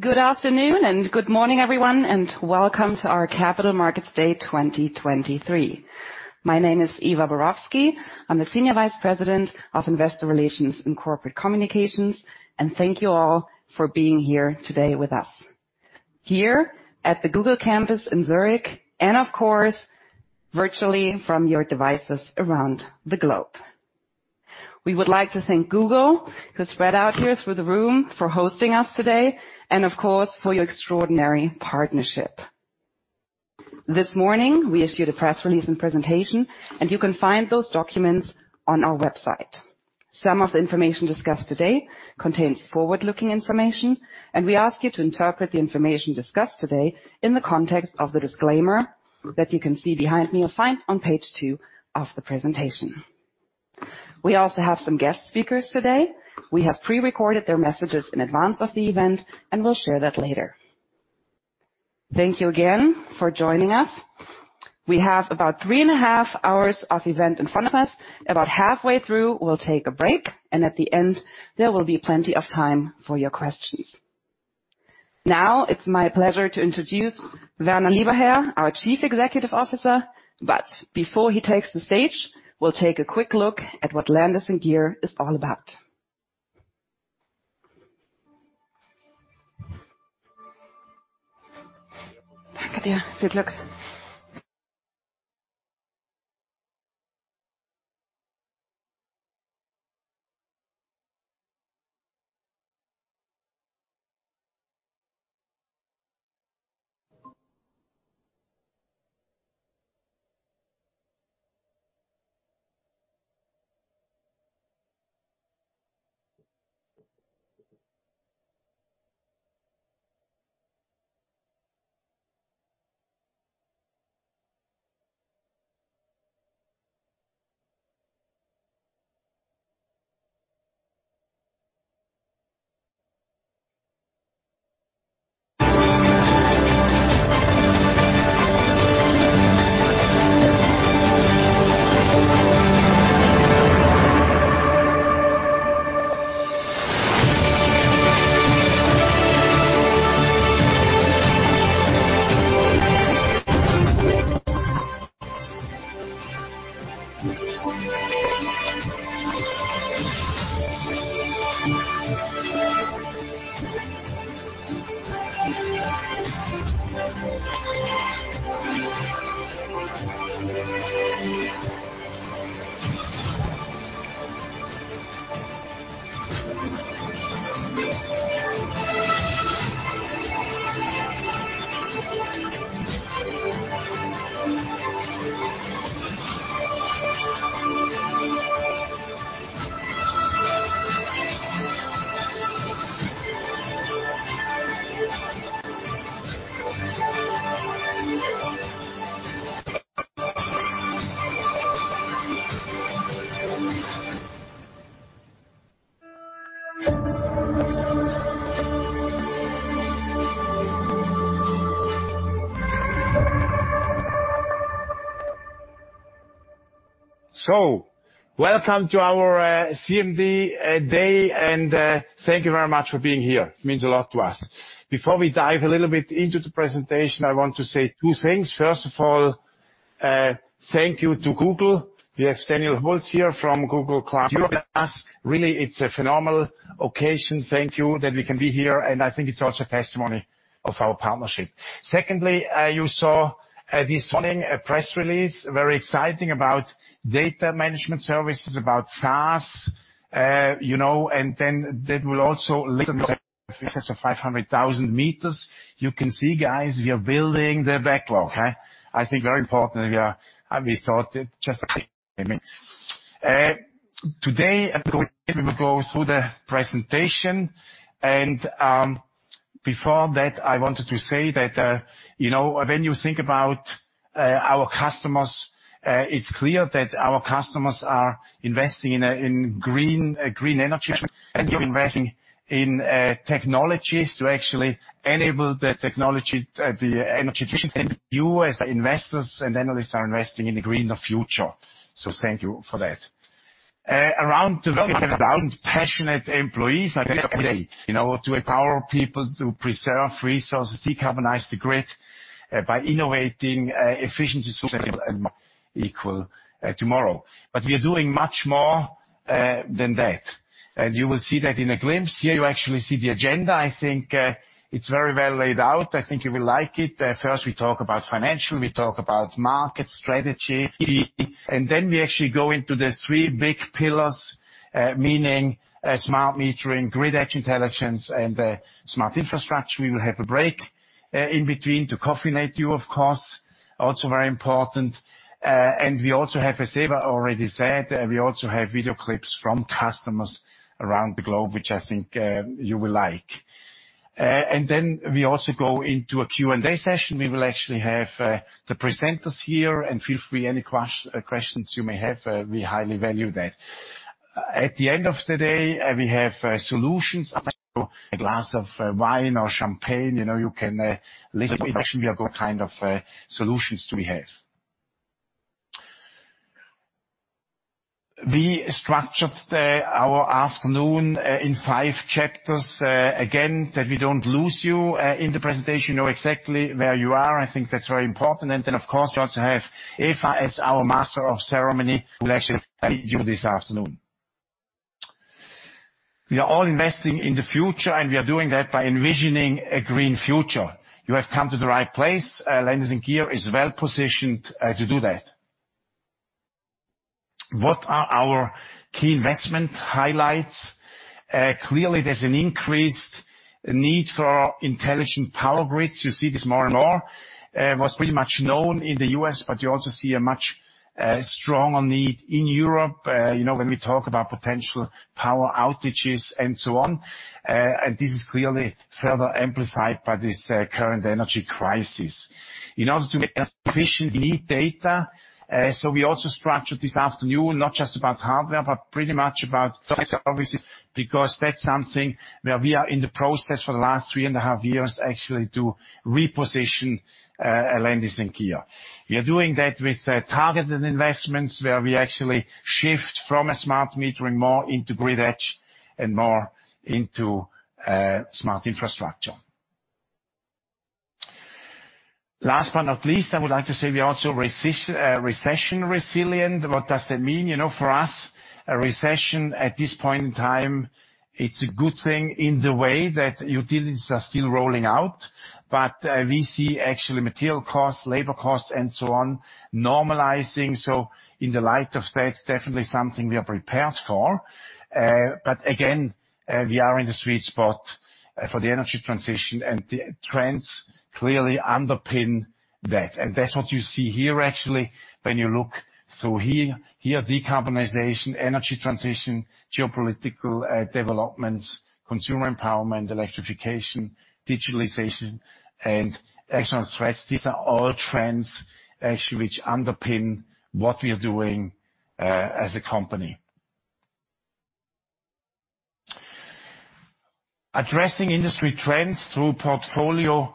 Good afternoon and good morning, everyone, welcome to our Capital Markets Day 2023. My name is Eva Borowski. I'm the Senior Vice President of Investor Relations and Corporate Communications. Thank you all for being here today with us. Here at the Google campus in Zurich and of course, virtually from your devices around the globe. We would like to thank Google, who's spread out here through the room for hosting us today and of course, for your extraordinary partnership. This morning, we issued a press release and presentation, and you can find those documents on our website. Some of the information discussed today contains forward-looking information, and we ask you to interpret the information discussed today in the context of the disclaimer that you can see behind me or find on page two of the presentation. We also have some guest speakers today. We have pre-recorded their messages in advance of the event, we'll share that later. Thank you again for joining us. We have about three and a half hours of event in front of us. About halfway through, we'll take a break, at the end, there will be plenty of time for your questions. Now it's my pleasure to introduce Werner Lieberherr, our Chief Executive Officer. Before he takes the stage, we'll take a quick look at what Landis+Gyr is all about. Good luck. Welcome to our CMD day, thank you very much for being here. It means a lot to us. Before we dive a little bit into the presentation, I want to say two things. First of all, thank you to Google. We have Daniel Holz here from Google Cloud. Really, it's a phenomenal occasion. Thank you that we can be here, and I think it's also a testimony of our partnership. Secondly, you saw this morning a press release, very exciting about data management services, about SaaS, you know, that will also 500,000 meters. You can see, guys, we are building the backlog. Eh? I think very importantly, we thought just today, we will go through the presentation. Before that, I wanted to say that, you know, when you think about our customers, it's clear that our customers are investing in green green energy. You're investing in technologies to actually enable the technology, the energy efficient. You, as investors and analysts, are investing in the greener future. Thank you for that. Around the world, we have 1,000 passionate employees you know, to empower people to preserve resources, decarbonize the grid, by innovating efficiency equal tomorrow. We are doing much more than that. You will see that in a glimpse here. You actually see the agenda, I think. It's very well laid out. I think you will like it. First we talk about financial, we talk about market strategy. We actually go into the three big pillars, meaning smart metering, grid edge intelligence, and smart infrastructure. We will have a break in between to coffee net you, of course. Also very important. We also have, as Eva already said, we also have video clips from customers around the globe, which I think you will like. We also go into a Q&A session. We will actually have the presenters here. Feel free, any questions you may have, we highly value that. At the end of the day, we have solutions a glass of wine or champagne. You know, you can, what kind of solutions do we have? We structured our afternoon in five chapters, again, that we don't lose you in the presentation, know exactly where you are. I think that's very important. Of course, you also have Eva as our master of ceremony who will actually guide you this afternoon. We are all investing in the future, we are doing that by envisioning a green future. You have come to the right place. Landis+Gyr is well positioned to do that. What are our key investment highlights? Clearly, there's an increased need for intelligent power grids. You see this more and more. Was pretty much known in the US, but you also see a much stronger need in Europe, you know, when we talk about potential power outages and so on. This is clearly further amplified by this current energy crisis. In order to get efficient lead data, we also structured this afternoon not just about hardware, but pretty much about services, because that's something where we are in the process for the last 3.5 years actually to reposition Landis+Gyr. We are doing that with targeted investments, where we actually shift from a smart metering more into grid edge and more into smart infrastructure. Last but not least, I would like to say we are also recession resilient. What does that mean? You know, for us, a recession at this point in time, it's a good thing in the way that utilities are still rolling out. We see actually material costs, labor costs and so on normalizing. In the light of that, definitely something we are prepared for. Again, we are in the sweet spot for the energy transition, and the trends clearly underpin that. That's what you see here, actually, when you look. Here, here, decarbonization, energy transition, geopolitical developments, consumer empowerment, electrification, digitalization, and external threats. These are all trends actually which underpin what we are doing as a company. Addressing industry trends through portfolio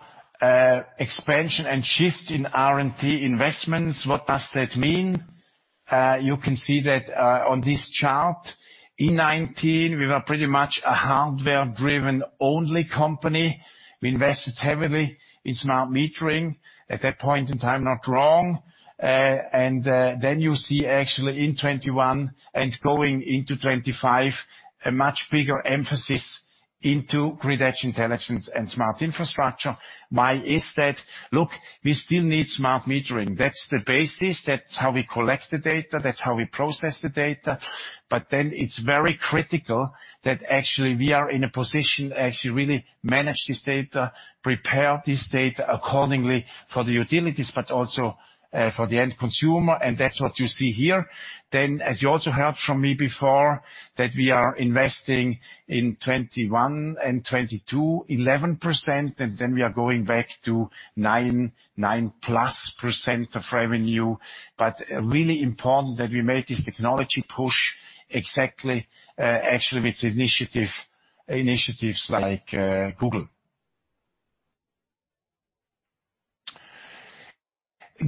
expansion and shift in R&D investments, what does that mean? You can see that on this chart. In 2019, we were pretty much a hardware-driven only company. We invested heavily in smart metering. At that point in time, not wrong. Then you see actually in 2021 and going into 2025, a much bigger emphasis into grid edge intelligence and smart infrastructure. Why is that? Look, we still need smart metering. That's the basis. That's how we collect the data. That's how we process the data. It's very critical that actually we are in a position to actually really manage this data, prepare this data accordingly for the utilities, but also for the end consumer, and that's what you see here. As you also heard from me before, that we are investing in 2021 and 2022 11%, and then we are going back to 9%+ of revenue. Really important that we make this technology push exactly actually with initiative, initiatives like Google.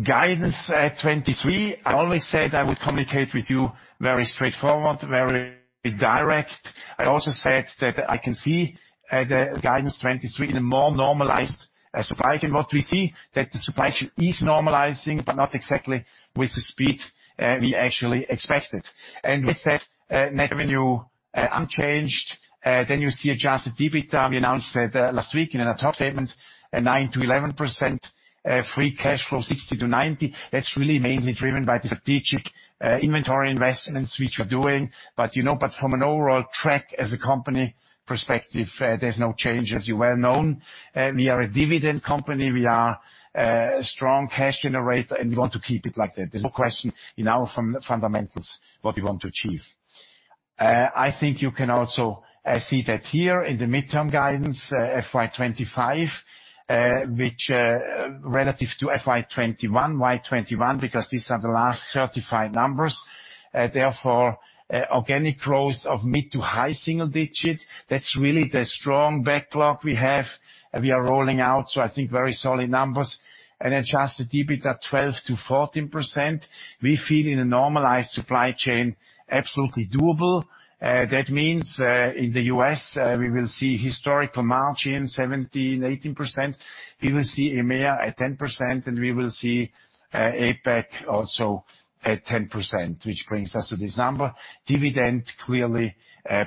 Guidance 2023. I always said I would communicate with you very straightforward, very direct. I also said that I can see the guidance 2023 in a more normalized supply chain. What we see, that the supply chain is normalizing, but not exactly with the speed we actually expected. With that, net revenue unchanged. Then you see adjusted EBITDA. We announced that last week in an ad hoc statement, 9%-11%. Free cash flow 60%-90%. That's really mainly driven by the strategic inventory investments which we're doing. You know, from an overall track as a company perspective, there's no change, as you're well-known. We are a dividend company. We are a strong cash generator, and we want to keep it like that. There's no question in our fundamentals what we want to achieve. I think you can also see that here in the midterm guidance, FY 2025, which relative to FY 2021. Why 2021? Because these are the last certified numbers, therefore organic growth of mid to high single digit. That's really the strong backlog we have. We are rolling out, so I think very solid numbers. Adjusted EBITDA 12%-14%. We feel in a normalized supply chain, absolutely doable. That means in the U.S., we will see historical margin 17%-18%. We will see EMEA at 10%, and we will see APAC also at 10%, which brings us to this number. Dividend clearly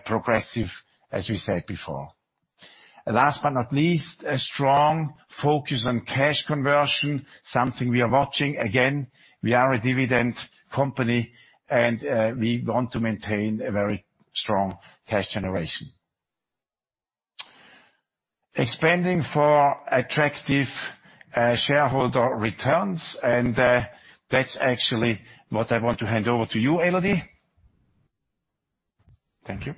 progressive, as we said before. Last but not least, a strong focus on cash conversion, something we are watching. Again, we are a dividend company, and we want to maintain a very strong cash generation. Expanding for attractive shareholder returns, and that's actually what I want to hand over to you, Elodie. Thank you.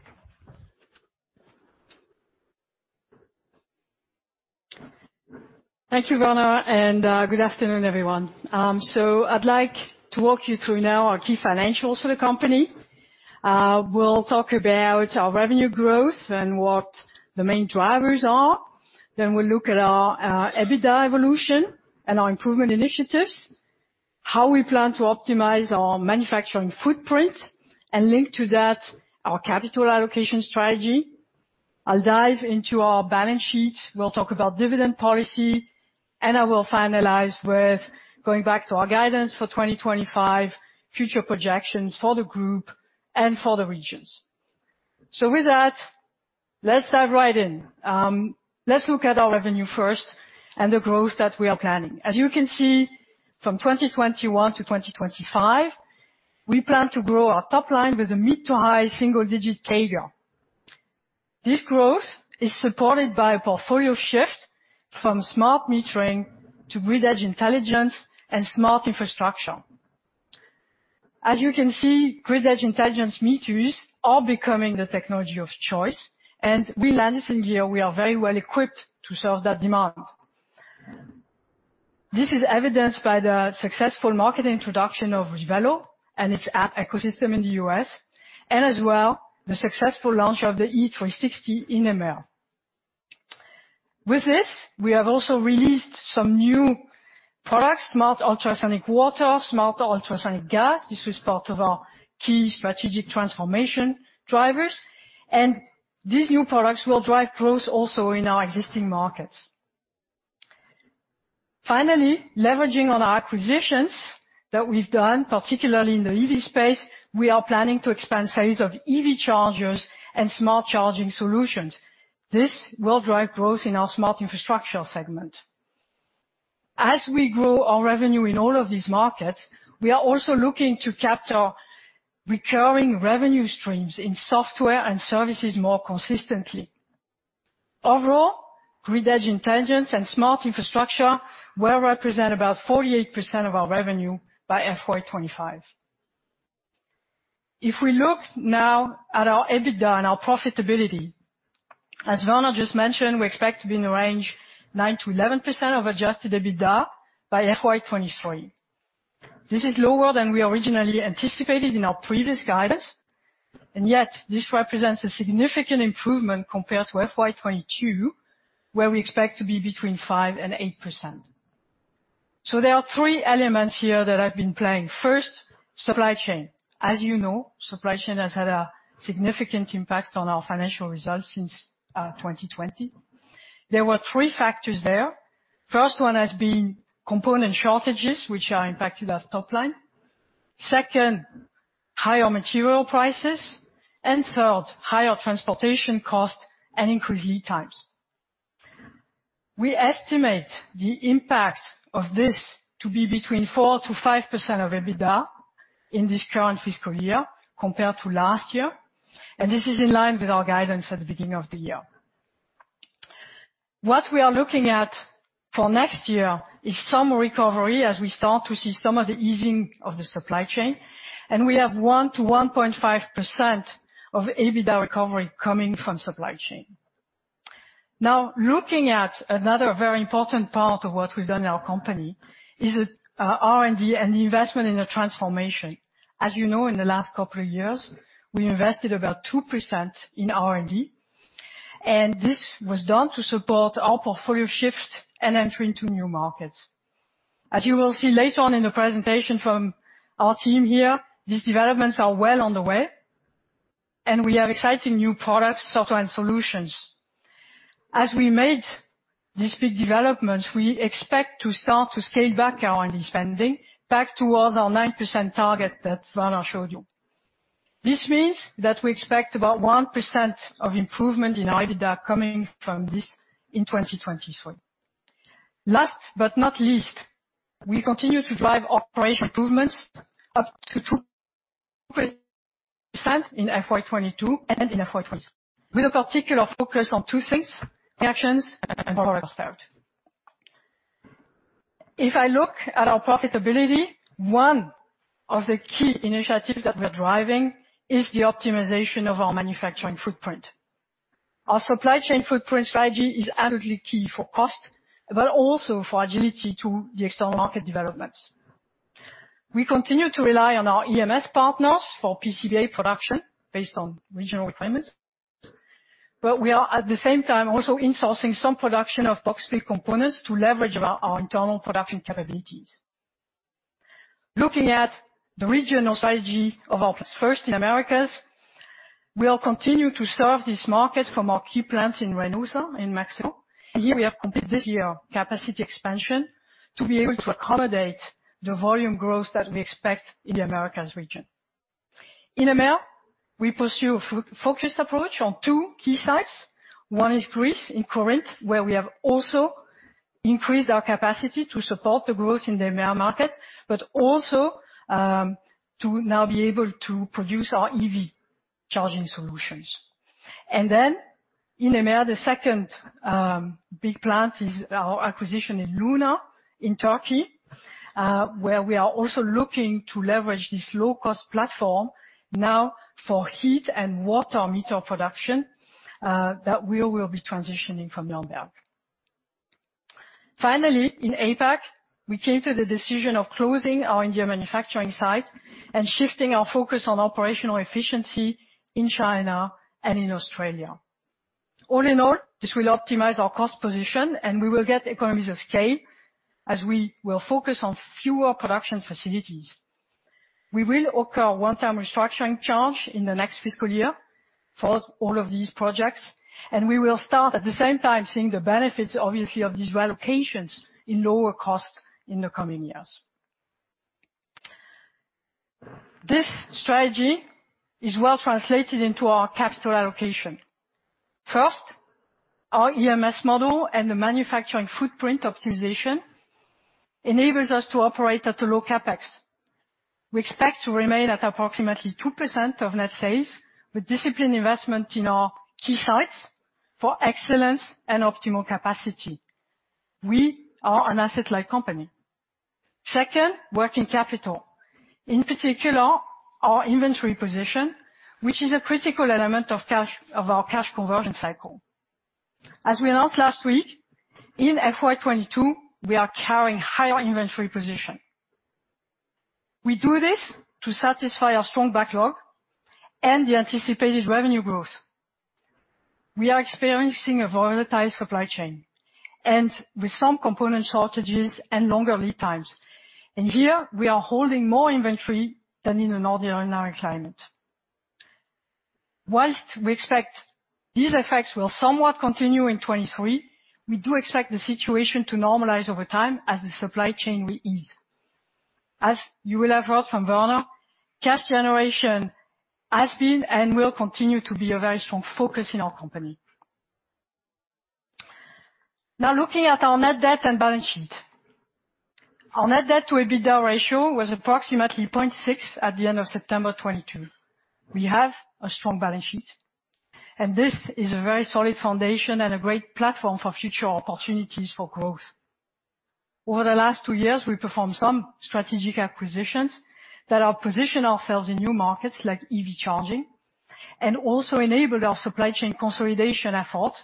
Thank you, Werner, good afternoon, everyone. I'd like to walk you through now our key financials for the company. We'll talk about our revenue growth and what the main drivers are. We'll look at our EBITDA evolution and our improvement initiatives, how we plan to optimize our manufacturing footprint, and linked to that, our capital allocation strategy. I'll dive into our balance sheet. We'll talk about dividend policy, and I will finalize with going back to our guidance for 2025, future projections for the group and for the regions. With that, let's dive right in. Let's look at our revenue first and the growth that we are planning. As you can see, from 2021 to 2025, we plan to grow our top line with a mid to high single-digit CAGR. This growth is supported by a portfolio shift from smart metering to grid edge intelligence and smart infrastructure. As you can see, grid edge intelligence meters are becoming the technology of choice, and we at Landis+Gyr are very well equipped to serve that demand. This is evidenced by the successful market introduction of Revelo and its app ecosystem in the U.S., as well, the successful launch of the E360 in ML. With this, we have also released some new products, smart ultrasonic water, smart ultrasonic gas. This was part of our key strategic transformation drivers. These new products will drive growth also in our existing markets. Finally, leveraging on our acquisitions that we've done, particularly in the EV space, we are planning to expand sales of EV chargers and smart charging solutions. This will drive growth in our smart infrastructure segment. As we grow our revenue in all of these markets, we are also looking to capture recurring revenue streams in software and services more consistently. Overall, grid edge intelligence and smart infrastructure will represent about 48% of our revenue by FY 2025. If we look now at our EBITDA and our profitability, as Werner just mentioned, we expect to be in the range 9%-11% of adjusted EBITDA by FY 2023. This is lower than we originally anticipated in our previous guidance, and yet this represents a significant improvement compared to FY 2022, where we expect to be between 5% and 8%. There are three elements here that I've been playing. First, supply chain. As you know, supply chain has had a significant impact on our financial results since 2020. There were three factors there. First one has been component shortages, which are impacted at top line. Second, higher material prices. Third, higher transportation costs and increased lead times. We estimate the impact of this to be between 4%-5% of EBITDA in this current fiscal year compared to last year, this is in line with our guidance at the beginning of the year. What we are looking at for next year is some recovery as we start to see some of the easing of the supply chain, we have 1%-1.5% of EBITDA recovery coming from supply chain. Looking at another very important part of what we've done in our company is R&D and the investment in the transformation. As you know, in the last couple of years, we invested about 2% in R&D, and this was done to support our portfolio shift and entry into new markets. As you will see later on in the presentation from our team here, these developments are well on the way, and we have exciting new products, software, and solutions. As we made these big developments, we expect to start to scale back our R&D spending back towards our 9% target that Werner showed you. This means that we expect about 1% of improvement in EBITDA coming from this in 2023. Last but not least, we continue to drive operational improvements up to 2% in FY 2022 and in FY 2023, with a particular focus on two things, actions and overall cost out. If I look at our profitability, one of the key initiatives that we're driving is the optimization of our manufacturing footprint. Our supply chain footprint strategy is absolutely key for cost, but also for agility to the external market developments. We continue to rely on our EMS partners for PCBA production based on regional requirements, but we are at the same time also insourcing some production of box build components to leverage our internal production capabilities. Looking at the regional strategy of our plants. First in Americas, we'll continue to serve this market from our key plants in Reynosa in Mexico. Here we have completed this year capacity expansion to be able to accommodate the volume growth that we expect in the Americas region. In ML, we pursue focused approach on two key sites. One is Greece in Corinth, where we have also increased our capacity to support the growth in the ML market, but also to now be able to produce our EV charging solutions. In ML, the second big plant is our acquisition in Luna in Turkey, where we are also looking to leverage this low-cost platform now for heat and water meter production that we will be transitioning from Nuremberg. Finally, in APAC, we came to the decision of closing our India manufacturing site and shifting our focus on operational efficiency in China and in Australia. All in all, this will optimize our cost position, and we will get economies of scale as we will focus on fewer production facilities. We will occur one-time restructuring charge in the next fiscal year for all of these projects. We will start at the same time seeing the benefits, obviously, of these relocations in lower costs in the coming years. This strategy is well translated into our capital allocation. First, our EMS model and the manufacturing footprint optimization enables us to operate at a low CapEx. We expect to remain at approximately 2% of net sales, with disciplined investment in our key sites for excellence and optimal capacity. We are an asset-light company. Second, working capital, in particular, our inventory position, which is a critical element of cash, of our cash conversion cycle. As we announced last week, in FY 2022, we are carrying higher inventory position. We do this to satisfy our strong backlog and the anticipated revenue growth. We are experiencing a volatile supply chain and with some component shortages and longer lead times. In here, we are holding more inventory than in an ordinary climate. Whilst we expect these effects will somewhat continue in 2023, we do expect the situation to normalize over time as the supply chain will ease. As you will have heard from Werner, cash generation has been and will continue to be a very strong focus in our company. Looking at our net debt and balance sheet. Our net debt to EBITDA ratio was approximately 0.6 at the end of September 2022. We have a strong balance sheet, and this is a very solid foundation and a great platform for future opportunities for growth. Over the last two years, we performed some strategic acquisitions that are positioned ourselves in new markets, like EV charging, and also enabled our supply chain consolidation efforts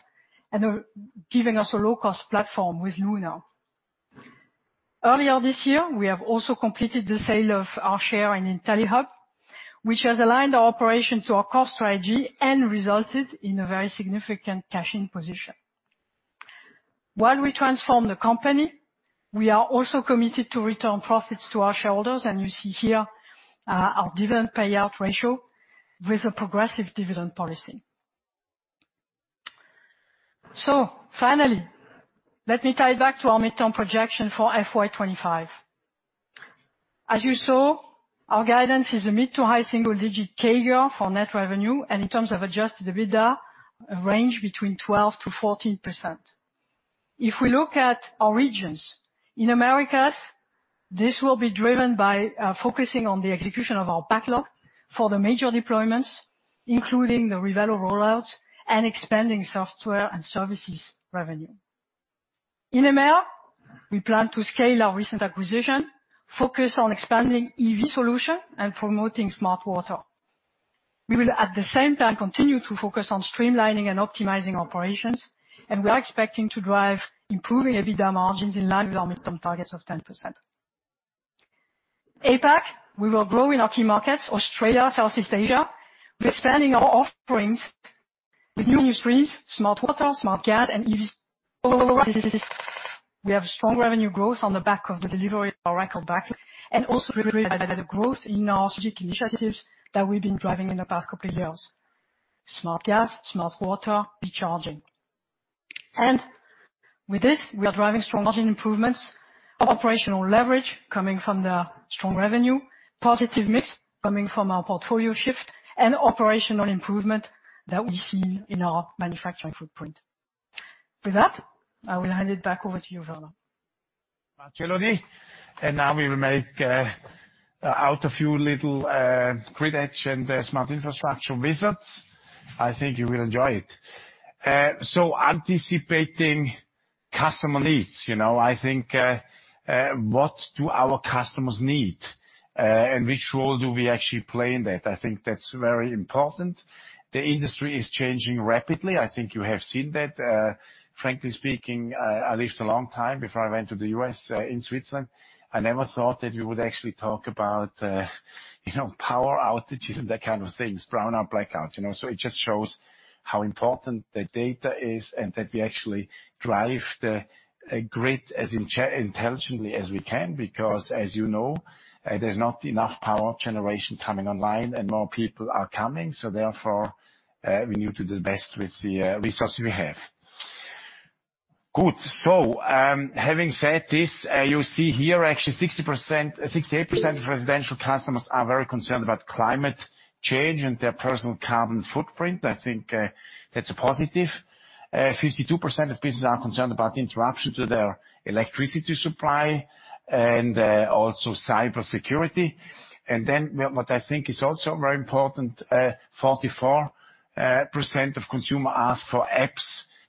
and are giving us a low-cost platform with Luna. Earlier this year, we have also completed the sale of our share in IntelliHub, which has aligned our operation to our cost strategy and resulted in a very significant cash in position. While we transform the company, we are also committed to return profits to our shareholders, and you see here, our dividend payout ratio with a progressive dividend policy. Finally, let me tie it back to our midterm projection for FY 2025. As you saw, our guidance is a mid to high single-digit CAGR for net revenue, and in terms of adjusted EBITDA, a range between 12%-14%. If we look at our regions, in Americas, this will be driven by focusing on the execution of our backlog for the major deployments, including the Revelo rollouts and expanding software and services revenue. In EMEA, we plan to scale our recent acquisition, focus on expanding EV solution and promoting Smart Water. We will, at the same time, continue to focus on streamlining and optimizing operations, and we are expecting to drive improving EBITDA margins in line with our midterm targets of 10%. APAC, we will grow in our key markets, Australia, Southeast Asia. We're expanding our offerings with new streams, Smart Water, Smart Gas and EV. We have strong revenue growth on the back of the delivery of our record backlog and also driven by the growth in our strategic initiatives that we've been driving in the past couple of years: Smart Gas, Smart Water, EV charging. With this, we are driving strong margin improvements, operational leverage coming from the strong revenue, positive mix coming from our portfolio shift and operational improvement that we see in our manufacturing footprint. With that, I will hand it back over to you, Werner. Thank you, Elodie. Now we will make out a few little grid edge and smart infrastructure visits. I think you will enjoy it. Anticipating customer needs, you know. I think, what do our customers need, and which role do we actually play in that? I think that's very important. The industry is changing rapidly. I think you have seen that. Frankly speaking, I lived a long time before I went to the U.S., in Switzerland. I never thought that we would actually talk about, you know, power outages and that kind of things, brownout, blackouts, you know? It just shows how important the data is and that we actually drive the grid as intelligently as we can because, as you know, there's not enough power generation coming online, and more people are coming. Therefore, we need to do the best with the resources we have. Good. Having said this, you see here actually 68% of residential customers are very concerned about climate change and their personal carbon footprint. I think that's a positive. 52% of businesses are concerned about interruption to their electricity supply and also cybersecurity. What I think is also very important, 44% of consumer ask for apps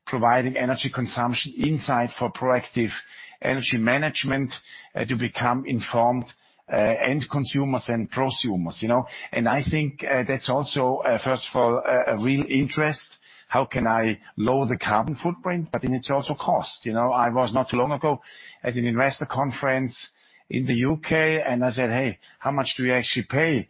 providing energy consumption insight for proactive energy management. To become informed, end consumers and prosumers, you know? I think that's also, first of all, a real interest. How can I lower the carbon footprint? It's also cost, you know. I was not too long ago at an investor conference in the U.K.. I said, "Hey, how much do you actually pay?"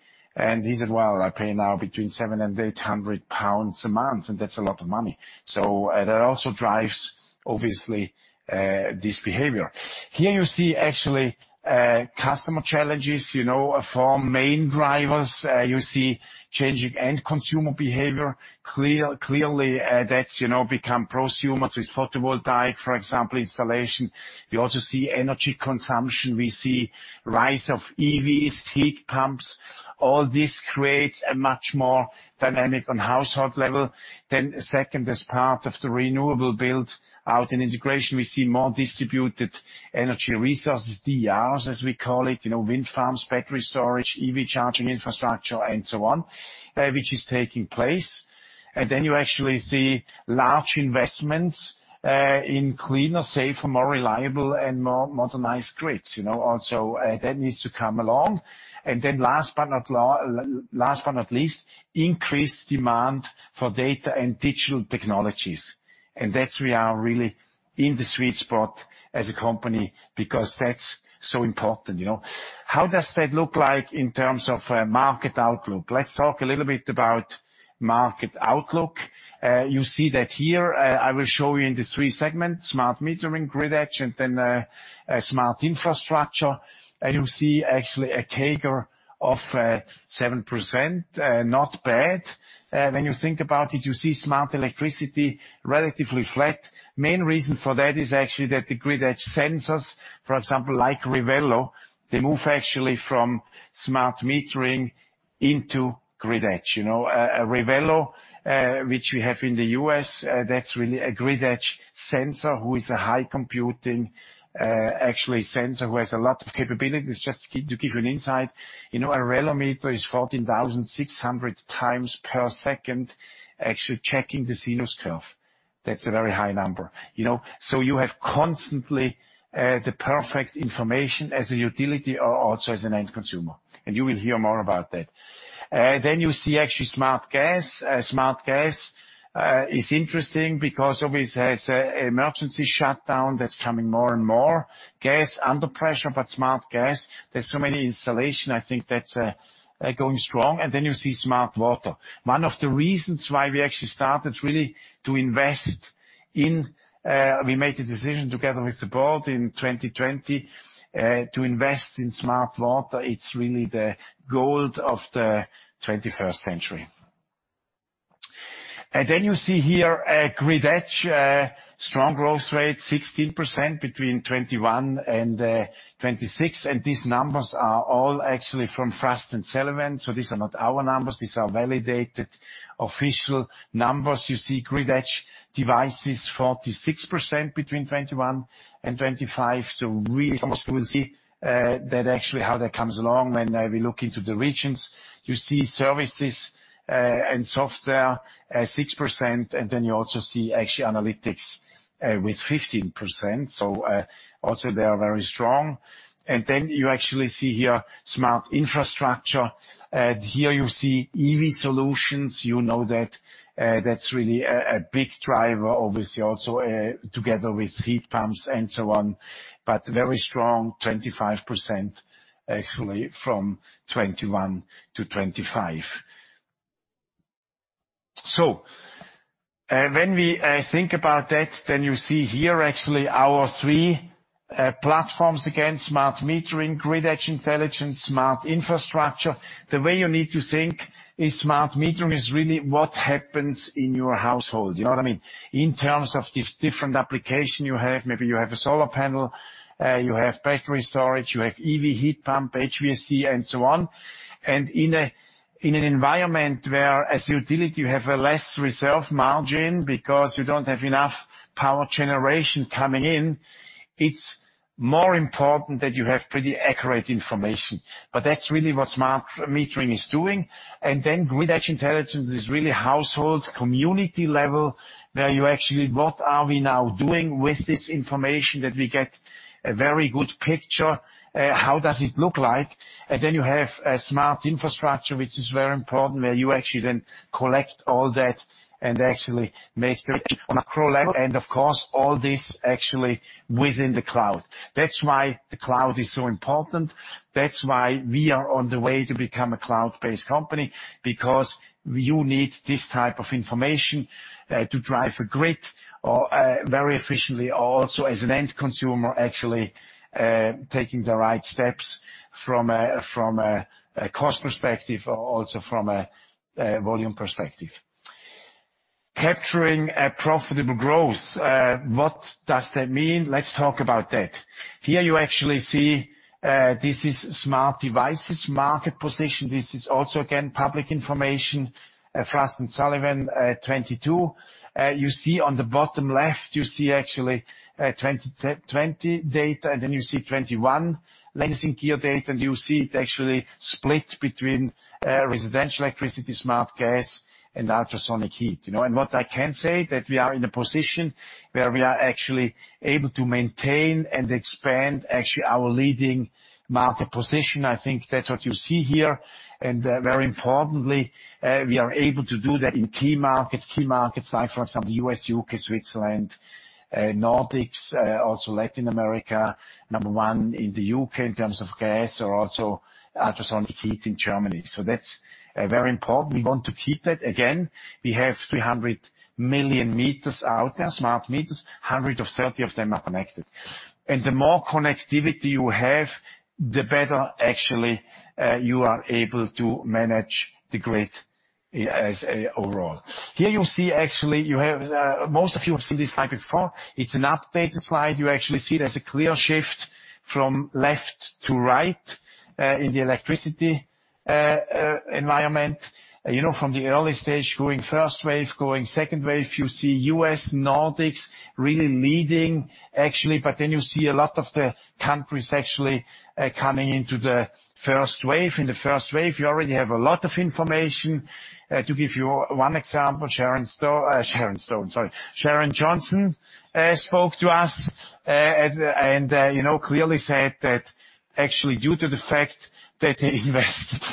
He said, "Well, I pay now between 700- 800 pounds a month." That's a lot of money. That also drives, obviously, this behavior. Here you see actually, customer challenges, you know, four main drivers. You see changing end consumer behavior. Clearly, that's, you know, become prosumers with photovoltaic, for example, installation. We also see energy consumption. We see rise of EVs, heat pumps. All this creates a much more dynamic on household level. Second, as part of the renewable build out and integration, we see more distributed energy resources, DERs as we call it. You know, wind farms, battery storage, EV charging infrastructure and so on, which is taking place. You actually see large investments in cleaner, safer, more reliable and more modernized grids, you know. That needs to come along. Last but not least, increased demand for data and digital technologies. That's we are really in the sweet spot as a company because that's so important, you know. How does that look like in terms of market outlook? Let's talk a little bit about market outlook. You see that here. I will show you in the three segments: smart metering, grid edge, and then smart infrastructure. You see actually a CAGR of 7%. Not bad. When you think about it, you see smart electricity relatively flat. Main reason for that is actually that the grid edge sensors, for example, like Revelo, they move actually from smart metering into grid edge, you know. A Revelo, which we have in the U.S., that's really a grid edge sensor who is a high computing, actually sensor who has a lot of capabilities. Just to give you an insight, you know, a Revelo meter is 14,600 times per second actually checking the sinus curve. That's a very high number, you know. You have constantly the perfect information as a utility or also as an end consumer, and you will hear more about that. You see actually smart gas. Smart gas is interesting because obviously it has a emergency shutdown that's coming more and more. Gas under pressure, smart gas, there's so many installation. I think that's going strong. Then you see smart water. One of the reasons why we actually started really to invest in. We made a decision together with the board in 2020 to invest in smart water. It's really the gold of the 21st century. Then you see here, grid edge, strong growth rate, 16% between 2021 and 2026. These numbers are all actually from Frost & Sullivan, so these are not our numbers. These are validated official numbers. You see grid edge devices 46% between 2021 and 2025. Really that actually how that comes along when we look into the regions. You see services and software at 6%, and then you also see actually analytics with 15%. Also they are very strong. you actually see here smart infrastructure. Here you see EV solutions. You know that's really a big driver obviously also together with heat pumps and so on. very strong, 25% actually from 2021-2025. when we think about that, you see here actually our three platforms again: smart metering, grid edge intelligence, smart infrastructure. The way you need to think is smart metering is really what happens in your household. You know what I mean? In terms of different application you have, maybe you have a solar panel, you have battery storage, you have EV heat pump, HVAC, and so on. In an environment where as a utility you have a less reserve margin because you don't have enough power generation coming in, it's more important that you have pretty accurate information. That's really what smart metering is doing. Then grid edge intelligence is really households, community level, where you actually what are we now doing with this information that we get a very good picture, how does it look like? Then you have a smart infrastructure, which is very important, where you actually then collect all that and actually make the on a pro level, and of course, all this actually within the cloud. That's why the cloud is so important. That's why we are on the way to become a cloud-based company, because you need this type of information to drive a grid or very efficiently also as an end consumer actually taking the right steps from a cost perspective or also from a volume perspective. Capturing a profitable growth. What does that mean? Let's talk about that. Here you actually see, this is smart devices market position. This is also again, public information, Frost & Sullivan, 2022. You see on the bottom left, you see actually 20 data, and then you see 2021. You see it actually split between residential electricity, smart gas, and ultrasonic heat, you know. What I can say, that we are in a position where we are actually able to maintain and expand actually our leading market position. I think that's what you see here. Very importantly, we are able to do that in key markets. Key markets like, for example, U.S., U.K., Switzerland, Nordics, also Latin America. Number one in the U.K. in terms of gas or also ultrasonic heat in Germany. That's very important. We want to keep that. Again, we have 300 million meters out there, smart meters. 130 of them are connected. The more connectivity you have, the better actually, you are able to manage the grid as a overall. Here you'll see actually, you have. Most of you have seen this slide before. It's an updated slide. You actually see there's a clear shift from left to right in the electricity environment. You know, from the early stage, growing first wave, growing second wave. You see U.S., Nordics really leading actually. You see a lot of the countries actually coming into the first wave. In the first wave, you already have a lot of information. To give you one example, Sharon Stone. Sharon Stone. Sorry. Sharon Johnson spoke to us, and, you know, clearly said that actually due to the fact that they invested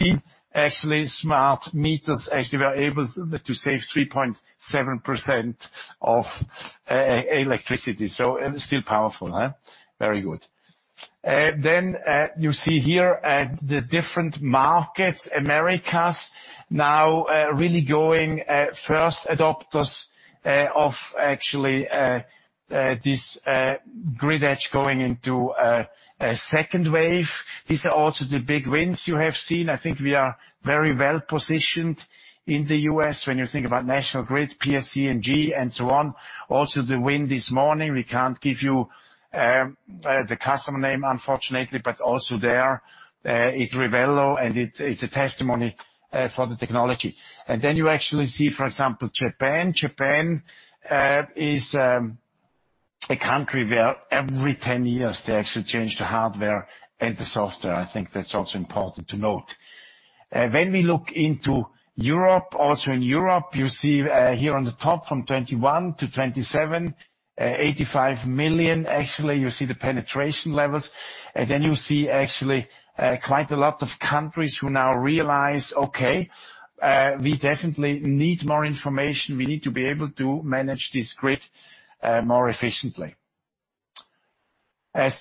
in actually smart meters, actually were able to save 3.7% of electricity. Still powerful, huh? Very good. You see here the different markets. Americas now, really going first adopters of actually this grid edge going into a second wave. These are also the big wins you have seen. I think we are very well-positioned in the U.S. when you think about National Grid, PSE&G, and so on. The win this morning, we can't give you the customer name, unfortunately, but also there is Revelo, and it's a testimony for the technology. You actually see, for example, Japan. Japan is a country where every 10 years they actually change the hardware and the software. I think that's also important to note. When we look into Europe, also in Europe, you see here on the top, from 2021 to 2027, 85 million. Actually, you see the penetration levels. You see actually quite a lot of countries who now realize, okay, we definitely need more information. We need to be able to manage this grid more efficiently.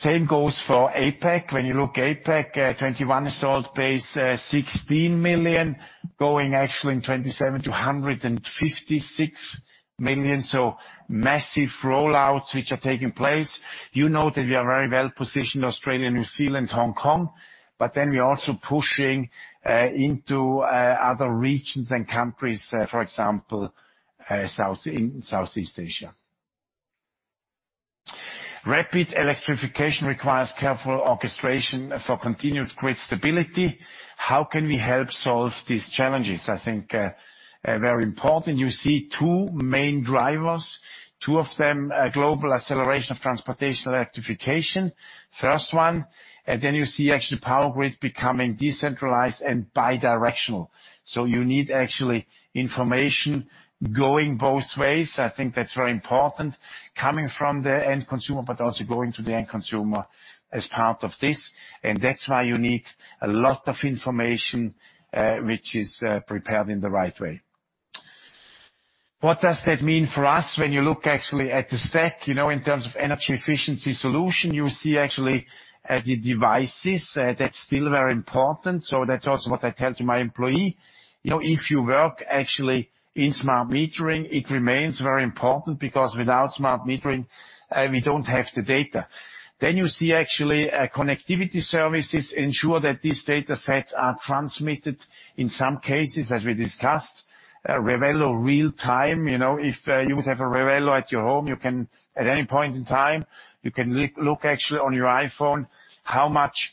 Same goes for APAC. When you look APAC, 21 installed base, 16 million, going actually in 27 to 156 million. Massive rollouts which are taking place. You know that we are very well-positioned Australia, New Zealand, Hong Kong, we are also pushing into other regions and countries, for example, South, in Southeast Asia. Rapid electrification requires careful orchestration for continued grid stability. How can we help solve these challenges? I think very important. You see two main drivers. Two of them, global acceleration of transportation electrification, first one. You see actually power grid becoming decentralized and bidirectional. You need actually information going both ways. I think that's very important, coming from the end consumer, but also going to the end consumer as part of this. That's why you need a lot of information, which is prepared in the right way. What does that mean for us? When you look actually at the stack, you know, in terms of energy efficiency solution, you see actually the devices. That's still very important. That's also what I tell to my employee. You know, if you work actually in smart metering, it remains very important because without smart metering, we don't have the data. You see actually connectivity services ensure that these data sets are transmitted, in some cases, as we discussed, Revelo real time. You know, if you would have a Revelo at your home, you can, at any point in time, you can look actually on your iPhone how much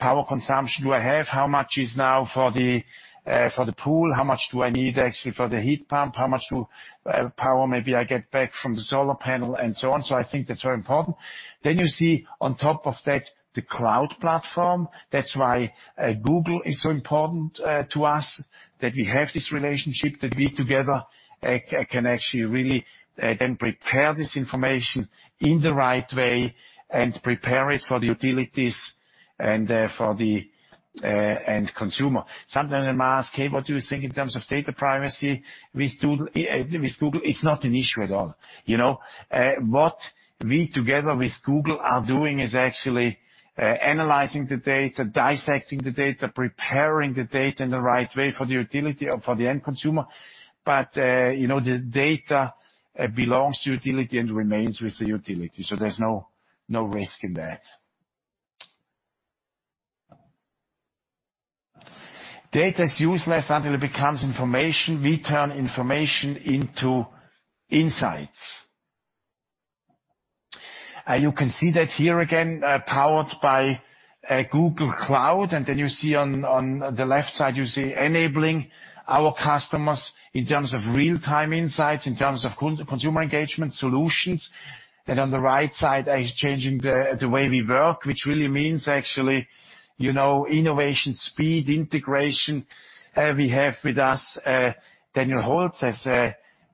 power consumption do I have? How much is now for the pool? How much do I need actually for the heat pump? How much power maybe I get back from the solar panel and so on. I think that's very important. You see on top of that, the cloud platform. That's why Google is so important to us, that we have this relationship. That we together can actually really then prepare this information in the right way and prepare it for the utilities and for the end consumer. Sometimes I'm asked, "Hey, what do you think in terms of data privacy with Google?" It's not an issue at all. You know? What we together with Google are doing is actually, analyzing the data, dissecting the data, preparing the data in the right way for the utility or for the end consumer. You know, the data belongs to utility and remains with the utility. There's no risk in that. Data is useless until it becomes information. We turn information into insights. You can see that here again, powered by a Google Cloud, and then you see on the left side, you see enabling our customers in terms of real-time insights, in terms of consumer engagement solutions. On the right side, is changing the way we work, which really means actually, you know, innovation, speed, integration. We have with us, Daniel Holz, as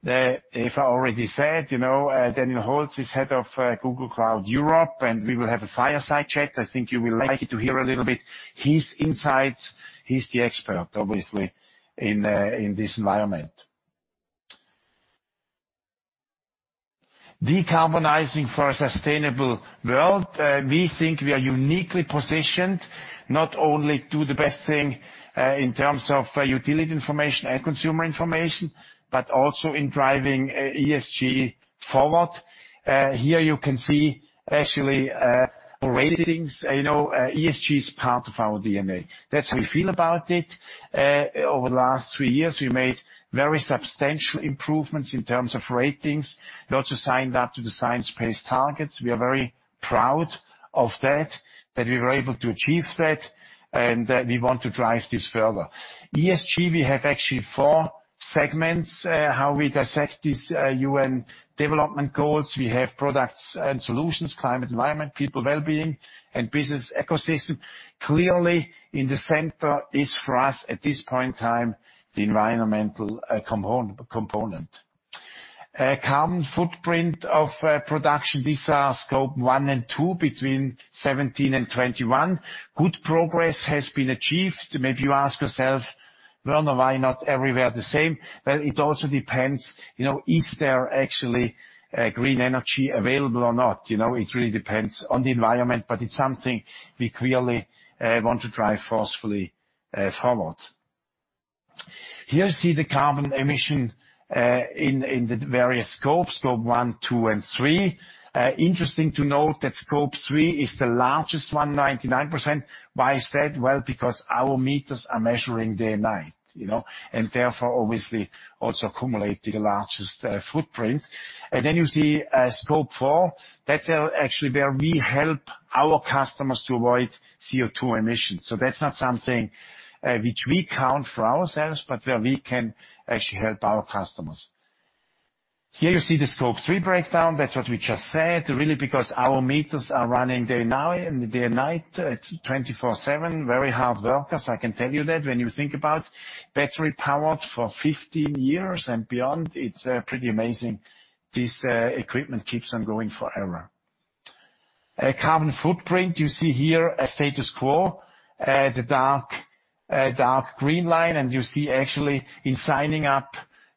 Eva already said, you know. Daniel Holz is head of Google Cloud Europe, we will have a fireside chat. I think you will like it to hear a little bit his insights. He's the expert, obviously, in this environment. Decarbonizing for a sustainable world. We think we are uniquely positioned not only do the best thing, in terms of utility information and consumer information, but also in driving ESG forward. Here you can see actually ratings. You know, ESG is part of our DNA. That's how we feel about it. Over the last three years, we made very substantial improvements in terms of ratings. We also signed up to the Science Based Targets. We are very proud of that we were able to achieve that, we want to drive this further. ESG, we have actually four segments, how we dissect these UN development goals. We have products and solutions, climate and environment, people wellbeing, and business ecosystem. Clearly, in the center is for us, at this point in time, the environmental component. Carbon footprint of production. These are Scope one and two between 17 and 21. Good progress has been achieved. Maybe you ask yourself, "Werner, why not everywhere the same?" It also depends, you know, is there actually green energy available or not? It really depends on the environment, but it's something we clearly want to drive forcefully forward. Here you see the carbon emission in the various scopes, Scope one, two, and three. Interesting to note that Scope three is the largest one, 99%. Why is that? Well, because our meters are measuring day and night, you know. Therefore, obviously, also accumulate the largest footprint. You see Scope four. That's actually where we help our customers to avoid CO2 emissions. That's not something which we count for ourselves, but where we can actually help our customers. Here you see the Scope three breakdown. That's what we just said. Really because our meters are running day and night, 24/7. Very hard workers, I can tell you that. When you think about battery powered for 15 years and beyond, it's pretty amazing. This equipment keeps on going forever. Carbon footprint, you see here a status quo. The dark green line, you see actually in signing up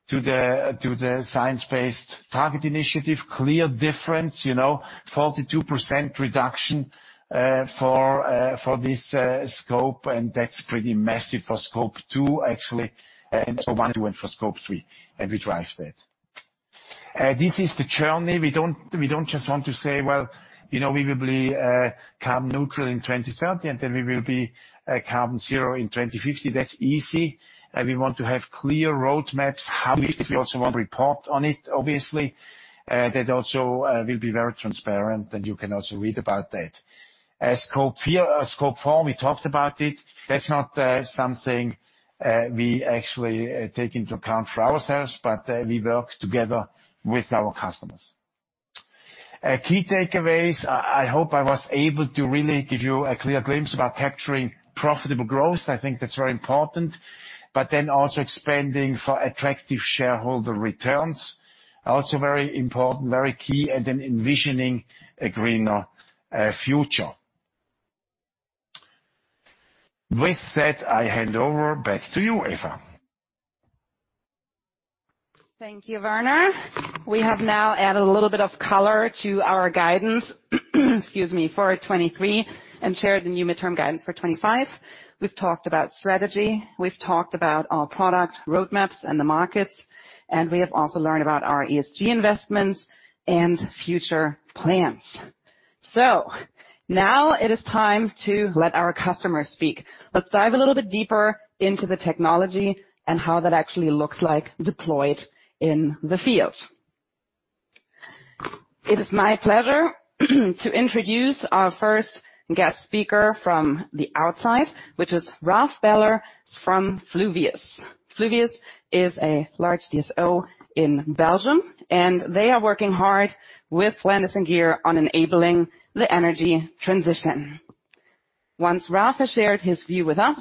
to the Science Based Targets initiative, clear difference, you know. 42% reduction for this scope, and that's pretty massive for Scope two, actually, and so one, two, and for Scope three. We drive that. This is the journey. We don't just want to say, "Well, you know, we will be carbon neutral in 2030, and then we will be carbon zero in 2050." That's easy. We want to have clear roadmaps. We also want report on it, obviously. That also will be very transparent, and you can also read about that. Scope four, we talked about it. That's not something we actually take into account for ourselves, but we work together with our customers. Key takeaways. I hope I was able to really give you a clear glimpse about capturing profitable growth. I think that's very important. Also expanding for attractive shareholder returns. Also very important, very key, envisioning a greener future. With that, I hand over back to you, Eva. Thank you, Werner. We have now added a little bit of color to our guidance, excuse me, for 2023 and shared the new midterm guidance for 2025. We've talked about strategy, we've talked about our product roadmaps and the markets, and we have also learned about our ESG investments and future plans. Now it is time to let our customers speak. Let's dive a little bit deeper into the technology and how that actually looks like deployed in the field. It is my pleasure to introduce our first guest speaker from the outside, which is Raf Bellers from Fluvius. Fluvius is a large DSO in Belgium, and they are working hard with Landis+Gyr on enabling the energy transition. Once Raf has shared his view with us,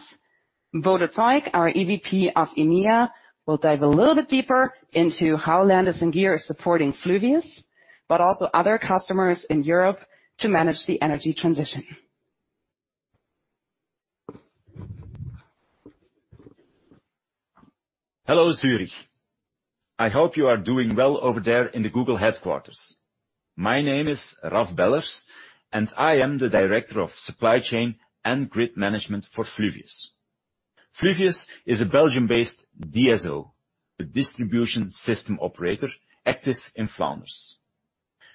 Bodo Zeug, our EVP of EMEA, will dive a little bit deeper into how Landis+Gyr is supporting Fluvius, but also other customers in Europe to manage the energy transition. Hello, Zurich. I hope you are doing well over there in the Google headquarters. My name is Raf Bellers, and I am the Director of Supply Chain and Grid Management for Fluvius. Fluvius is a Belgium-based DSO, a distribution system operator, active in Flanders.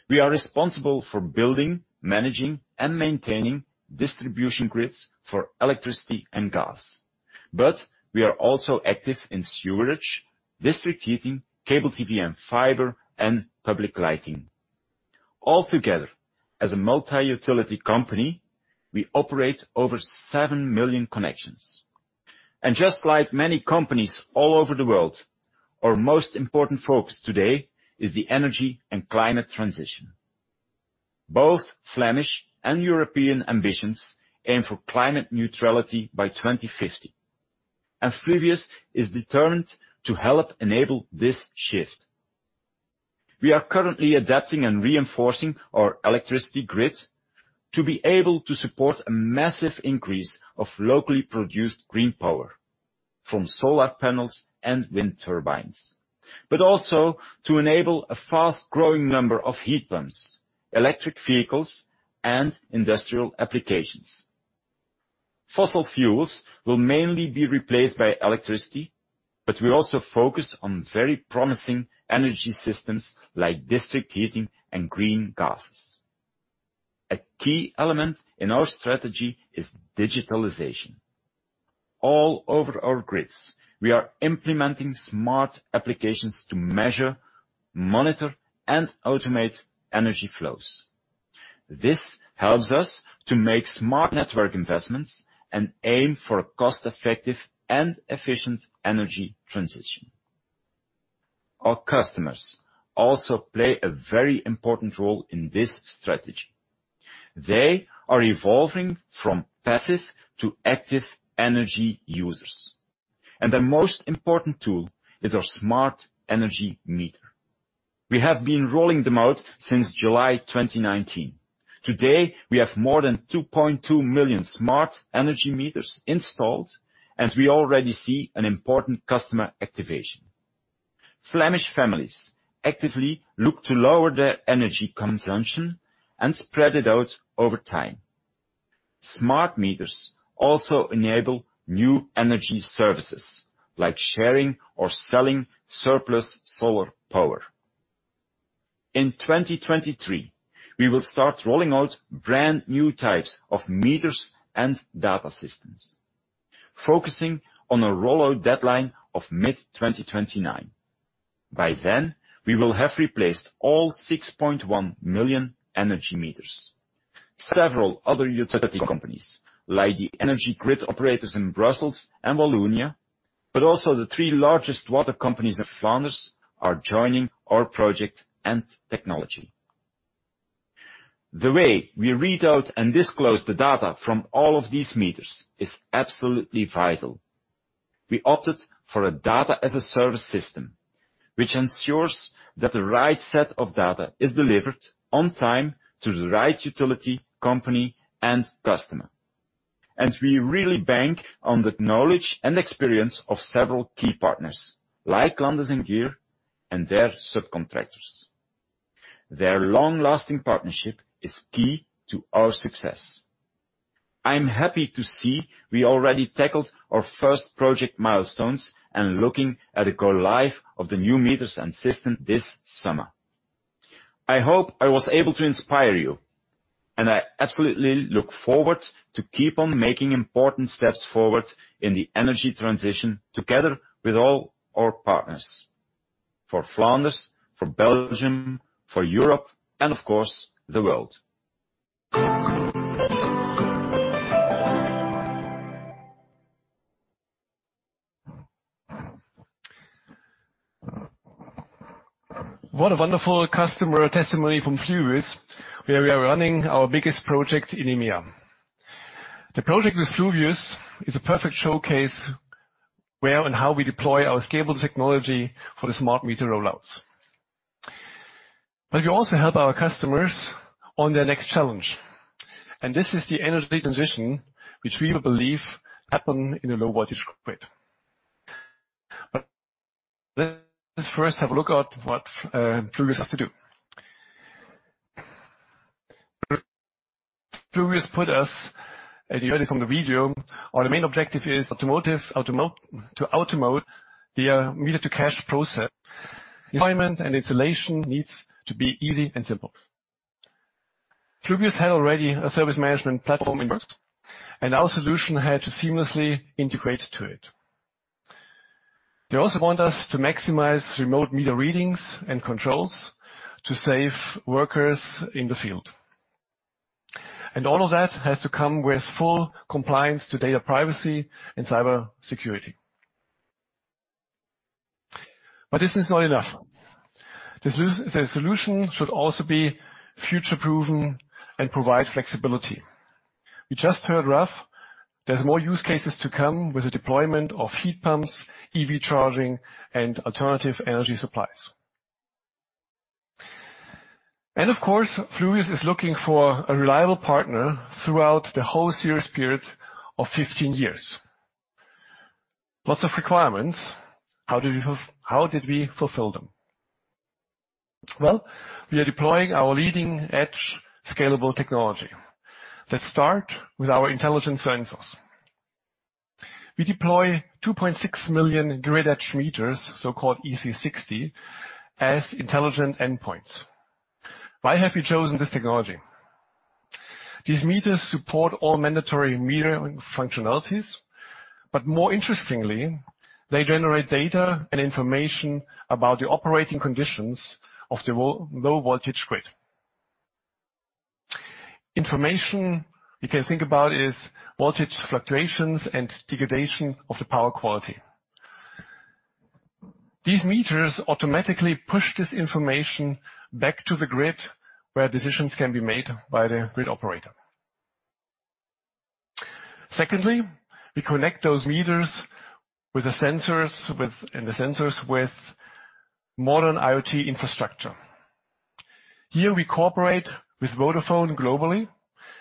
We are responsible for building, managing, and maintaining distribution grids for electricity and gas. We are also active in sewerage, district heating, cable TV and fiber, and public lighting. All together, as a multi-utility company, we operate over seven million connections. Just like many companies all over the world, our most important focus today is the energy and climate transition. Both Flemish and European ambitions aim for climate neutrality by 2050, and Fluvius is determined to help enable this shift. We are currently adapting and reinforcing our electricity grid to be able to support a massive increase of locally produced green power from solar panels and wind turbines. Also to enable a fast-growing number of heat pumps, electric vehicles, and industrial applications. Fossil fuels will mainly be replaced by electricity, but we also focus on very promising energy systems like district heating and green gases. A key element in our strategy is digitalization. All over our grids, we are implementing smart applications to measure, monitor, and automate energy flows. This helps us to make smart network investments and aim for a cost-effective and efficient energy transition. Our customers also play a very important role in this strategy. They are evolving from passive to active energy users, and the most important tool is our smart energy meter. We have been rolling them out since July 2019. Today, we have more than 2.2 million smart energy meters installed. We already see an important customer activation. Flemish families actively look to lower their energy consumption and spread it out over time. Smart meters also enable new energy services like sharing or selling surplus solar power. In 2023, we will start rolling out brand-new types of meters and data systems, focusing on a rollout deadline of mid-2029. By then, we will have replaced all 6.1 million energy meters. Several other utility companies, like the energy grid operators in Brussels and Wallonia, but also the three largest water companies of Flanders, are joining our project and technology. The way we read out and disclose the data from all of these meters is absolutely vital. We opted for a Data-as-a-Service system, which ensures that the right set of data is delivered on time to the right utility company and customer. We really bank on the knowledge and experience of several key partners like Landis+Gyr and their subcontractors. Their long-lasting partnership is key to our success. I'm happy to see we already tackled our first project milestones and looking at a go live of the new meters and system this summer. I hope I was able to inspire you, and I absolutely look forward to keep on making important steps forward in the energy transition together with all our partners. For Flanders, for Belgium, for Europe and, of course, the world. What a wonderful customer testimony from Fluvius, where we are running our biggest project in EMEA. The project with Fluvius is a perfect showcase where and how we deploy our scalable technology for the smart meter rollouts. We also help our customers on their next challenge, and this is the energy transition which we will believe happen in a low voltage grid. Let's first have a look at what Fluvius has to do. Fluvius put us, as you heard it from the video, our main objective is to automate their meter to cash process. Environment and installation needs to be easy and simple. Fluvius had already a service management platform in place, and our solution had to seamlessly integrate to it. They also want us to maximize remote meter readings and controls to save workers in the field. All of that has to come with full compliance to data privacy and cybersecurity. This is not enough. The solution should also be future proven and provide flexibility. We just heard Raf, there's more use cases to come with the deployment of heat pumps, EV charging and alternative energy supplies. Of course, Fluvius is looking for a reliable partner throughout the whole sales period of 15 years. Lots of requirements. How did we fulfill them? Well, we are deploying our leading-edge scalable technology. Let's start with our intelligence sensors. We deploy 2.6 million grid edge meters, so-called EC60, as intelligent endpoints. Why have we chosen this technology? These meters support all mandatory metering functionalities, but more interestingly, they generate data and information about the operating conditions of the low voltage grid. Information you can think about is voltage fluctuations and degradation of the power quality. These meters automatically push this information back to the grid, where decisions can be made by the grid operator. We connect those meters and the sensors with modern IoT infrastructure. Here we cooperate with Vodafone globally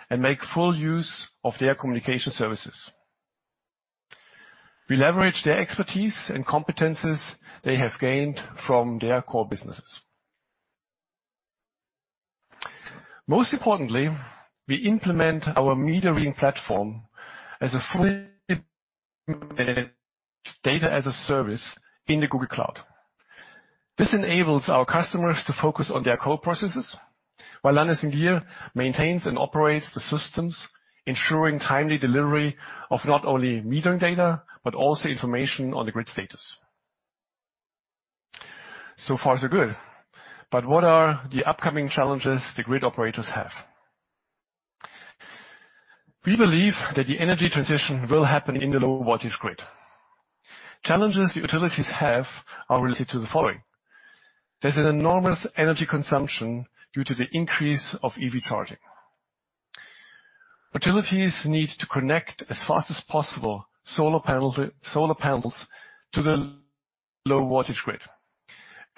and make full use of their communication services. We leverage their expertise and competencies they have gained from their core businesses. Most importantly, we implement our metering platform as a fully Data-as-a-Service in the Google Cloud. This enables our customers to focus on their core processes, while Landis+Gyr maintains and operates the systems, ensuring timely delivery of not only metering data, but also information on the grid status. So far so good. What are the upcoming challenges the grid operators have? We believe that the energy transition will happen in the low voltage grid. Challenges the utilities have are related to the following. There's an enormous energy consumption due to the increase of EV charging. Utilities need to connect as fast as possible solar panels to the low voltage grid.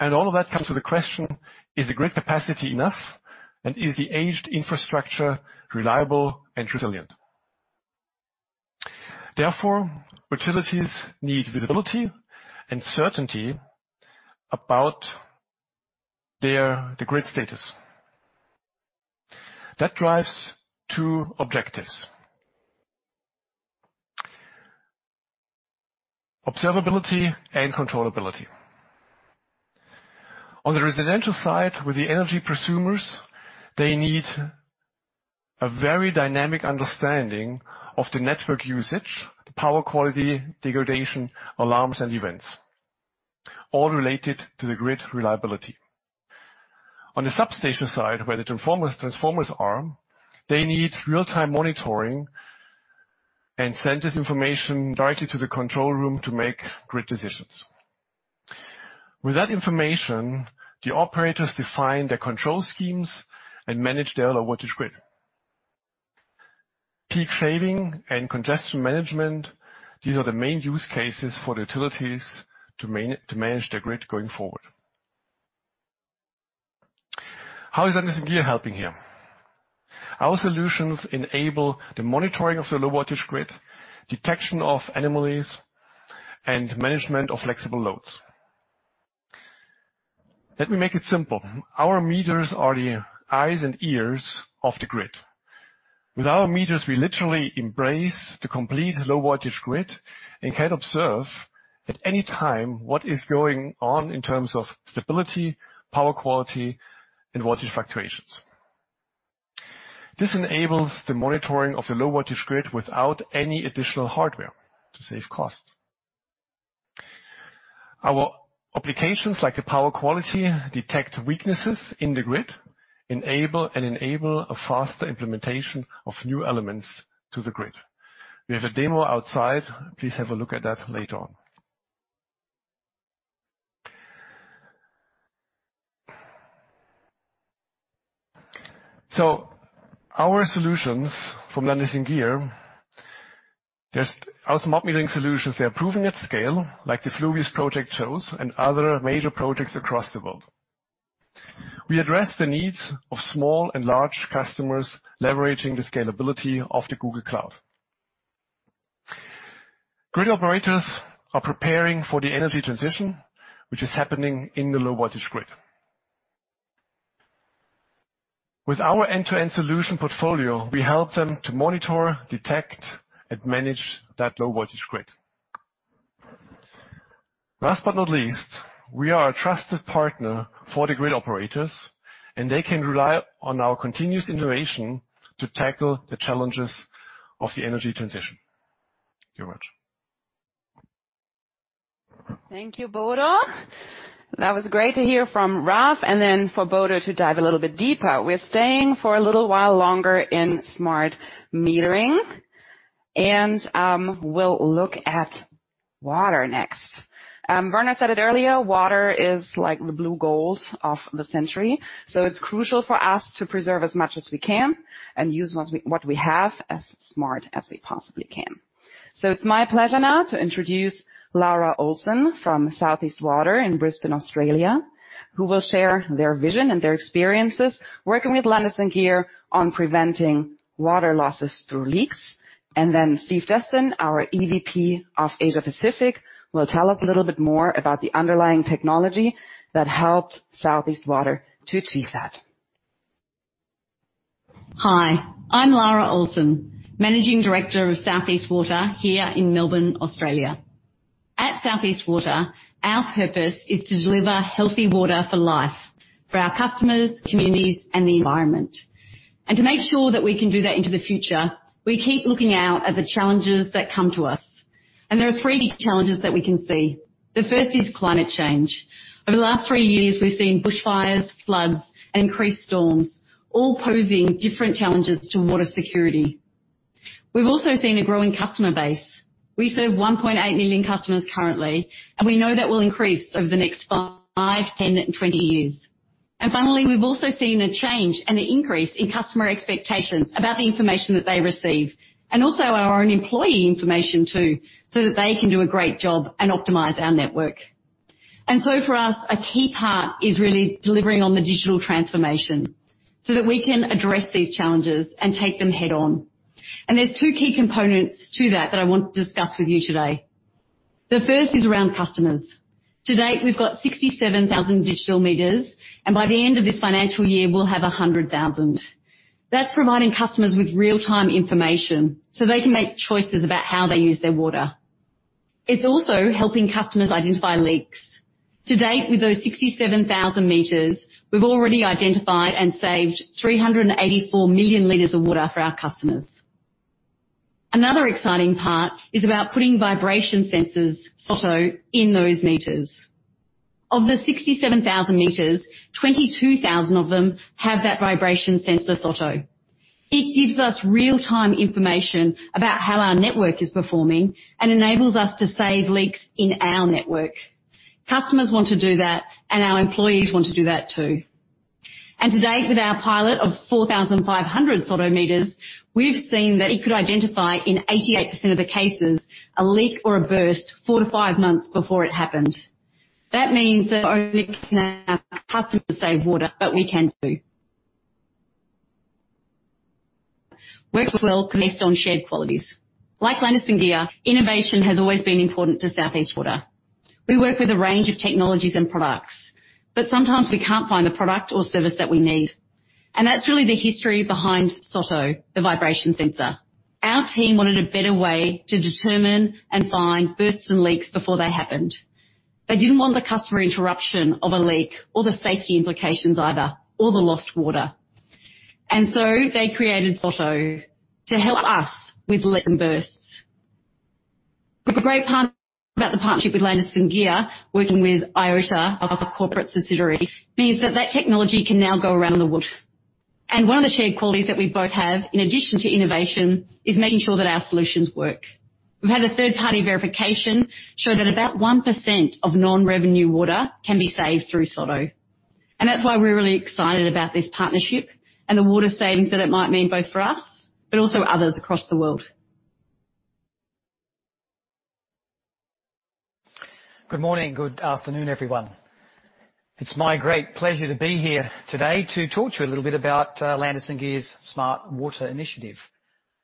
All of that comes with a question, is the grid capacity enough, and is the aged infrastructure reliable and resilient? Therefore, utilities need visibility and certainty about the grid status. That drives two objectives. Observability and controllability. On the residential side, with the energy prosumers, they need a very dynamic understanding of the network usage, the power quality, degradation, alarms, and events, all related to the grid reliability. On the substation side, where the transformers are, they need real-time monitoring and send this information directly to the control room to make grid decisions. With that information, the operators define their control schemes and manage their low voltage grid. Peak shaving and congestion management, these are the main use cases for the utilities to manage their grid going forward. How is Landis+Gyr helping here? Our solutions enable the monitoring of the low voltage grid, detection of anomalies, and management of flexible loads. Let me make it simple. Our meters are the eyes and ears of the grid. With our meters, we literally embrace the complete low voltage grid and can observe at any time what is going on in terms of stability, power quality, and voltage fluctuations. This enables the monitoring of the low voltage grid without any additional hardware to save cost. Our applications, like the power quality, detect weaknesses in the grid and enable a faster implementation of new elements to the grid. We have a demo outside. Please have a look at that later on. Our solutions from Landis+Gyr, just our smart metering solutions, they are proven at scale, like the Fluvius project shows and other major projects across the world. We address the needs of small and large customers, leveraging the scalability of the Google Cloud. Grid operators are preparing for the energy transition, which is happening in the low voltage grid. With our end-to-end solution portfolio, we help them to monitor, detect, and manage that low voltage grid. Last but not least, we are a trusted partner for the grid operators, and they can rely on our continuous innovation to tackle the challenges of the energy transition. Geraint. Thank you, Bodo. That was great to hear from Raf and then for Bodo to dive a little bit deeper. We're staying for a little while longer in smart metering. We'll look at water next. Werner said it earlier, water is like the blue goals of the century, so it's crucial for us to preserve as much as we can and use what we have as smart as we possibly can. It's my pleasure now to introduce Lara Olsen from South East Water in Brisbane, Australia, who will share their vision and their experiences working with Landis+Gyr on preventing water losses through leaks. Steve Jeston, our EVP of Asia Pacific, will tell us a little bit more about the underlying technology that helped South East Water to achieve that. Hi, I'm Lara Olsen, managing director of South East Water here in Melbourne, Australia. At South East Water, our purpose is to deliver healthy water for life for our customers, communities, and the environment. To make sure that we can do that into the future, we keep looking out at the challenges that come to us. There are three big challenges that we can see. The first is climate change. Over the last three years, we've seen bushfires, floods, and increased storms, all posing different challenges to water security. We've also seen a growing customer base. We serve 1.8 million customers currently, and we know that will increase over the next five, 10, and 20 years. Finally, we've also seen a change and an increase in customer expectations about the information that they receive, and also our own employee information too, so that they can do a great job and optimize our network. For us, a key part is really delivering on the digital transformation so that we can address these challenges and take them head-on. There's two key components to that I want to discuss with you today. The first is around customers. To date, we've got 67,000 digital meters, and by the end of this financial year, we'll have 100,000. That's providing customers with real-time information, so they can make choices about how they use their water. It's also helping customers identify leaks. To date, with those 67,000 meters, we've already identified and saved 384 million liters of water for our customers. Another exciting part is about putting vibration sensors, SOTO, in those meters. Of the 67,000 meters, 22,000 of them have that vibration sensor, SOTO. It gives us real-time information about how our network is performing and enables us to save leaks in our network. Customers want to do that, and our employees want to do that too. To date, with our pilot of 4,500 SOTO meters, we've seen that it could identify, in 88% of the cases, a leak or a burst four to five months before it happened. That means that customers save water, but we can too. Work well based on shared qualities. Like Landis+Gyr, innovation has always been important to South East Water. We work with a range of technologies and products, but sometimes we can't find the product or service that we need. That's really the history behind SOTO, the vibration sensor. Our team wanted a better way to determine and find bursts and leaks before they happened. They didn't want the customer interruption of a leak or the safety implications either, or the lost water. They created SOTO to help us with leaks and bursts. The great part about the partnership with Landis+Gyr, working with Iota, our corporate subsidiary, means that that technology can now go around the world. One of the shared qualities that we both have, in addition to innovation, is making sure that our solutions work. We've had a third-party verification show that about 1% of non-revenue water can be saved through SOTO, and that's why we're really excited about this partnership and the water savings that it might mean both for us, but also others across the world. Good morning, good afternoon, everyone. It's my great pleasure to be here today to talk to you a little bit about Landis+Gyr's Smart Water Initiative.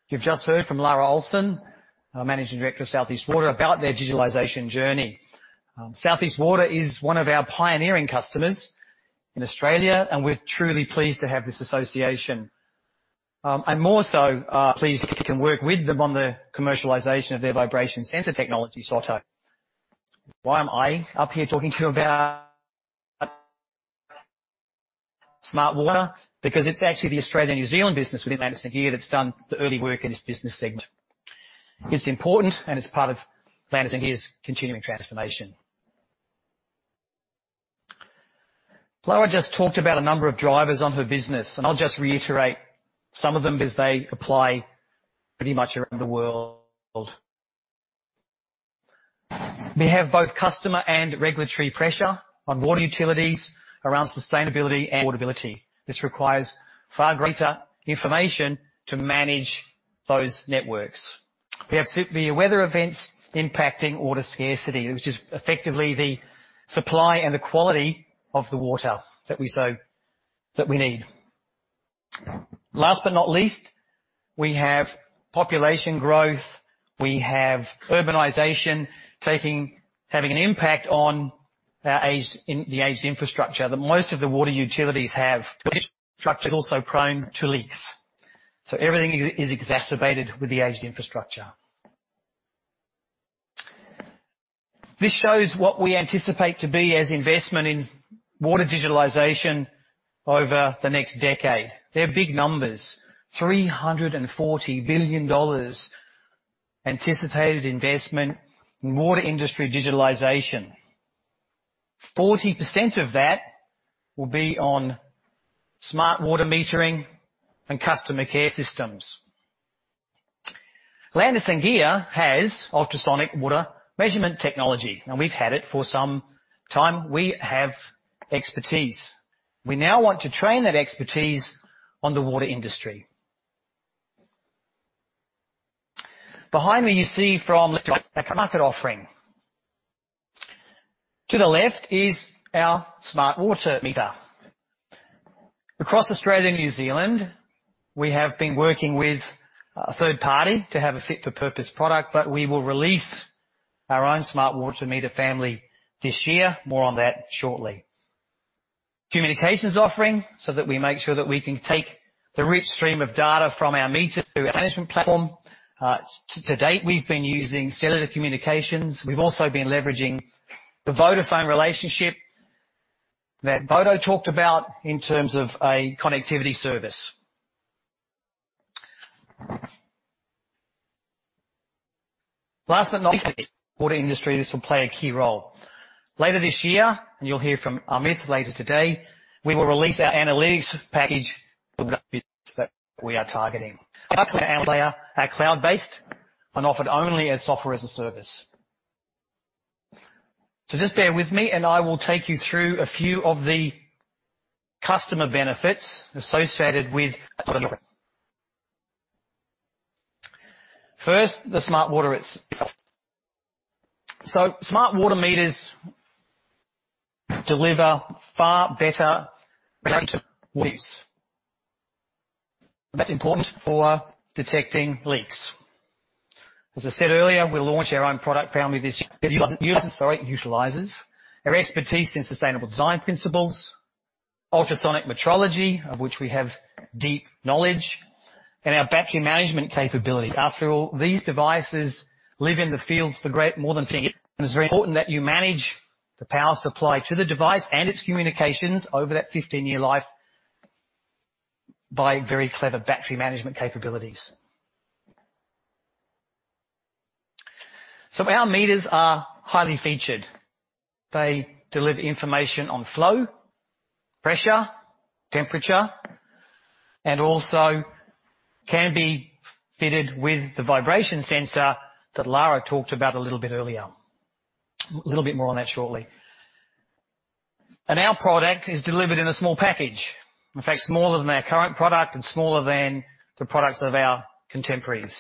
You've just heard from Lara Olsen, our managing director of South East Water, about their digitalization journey. South East Water is one of our pioneering customers in Australia, and we're truly pleased to have this association. More so, pleased to can work with them on the commercialization of their vibration sensor technology, SOTO. Why am I up here talking to you about Smart Water? It's actually the Australia-New Zealand business within Landis+Gyr that's done the early work in this business segment. It's important, and it's part of Landis+Gyr's continuing transformation. Lara just talked about a number of drivers on her business, and I'll just reiterate some of them because they apply pretty much around the world. We have both customer and regulatory pressure on water utilities around sustainability and affordability. This requires far greater information to manage those networks. We have the weather events impacting water scarcity, which is effectively the supply and the quality of the water that we need. Last not least, we have population growth. We have urbanization having an impact on our the aged infrastructure that most of the water utilities have. The aged structure is also prone to leaks. Everything is exacerbated with the aged infrastructure. This shows what we anticipate to be as investment in water digitalization over the next decade. They're big numbers. $340 billion anticipated investment in water industry digitalization. 40% of that will be on smart water metering and customer care systems. Landis+Gyr has ultrasonic water measurement technology. We've had it for some time. We have expertise. We now want to train that expertise on the water industry. Behind me, you see market offering. To the left is our smart water meter. Across Australia-New Zealand, we have been working with a third party to have a fit-for-purpose product. We will release our own smart water meter family this year. More on that shortly. Communications offering, that we make sure that we can take the rich stream of data from our meter to our management platform. To date, we've been using cellular communications. We've also been leveraging the Vodafone relationship that Bodo talked about in terms of a connectivity service. Last but not least, water industry, this will play a key role. Later this year, you'll hear from Amit later today, we will release our analytics package for the business that we are targeting. Our cloud-based and offered only as Software-as-a-Service. Just bear with me, and I will take you through a few of the customer benefits associated with. First, the smart water itself. Smart water meters deliver far better. That's important for detecting leaks. As I said earlier, we'll launch our own product family this year. Utilizes our expertise in sustainable design principles, ultrasonic metrology, of which we have deep knowledge, and our battery management capability. After all, these devices live in the fields, and it's very important that you manage the power supply to the device and its communications over that 15-year life by very clever battery management capabilities. Our meters are highly featured. They deliver information on flow, pressure, temperature, and also can be fitted with the vibration sensor that Lara talked about a little bit earlier. A little bit more on that shortly. Our product is delivered in a small package. In fact, smaller than our current product and smaller than the products of our contemporaries.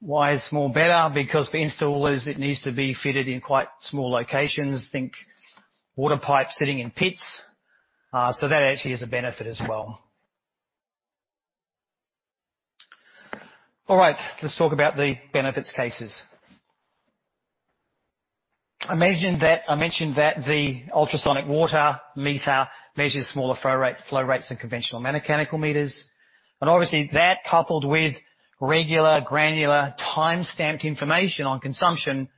Why is small better? Because for installers, it needs to be fitted in quite small locations. Think water pipes sitting in pits. That actually is a benefit as well. All right, let's talk about the benefits cases. I mentioned that the ultrasonic water meter measures smaller flow rates than conventional mechanical meters. Obviously that coupled with regular granular timestamped information on consumption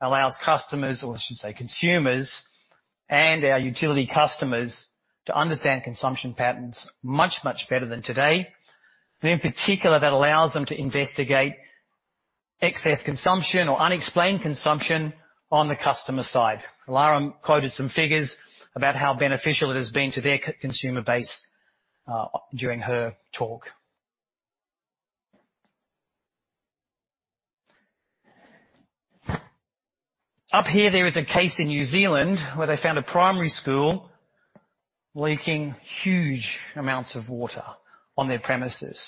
allows customers, or I should say consumers and our utility customers, to understand consumption patterns much, much better than today. In particular, that allows them to investigate excess consumption or unexplained consumption on the customer side. Lara quoted some figures about how beneficial it has been to their consumer base during her talk. Here, there is a case in New Zealand where they found a primary school leaking huge amounts of water on their premises.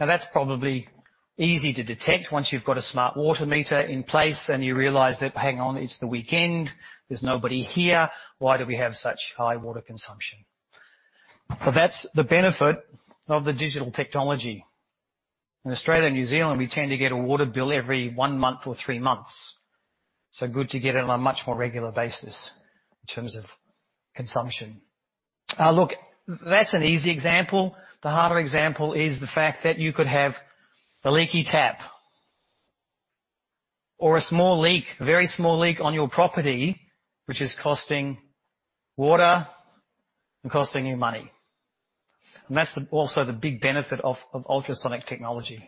That's probably easy to detect once you've got a smart water meter in place, and you realize that, hang on, it's the weekend, there's nobody here. Why do we have such high water consumption? That's the benefit of the digital technology. In Australia and New Zealand, we tend to get a water bill every one month or three months. Good to get it on a much more regular basis in terms of consumption. Look, that's an easy example. The harder example is the fact that you could have a leaky tap or a small leak, a very small leak on your property, which is costing water and costing you money. That's also the big benefit of ultrasonic technology.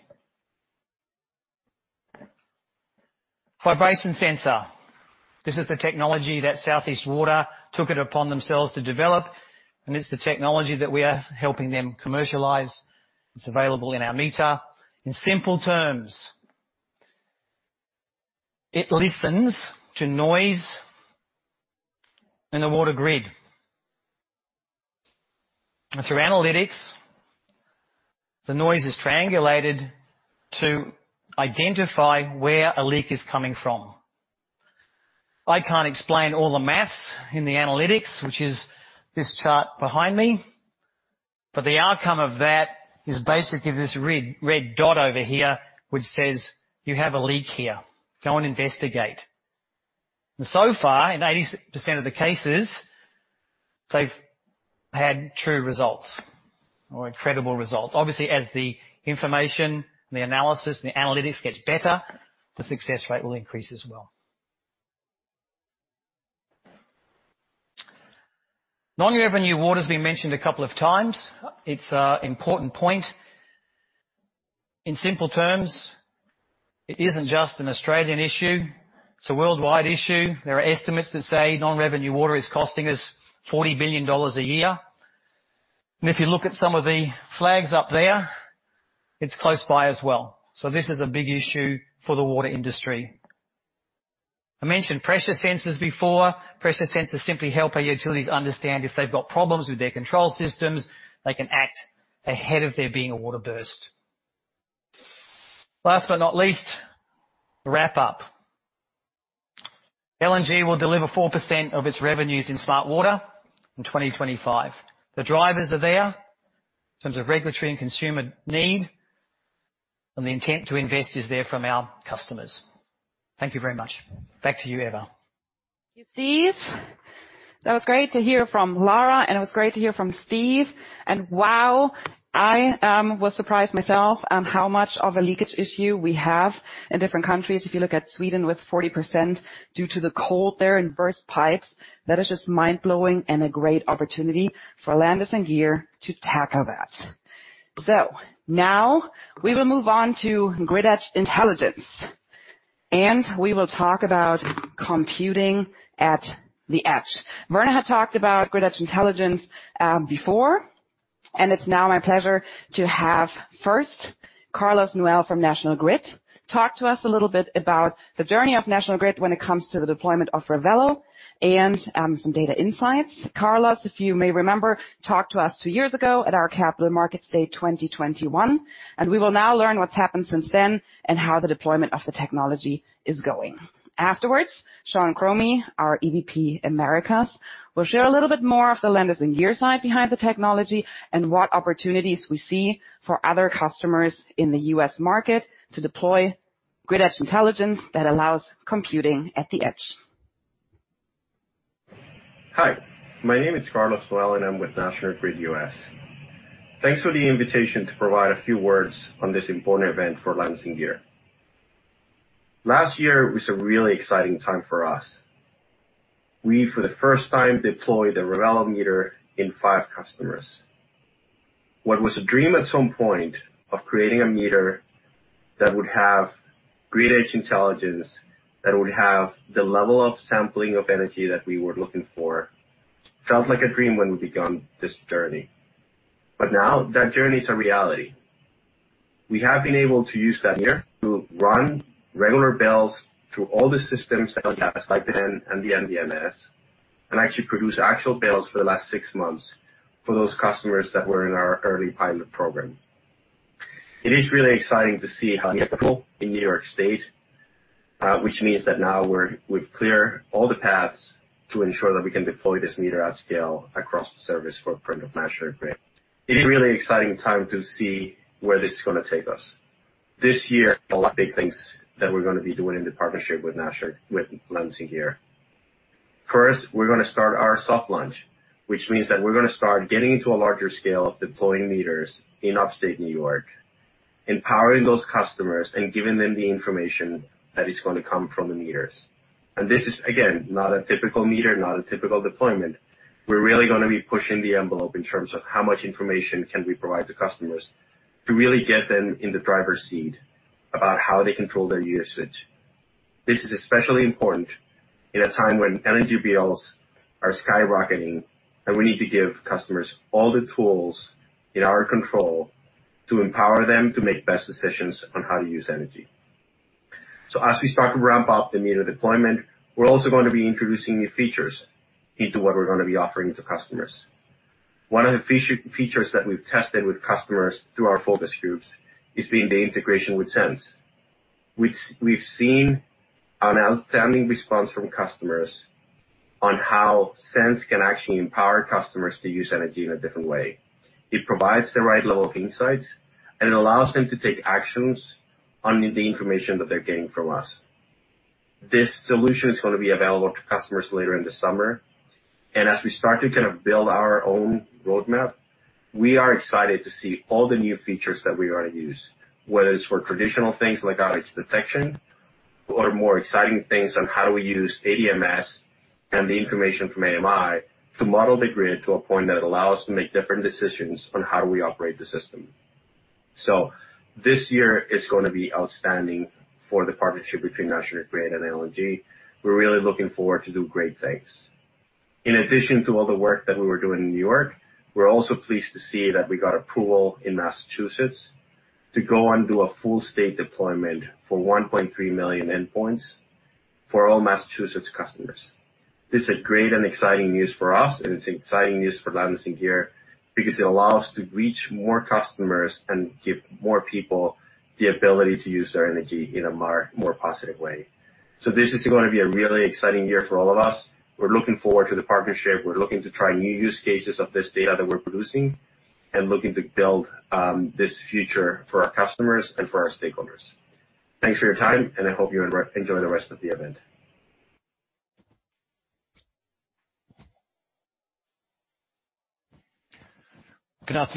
Vibration sensor. This is the technology that South East Water took it upon themselves to develop, and it's the technology that we are helping them commercialize. It's available in our meter. In simple terms, it listens to noise in the water grid. Through analytics, the noise is triangulated to identify where a leak is coming from. I can't explain all the maths in the analytics, which is this chart behind me, the outcome of that is basically this red dot over here, which says, "You have a leak here. Go and investigate." So far, in 80% of the cases, they've had true results or incredible results. Obviously, as the information, the analysis, and the analytics gets better, the success rate will increase as well. Non-revenue water has been mentioned a couple of times. It's an important point. In simple terms, it isn't just an Australian issue, it's a worldwide issue. There are estimates that say non-revenue water is costing us $40 billion a year. If you look at some of the flags up there, it's close by as well. This is a big issue for the water industry. I mentioned pressure sensors before. Pressure sensors simply help our utilities understand if they've got problems with their control systems. They can act ahead of there being a water burst. Last but not least, wrap up. L&G will deliver 4% of its revenues in smart water in 2025. The drivers are there in terms of regulatory and consumer need. The intent to invest is there from our customers. Thank you very much. Back to you, Eva. Thank you, Steve. That was great to hear from Lara, and it was great to hear from Steve. Wow, I was surprised myself on how much of a leakage issue we have in different countries. If you look at Sweden with 40% due to the cold there and burst pipes, that is just mind-blowing and a great opportunity for Landis+Gyr to tackle that. Now we will move on to Grid Edge Intelligence, and we will talk about computing at the edge. Werner had talked about Grid Edge Intelligence before, and it's now my pleasure to have first Carlos Nouel from National Grid talk to us a little bit about the journey of National Grid when it comes to the deployment of Revelo and some data insights. Carlos, if you may remember, talked to us two years ago at our Capital Markets Day 2021, and we will now learn what's happened since then and how the deployment of the technology is going. Afterwards, Sean Cromie, our EVP Americas, will share a little bit more of the Landis+Gyr side behind the technology and what opportunities we see for other customers in the U.S. market to deploy grid edge intelligence that allows computing at the edge. Hi, my name is Carlos Nouel, I'm with National Grid US. Thanks for the invitation to provide a few words on this important event for Landis+Gyr. Last year was a really exciting time for us. We, for the first time, deployed the Revelo meter in five customers. What was a dream at some point of creating a meter that would have grid edge intelligence, that would have the level of sampling of energy that we were looking for, felt like a dream when we began this journey. Now that journey is a reality. We have been able to use that year to run regular bills through all the systems that we have, like the NIN and the MDMS, and actually produce actual bills for the last six months for those customers that were in our early pilot program. It is really exciting to see how Good afternoon,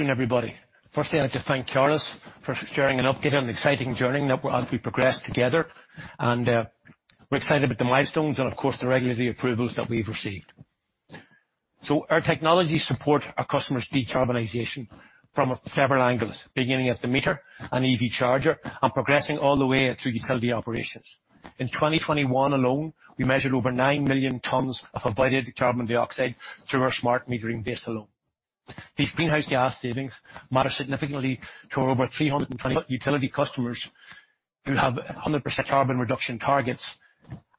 everybody. Firstly, I'd like to thank Carlos for sharing an update on the exciting journey that we're on as we progress together. We're excited about the milestones and of course, the regulatory approvals that we've received. Our technologies support our customers' decarbonization from several angles, beginning at the meter and EV charger and progressing all the way through utility operations. In 2021 alone, we measured over nine million tons of avoided carbon dioxide through our smart metering base alone. These greenhouse gas savings matter significantly to our over 320 utility customers who have a 100% carbon reduction targets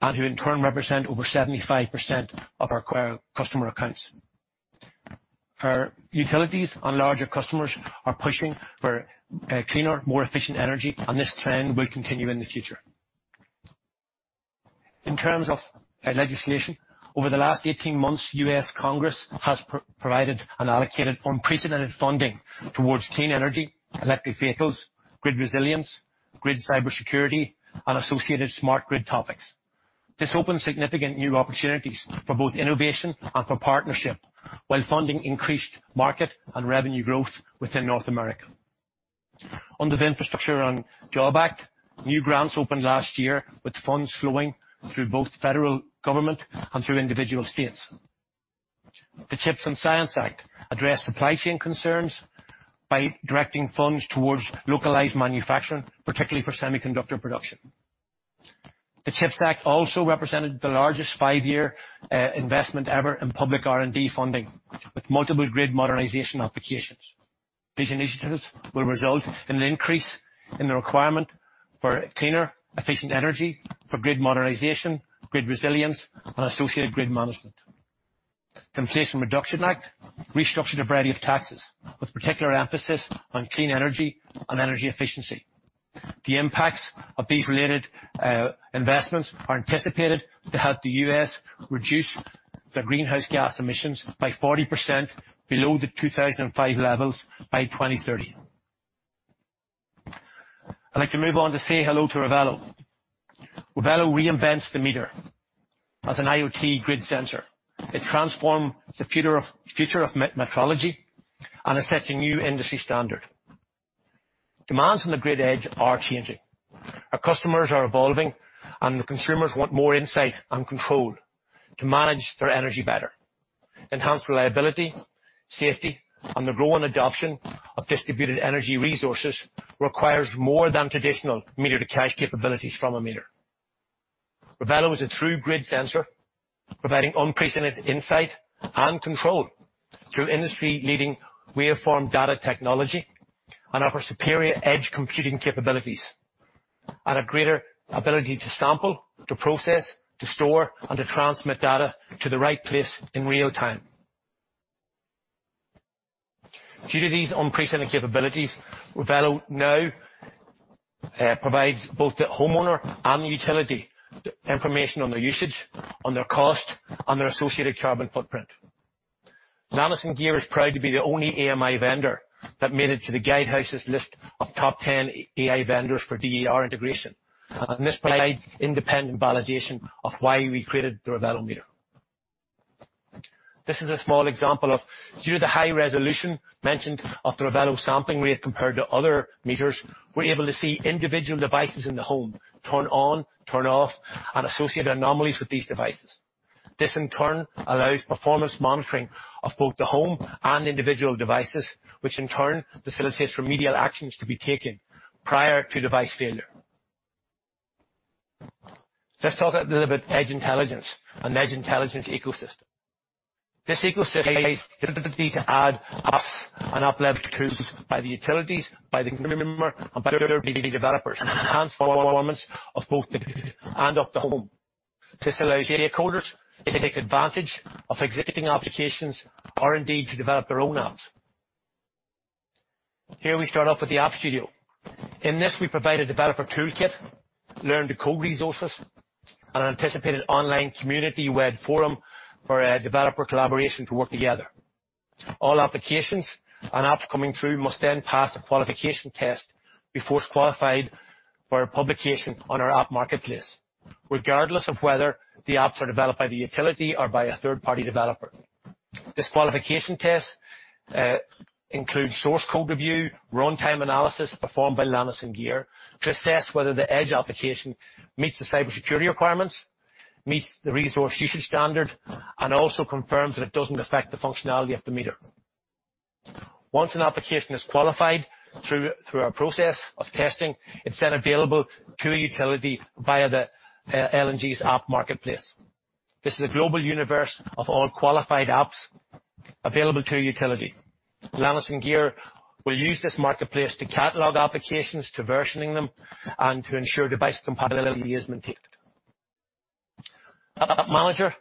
and who in turn represent over 75% of our customer accounts. Our utilities and larger customers are pushing for cleaner, more efficient energy, and this trend will continue in the future. In terms of legislation, over the last 18 months, U.S. Congress has provided and allocated unprecedented funding towards clean energy, electric vehicles, grid resilience, grid cybersecurity and associated smart grid topics. This opens significant new opportunities for both innovation and for partnership, while funding increased market and revenue growth within North America. Under the Infrastructure Investment and Jobs Act, new grants opened last year, with funds flowing through both federal government and through individual states. The CHIPS and Science Act address supply chain concerns by directing funds towards localized manufacturing, particularly for semiconductor production. The CHIPS Act also represented the largest five-year investment ever in public R&D funding, with multiple grid modernization applications. These initiatives will result in an increase in the requirement for cleaner, efficient energy for grid modernization, grid resilience and associated grid management. The Inflation Reduction Act restructured a variety of taxes, with particular emphasis on clean energy and energy efficiency. The impacts of these related investments are anticipated to help the US reduce the greenhouse gas emissions by 40% below the 2005 levels by 2030. I'd like to move on to say hello to Revelo. Revelo reinvents the meter as an IoT grid sensor. It transforms the future of metrology and sets a new industry standard. Demands on the grid edge are changing. Our customers are evolving, and the consumers want more insight and control to manage their energy better. Enhanced reliability, safety, and the growing adoption of distributed energy resources requires more than traditional meter-to-cash capabilities from a meter. Revelo is a true grid sensor, providing unprecedented insight and control through industry-leading waveform data technology and offer superior edge computing capabilities and a greater ability to sample, to process, to store, and to transmit data to the right place in real time. Due to these unprecedented capabilities, Revelo now provides both the homeowner and the utility the information on their usage, on their cost, and their associated carbon footprint. Landis+Gyr is proud to be the only AMI vendor that made it to the Guidehouse's list of top 10 AI vendors for DER integration. This provides independent validation of why we created the Revelo meter. This is a small example of due to the high resolution mentioned of the Revelo sampling rate compared to other meters, we're able to see individual devices in the home turn on, turn off, and associate anomalies with these devices. This, in turn, allows performance monitoring of both the home and individual devices, which in turn facilitates remedial actions to be taken prior to device failure. Let's talk a little bit Edge Intelligence and Edge Intelligence Ecosystem. This ecosystem allows the ability to add apps and app-enabled tools by the utilities, by the consumer, and by third-party developers, and enhance performance of both the grid and of the home. This allows data coders to take advantage of existing applications or indeed to develop their own apps. Here we start off with the app studio. In this, we provide a developer toolkit, learn-to-code resources, and an anticipated online community web forum for developer collaboration to work together. All applications and apps coming through must then pass a qualification test before it's qualified for publication on our app marketplace, regardless of whether the apps are developed by the utility or by a third-party developer. This qualification test includes source code review, runtime analysis performed by Landis+Gyr to assess whether the Edge application meets the cybersecurity requirements, meets the resource usage standard, and also confirms that it doesn't affect the functionality of the meter. Once an application is qualified through our process of testing, it's then available to a utility via the LNG's app marketplace. This is a global universe of all qualified apps available to a utility. Landis+Gyr will use this marketplace to catalog applications, to versioning them, and to ensure device compatibility is maintained. App manager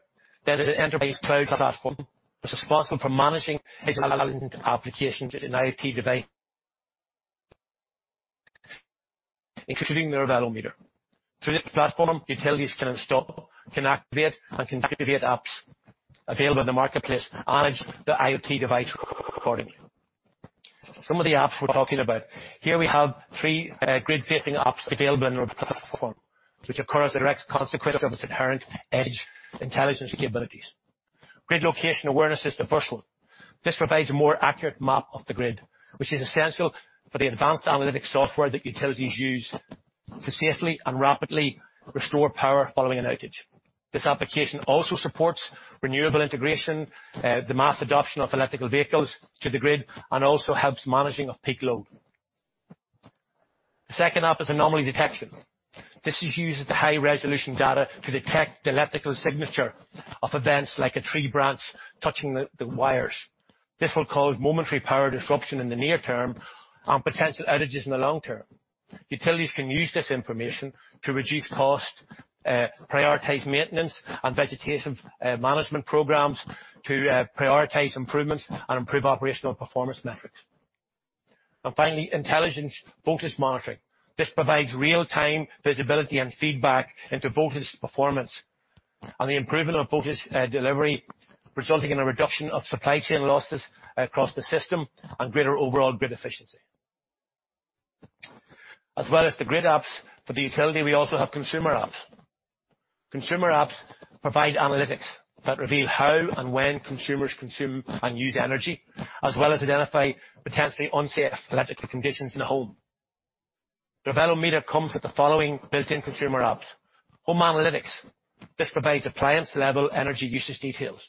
data interface cloud platform is responsible for managing relevant applications in IoT device, including the Revelo meter. Through this platform, utilities can install, can activate apps available in the marketplace and manage the IoT device accordingly. Some of the apps we're talking about. Here we have three grid-facing apps available in our platform, which occur as a direct consequence of its inherent edge intelligence capabilities. Grid location awareness is the first one. This provides a more accurate map of the grid, which is essential for the advanced analytics software that utilities use to safely and rapidly restore power following an outage. This application also supports renewable integration, the mass adoption of electrical vehicles to the grid, and also helps managing of peak load. The second app is Anomaly detection. This is used as the high-resolution data to detect the electrical signature of events like a tree branch touching the wires. This will cause momentary power disruption in the near term and potential outages in the long term. Utilities can use this information to reduce cost, prioritize maintenance and vegetation management programs to prioritize improvements and improve operational performance metrics. Finally, intelligence voltage monitoring. This provides real-time visibility and feedback into voltage performance and the improvement of voltage delivery, resulting in a reduction of supply chain losses across the system and greater overall grid efficiency. As well as the grid apps for the utility, we also have consumer apps. Consumer apps provide analytics that reveal how and when consumers consume and use energy, as well as identify potentially unsafe electrical conditions in the home. Revelo meter comes with the following built-in consumer apps. Home analytics. This provides appliance-level energy usage details.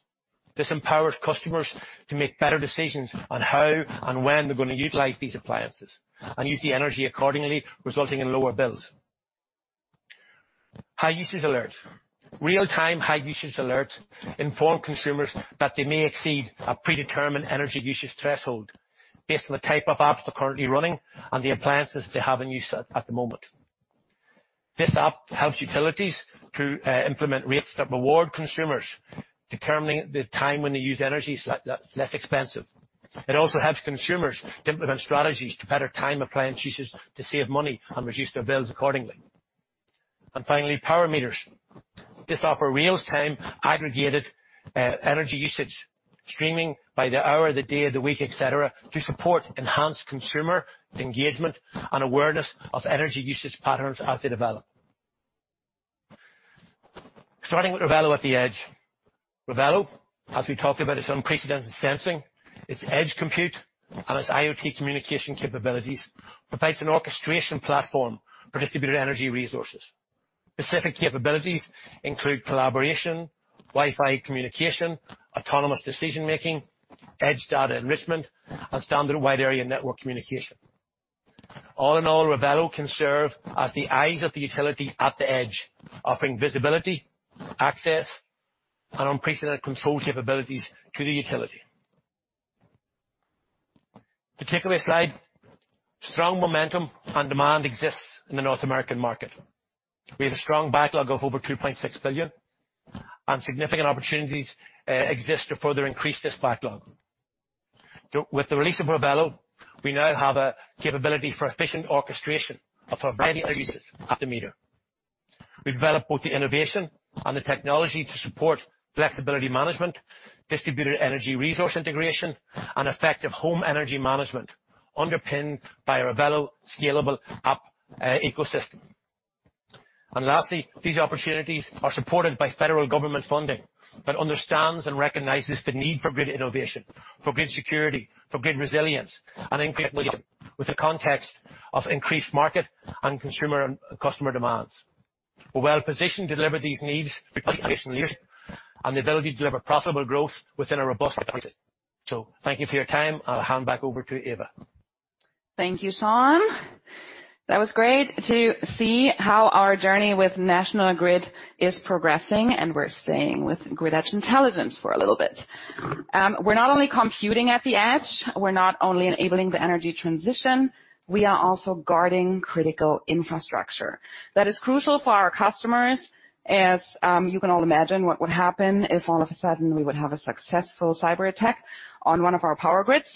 This empowers customers to make better decisions on how and when they're gonna utilize these appliances and use the energy accordingly, resulting in lower bills. High usage alerts. Real-time high usage alerts inform consumers that they may exceed a predetermined energy usage threshold based on the type of apps they're currently running and the appliances they have in use at the moment. This app helps utilities to implement rates that reward consumers, determining the time when they use energy so that it's less expensive. It also helps consumers implement strategies to better time appliance usage to save money and reduce their bills accordingly. Finally, power meters. This offer real-time aggregated energy usage, streaming by the hour, the day of the week, et cetera, to support enhanced consumer engagement and awareness of energy usage patterns as they develop. Starting with Revelo at the edge. Revelo, as we talked about, its unprecedented sensing, its edge compute, and its IoT communication capabilities, provides an orchestration platform for distributed energy resources. Specific capabilities include collaboration, Wi-Fi communication, autonomous decision-making, edge data enrichment, and standard wide area network communication. All in all, Revelo can serve as the eyes of the utility at the edge, offering visibility, access, and unprecedented control capabilities to the utility. The takeaway slide. Strong momentum and demand exists in the North American market. We have a strong backlog of over $2.6 billion, and significant opportunities exist to further increase this backlog. With the release of Revelo, we now have a capability for efficient orchestration of a variety of uses at the meter. We've developed both the innovation and the technology to support flexibility management, distributed energy resource integration, and effective home energy management, underpinned by a Revelo scalable app ecosystem. Lastly, these opportunities are supported by federal government funding that understands and recognizes the need for grid innovation, for grid security, for grid resilience, and in grid with the context of increased market and consumer and customer demands. We're well-positioned to deliver these needs with leadership and the ability to deliver profitable growth within a robust. Thank you for your time, and I'll hand back over to Eva. Thank you, Sean. That was great to see how our journey with National Grid is progressing, and we're staying with grid edge intelligence for a little bit. We're not only computing at the edge, we're not only enabling the energy transition, we are also guarding critical infrastructure. That is crucial for our customers as you can all imagine what would happen if all of a sudden we would have a successful cyberattack on one of our power grids.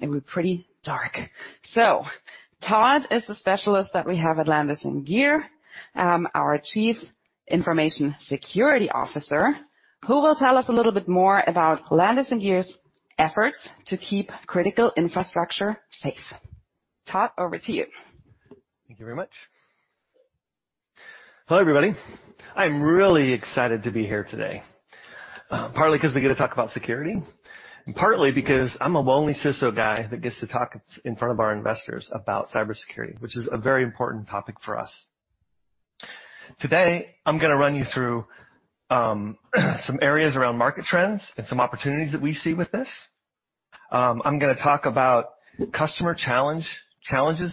It'd be pretty dark. Todd is the specialist that we have at Landis+Gyr, our Chief Information Security Officer, who will tell us a little bit more about Landis+Gyr's efforts to keep critical infrastructure safe. Todd, over to you. Thank you very much. Hello, everybody. I'm really excited to be here today, partly 'cause we get to talk about security and partly because I'm a lonely CISO guy that gets to talk in front of our investors about cybersecurity, which is a very important topic for us. Today, I'm gonna run you through some areas around market trends and some opportunities that we see with this. I'm gonna talk about customer challenges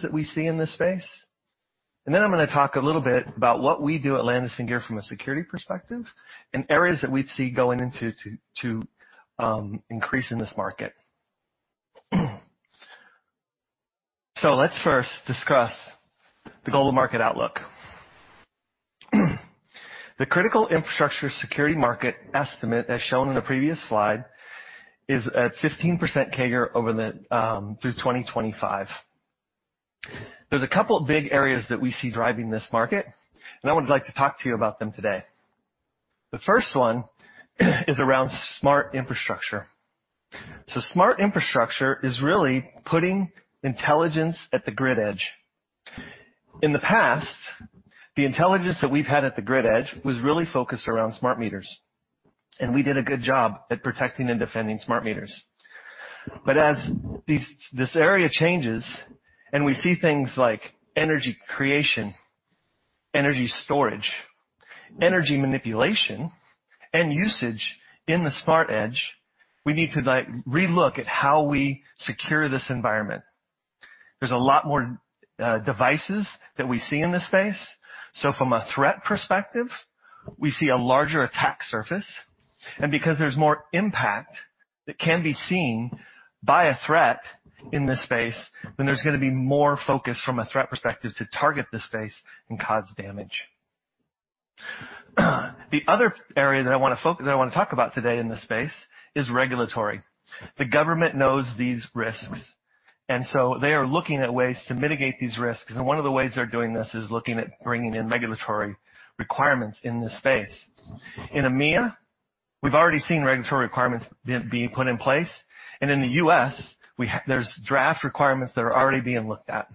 that we see in this space. Then I'm gonna talk a little bit about what we do at Landis+Gyr from a security perspective and areas that we see going to increase in this market. Let's first discuss the global market outlook. The critical infrastructure security market estimate, as shown in the previous slide, is at 15% CAGR over the through 2025. There's a couple of big areas that we see driving this market. I would like to talk to you about them today. The first one is around smart infrastructure. Smart infrastructure is really putting intelligence at the grid edge. In the past, the intelligence that we've had at the grid edge was really focused around smart meters. We did a good job at protecting and defending smart meters. As this area changes and we see things like energy creation, energy storage, energy manipulation, and usage in the smart edge, we need to like relook at how we secure this environment. There's a lot more devices that we see in this space. From a threat perspective, we see a larger attack surface, and because there's more impact that can be seen by a threat in this space, then there's gonna be more focus from a threat perspective to target this space and cause damage. The other area that I want to talk about today in this space is regulatory. The government knows these risks, and so they are looking at ways to mitigate these risks. One of the ways they're doing this is looking at bringing in regulatory requirements in this space. In EMEA, we've already seen regulatory requirements being put in place, and in the U.S., there's draft requirements that are already being looked at.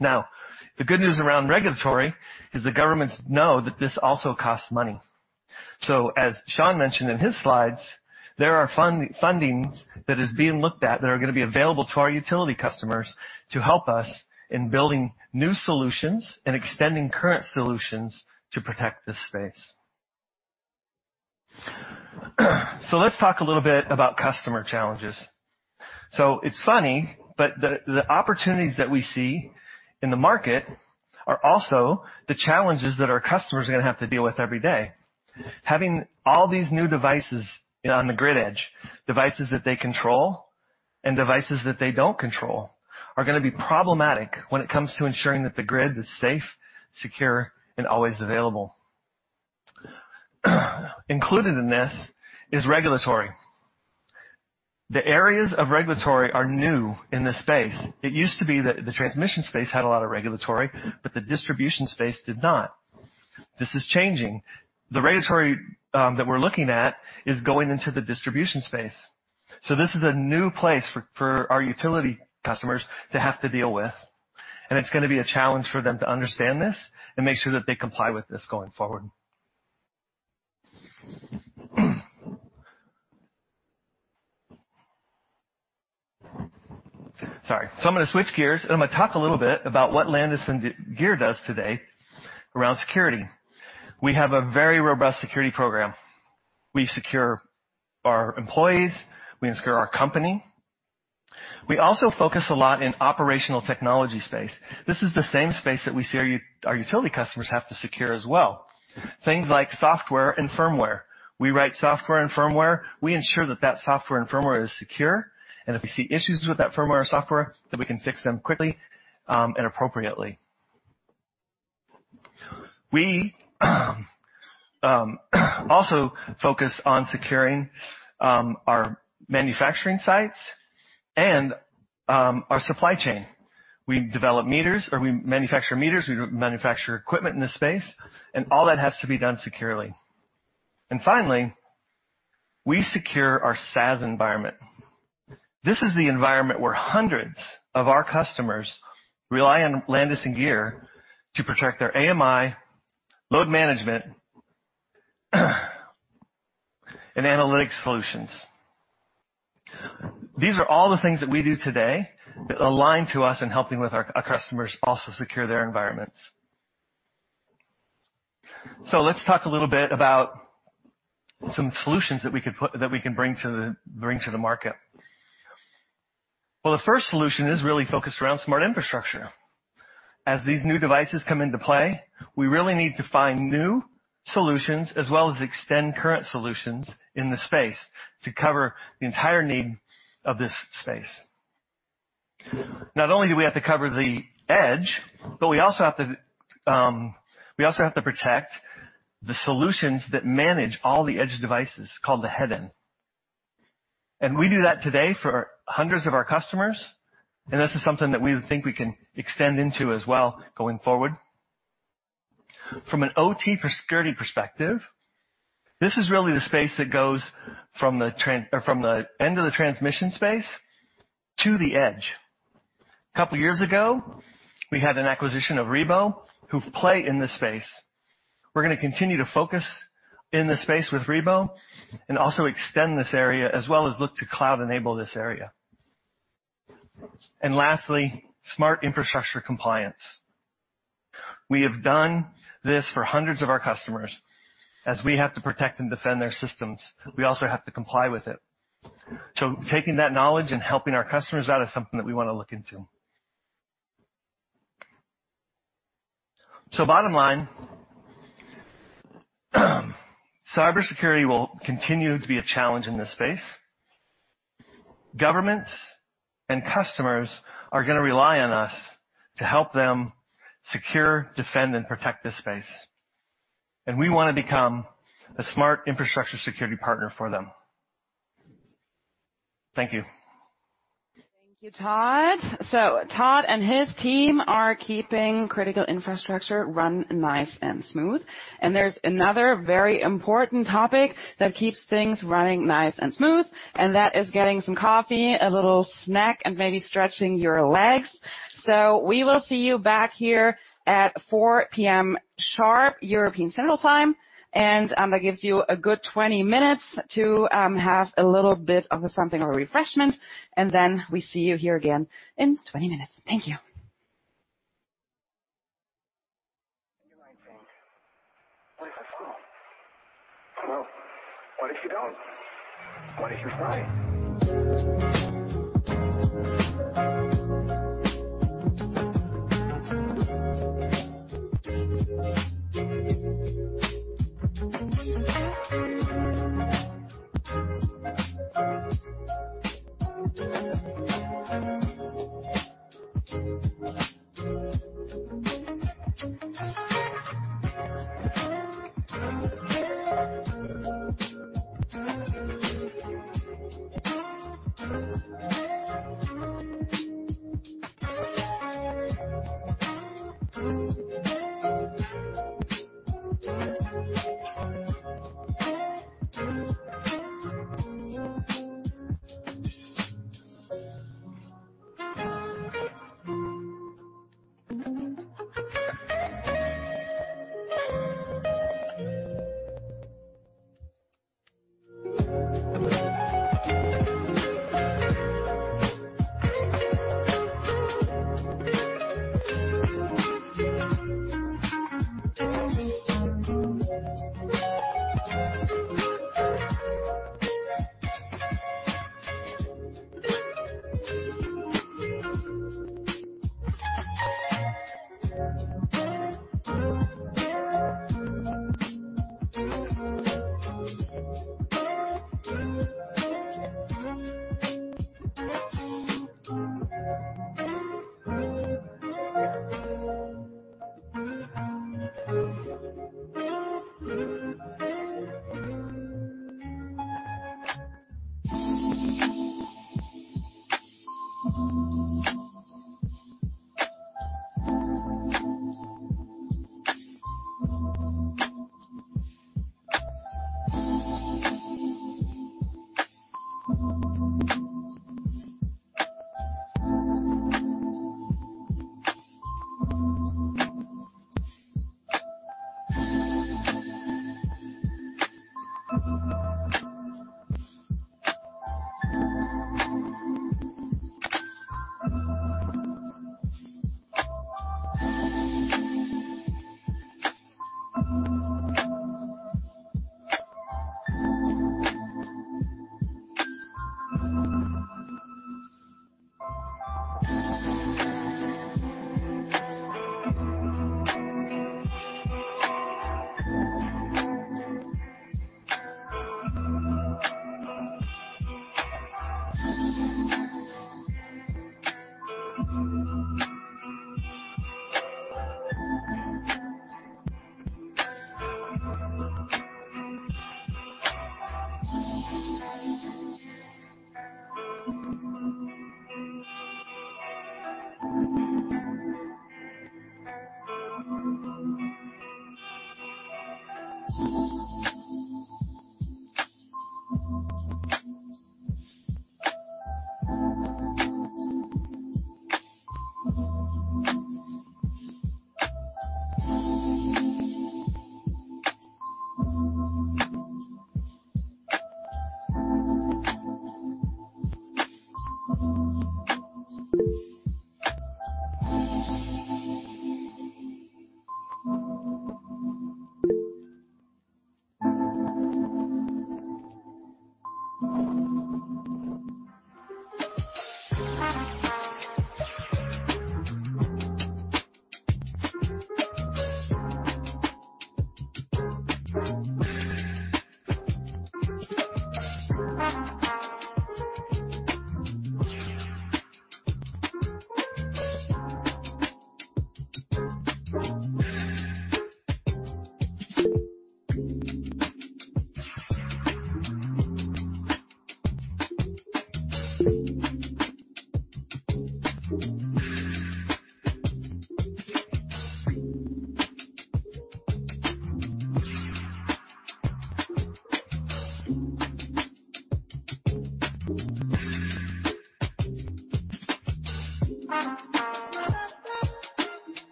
The good news around regulatory is the governments know that this also costs money. As Sean mentioned in his slides, there are funding that is being looked at that are gonna be available to our utility customers to help us in building new solutions and extending current solutions to protect this space. Let's talk a little bit about customer challenges. It's funny, but the opportunities that we see in the market are also the challenges that our customers are gonna have to deal with every day. Having all these new devices on the grid edge, devices that they control and devices that they don't control, are gonna be problematic when it comes to ensuring that the grid is safe, secure, and always available. Included in this is regulatory. The areas of regulatory are new in this space. It used to be that the transmission space had a lot of regulatory, but the distribution space did not. This is changing. The regulatory that we're looking at is going into the distribution space. This is a new place for our utility customers to have to deal with, and it's gonna be a challenge for them to understand this and make sure that they comply with this going forward. Sorry. I'm gonna switch gears, and I'm gonna talk a little bit about what Landis+Gyr does today around security. We have a very robust security program. We secure our employees, we secure our company. We also focus a lot in operational technology space. This is the same space that we see our utility customers have to secure as well. Things like software and firmware. We write software and firmware. We ensure that software and firmware is secure, and if we see issues with that firmware or software, that we can fix them quickly and appropriately. We also focus on securing our manufacturing sites and our supply chain. We develop meters or we manufacture meters, we manufacture equipment in this space, and all that has to be done securely. Finally, we secure our SaaS environment. This is the environment where hundreds of our customers rely on Landis+Gyr to protect their AMI, load management, and analytics solutions. These are all the things that we do today that align to us in helping with our customers also secure their environments. Let's talk a little bit about some solutions that we can bring to the market. The first solution is really focused around smart infrastructure. As these new devices come into play, we really need to find new solutions, as well as extend current solutions in the space to cover the entire need of this space. Not only do we have to cover the edge, but we also have to protect the solutions that manage all the edge devices, called the headend. We do that today for hundreds of our customers, and this is something that we think we can extend into as well going forward. From an OT security perspective, this is really the space that goes from the or from the end of the transmission space to the edge. A couple years ago, we had an acquisition of Rhebo, who play in this space. We're gonna continue to focus in this space with Rhebo and also extend this area, as well as look to cloud-enable this area. Lastly, smart infrastructure compliance. We have done this for hundreds of our customers. As we have to protect and defend their systems, we also have to comply with it. Taking that knowledge and helping our customers out is something that we want to look into. Bottom line, cybersecurity will continue to be a challenge in this space. Governments and customers are gonna rely on us to help them secure, defend, and protect this space. We want to become a smart infrastructure security partner for them. Thank you. Thank you, Todd. Todd and his team are keeping critical infrastructure run nice and smooth. There's another very important topic that keeps things running nice and smooth, and that is getting some coffee, a little snack, and maybe stretching your legs. We will see you back here at 4:00 P.M. sharp, European Central Time. That gives you a good 20 minutes to have a little bit of something of a refreshment. Then we see you here again in 20 minutes. Thank you. You might think, "What if I fall?" Well, what if you don't? What if you fly?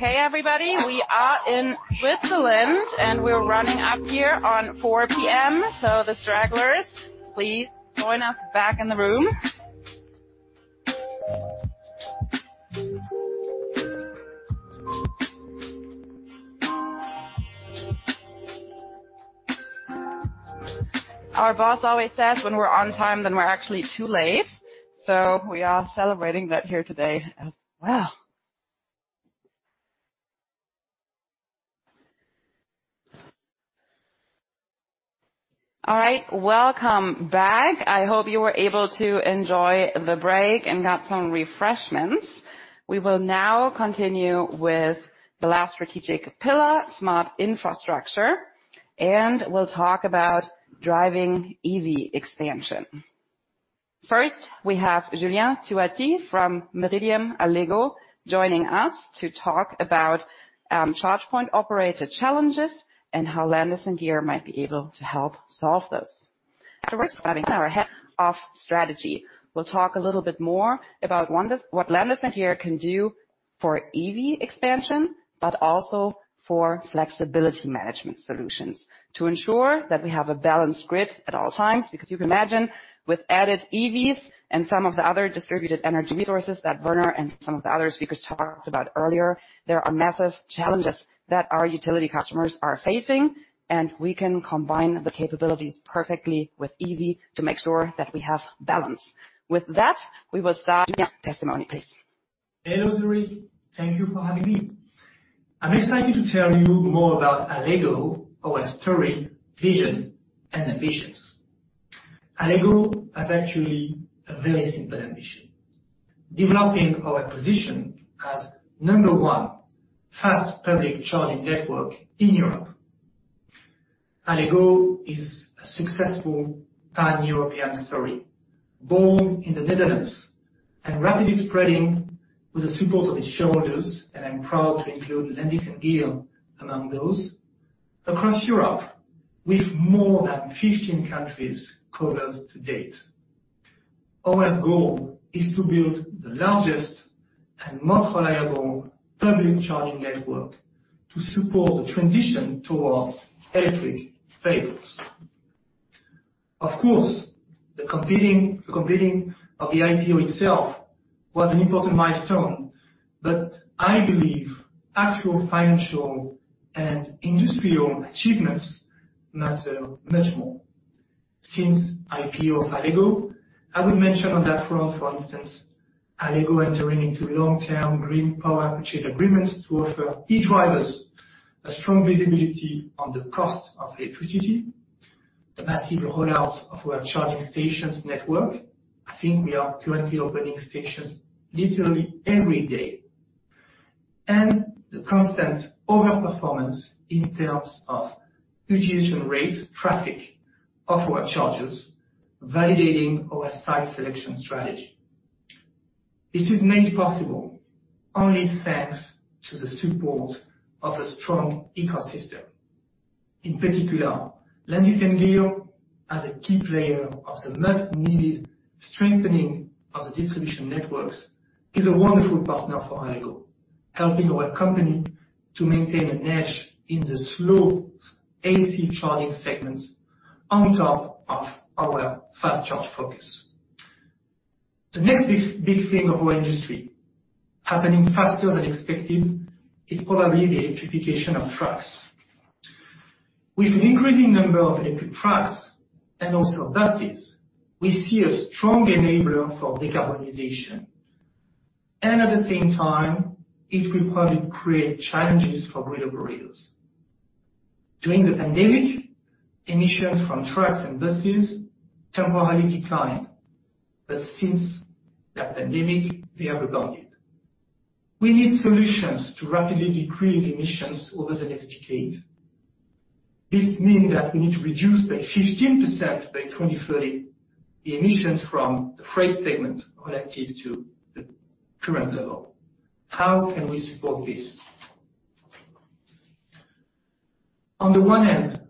Okay, everybody. We are in Switzerland, and we're running up here on 4:00 P.M. The stragglers, please join us back in the room. Our boss always says when we're on time, then we're actually too late. We are celebrating that here today as well. All right. Welcome back. I hope you were able to enjoy the break and got some refreshments. We will now continue with the last strategic pillar, smart infrastructure, and we'll talk about driving EV expansion. First, we have Julien Touati from Meridiam Allego joining us to talk about charge point operator challenges and how Landis+Gyr might be able to help solve those. We're starting our head of strategy. We'll talk a little bit more about wonders, what Landis+Gyr can do for EV expansion, but also for flexibility management solutions to ensure that we have a balanced grid at all times. You can imagine with added EVs and some of the other distributed energy resources that Werner and some of the other speakers talked about earlier, there are massive challenges that our utility customers are facing, and we can combine the capabilities perfectly with EV to make sure that we have balance. With that, we will start. Julien, testimony, please. Hello, Zuri. Thank you for having me. I'm excited to tell you more about Allego, our story, vision, and ambitions. Allego has actually a very simple ambition, developing our position as number one fast public charging network in Europe. Allego is a successful Pan-European story, born in the Netherlands and rapidly spreading with the support of its shareholders, and I'm proud to include Landis+Gyr among those, across Europe with more than 15 countries covered to date. Our goal is to build the largest and most reliable public charging network to support the transition towards electric vehicles. Of course, the completing of the IPO itself was an important milestone, but I believe actual financial and industrial achievements matter much more. Since IPO of Allego, I would mention on that front, for instance, Allego entering into long-term green power purchase agreements to offer e-drivers a strong visibility on the cost of electricity, the massive rollout of our charging stations network. I think we are currently opening stations literally every day, and the constant over performance in terms of utilization rates, traffic of our chargers, validating our site selection strategy. This is made possible only thanks to the support of a strong ecosystem. In particular, Landis+Gyr as a key player of the much needed strengthening of the distribution networks is a wonderful partner for Allego, helping our company to maintain an edge in the slow AC charging segments on top of our fast charge focus. The next big thing of our industry, happening faster than expected, is probably the electrification of trucks. With an increasing number of electric trucks and also buses, we see a strong enabler for decarbonization, and at the same time, it will probably create challenges for grid operators. During the pandemic, emissions from trucks and buses temporarily declined, but since that pandemic, they have rebounded. We need solutions to rapidly decrease emissions over the next decade. This mean that we need to reduce by 15% by 2030 the emissions from the freight segment relative to the current level. How can we support this? On the one hand,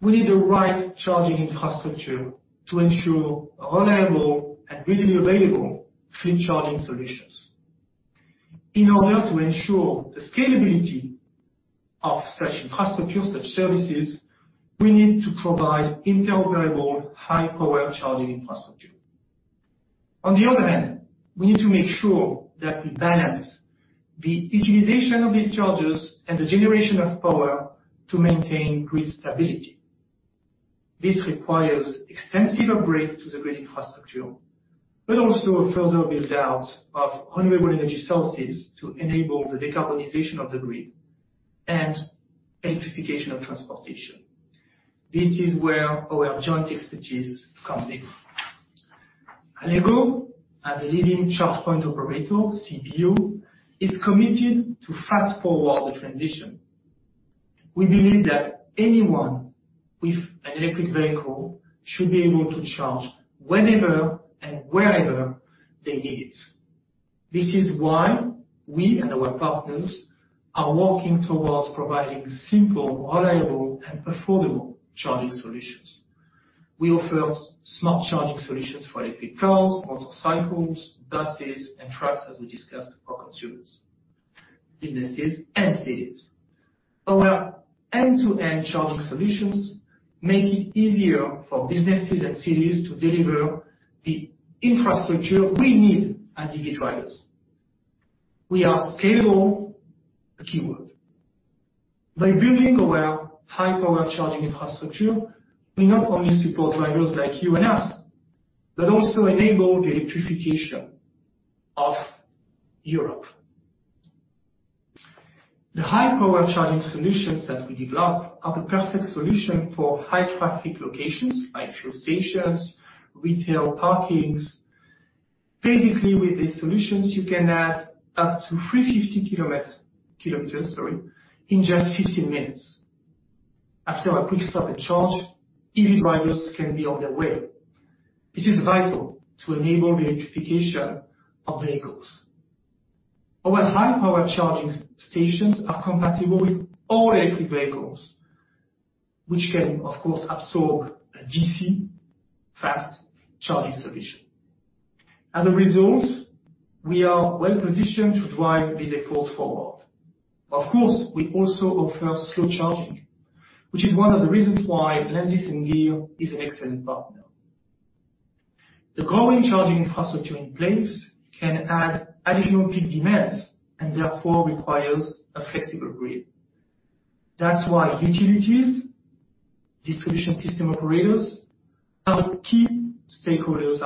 we need the right charging infrastructure to ensure reliable and readily available free charging solutions. In order to ensure the scalability of such infrastructure, such services, we need to provide interoperable, high power charging infrastructure. On the other hand, we need to make sure that we balance the utilization of these charges and the generation of power to maintain grid stability. This requires extensive upgrades to the grid infrastructure, but also a further build-out of renewable energy sources to enable the decarbonization of the grid and electrification of transportation. This is where our joint expertise comes in. Allego, as a leading charge point operator, CPO, is committed to fast-forward the transition. We believe that anyone with an electric vehicle should be able to charge whenever and wherever they need it. This is why we and our partners are working towards providing simple, reliable, and affordable charging solutions. We offer smart charging solutions for electric cars, motorcycles, buses, and trucks, as we discussed, for consumers, businesses and cities. Our end-to-end charging solutions make it easier for businesses and cities to deliver the infrastructure we need as EV drivers. We are scalable, a key word. By building our high-power charging infrastructure, we not only support drivers like you and us, but also enable the electrification of Europe. The high-power charging solutions that we develop are the perfect solution for high-traffic locations like fuel stations, retail parkings. Basically, with these solutions, you can add up to 350 km, sorry, in just 15 minutes. After a quick stop and charge, EV drivers can be on their way, which is vital to enable the electrification of vehicles. Our high-power charging stations are compatible with all electric vehicles, which can of course absorb a DC fast charging solution. As a result, we are well-positioned to drive these efforts forward. Of course, we also offer slow charging, which is one of the reasons why Landis+Gyr is an excellent partner. The growing charging infrastructure in place can add additional peak demands and therefore requires a flexible grid. That's why utilities, distribution system operators are key stakeholders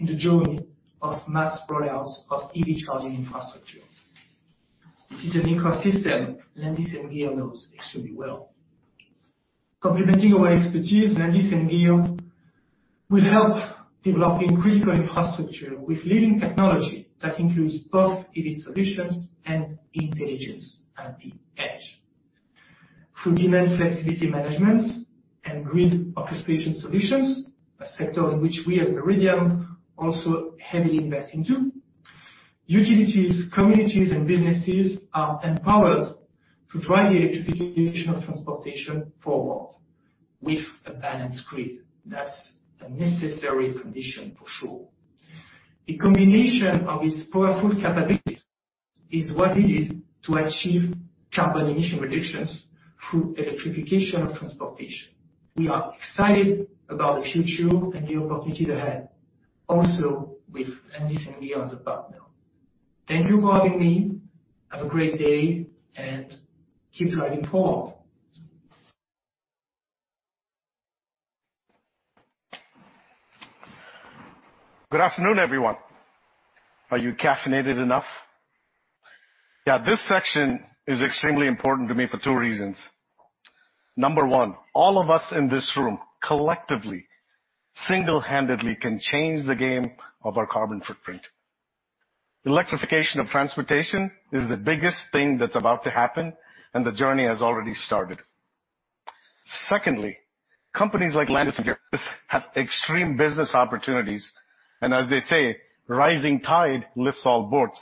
in the journey of mass rollouts of EV charging infrastructure. This is an ecosystem Landis+Gyr knows extremely well. Complementing our expertise, Landis+Gyr will help developing critical infrastructure with leading technology that includes both EV solutions and intelligence at the edge. Through demand flexibility managements and grid orchestration solutions, a sector in which we as Meridiam also heavily invest into, utilities, communities, and businesses are empowered to drive the electrification of transportation forward with a balanced grid. That's a necessary condition for sure. The combination of these powerful capabilities is what is needed to achieve carbon emission reductions through electrification of transportation. We are excited about the future and the opportunities ahead, also with Landis+Gyr as a partner. Thank you for having me. Have a great day, and keep driving forward. Good afternoon, everyone. Are you caffeinated enough? This section is extremely important to me for two reasons. Number one, all of us in this room, collectively, single-handedly, can change the game of our carbon footprint. Electrification of transportation is the biggest thing that's about to happen, and the journey has already started. Secondly, companies like Landis+Gyr have extreme business opportunities, and as they say, rising tide lifts all boats.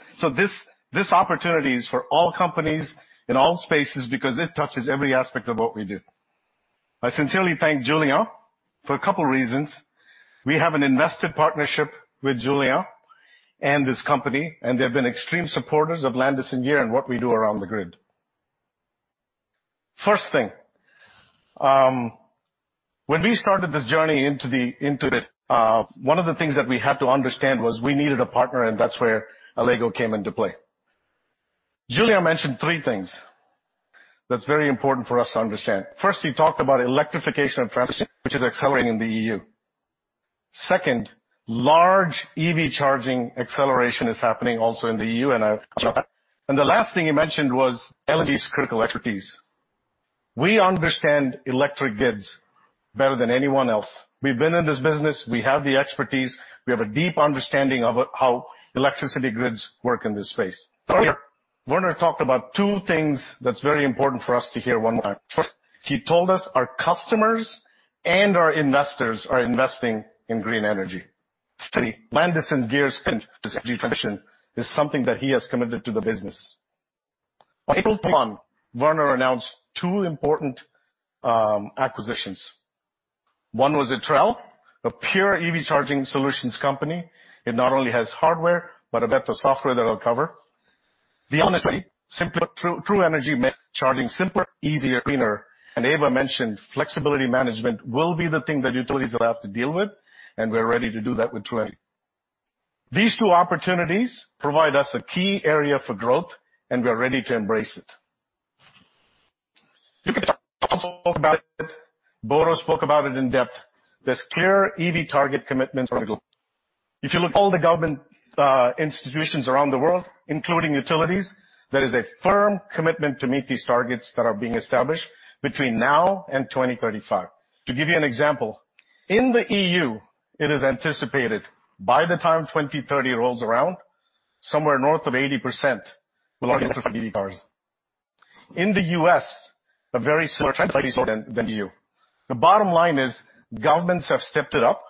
This opportunity is for all companies in all spaces because it touches every aspect of what we do. I sincerely thank Julien for a couple reasons. We have an invested partnership with Julien and his company, and they've been extreme supporters of Landis+Gyr and what we do around the grid. First thing, when we started this journey into the one of the things that we had to understand was we needed a partner, that's where Allego came into play. Julien mentioned three things that's very important for us to understand. First, he talked about electrification of transportation, which is accelerating in the EU. Second, large EV charging acceleration is happening also in the EU. The last thing he mentioned was LNG's critical expertise. We understand electric grids better than anyone else. We've been in this business. We have the expertise. We have a deep understanding of how electricity grids work in this space. Earlier, Werner talked about two things that's very important for us to hear one more time. First, he told us our customers and our investors are investing in green energy. Three, Landis+Gyr's energy transition is something that he has committed to the business. On April 1, Werner announced two important acquisitions. One was Etrel, a pure EV charging solutions company. It not only has hardware, but a better software that I'll cover. The other is True Energy makes charging simpler, easier, cleaner. Eva mentioned flexibility management will be the thing that utilities will have to deal with, and we're ready to do that with True Energy. These two opportunities provide us a key area for growth, and we're ready to embrace it. You can talk about it. Boro spoke about it in depth. There's clear EV target commitments from the global. If you look all the government institutions around the world, including utilities, there is a firm commitment to meet these targets that are being established between now and 2035. To give you an example, in the EU, it is anticipated by the time 2030 rolls around, somewhere north of 80% will own electric EV cars. In the U.S., a very similar trend than the EU. The bottom line is governments have stepped it up.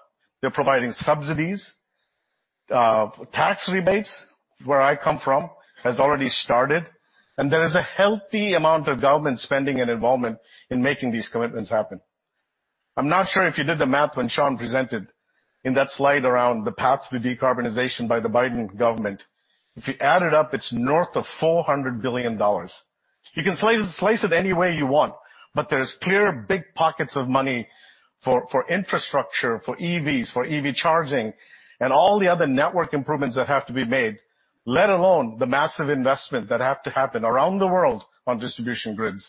They're providing subsidies, tax rebates, where I come from, has already started. There is a healthy amount of government spending and involvement in making these commitments happen. I'm not sure if you did the math when Sean presented in that slide around the path to decarbonization by the Biden government. If you add it up, it's north of $400 billion. You can slice it any way you want, there's clear big pockets of money for infrastructure, for EVs, for EV charging, and all the other network improvements that have to be made, let alone the massive investment that have to happen around the world on distribution grids.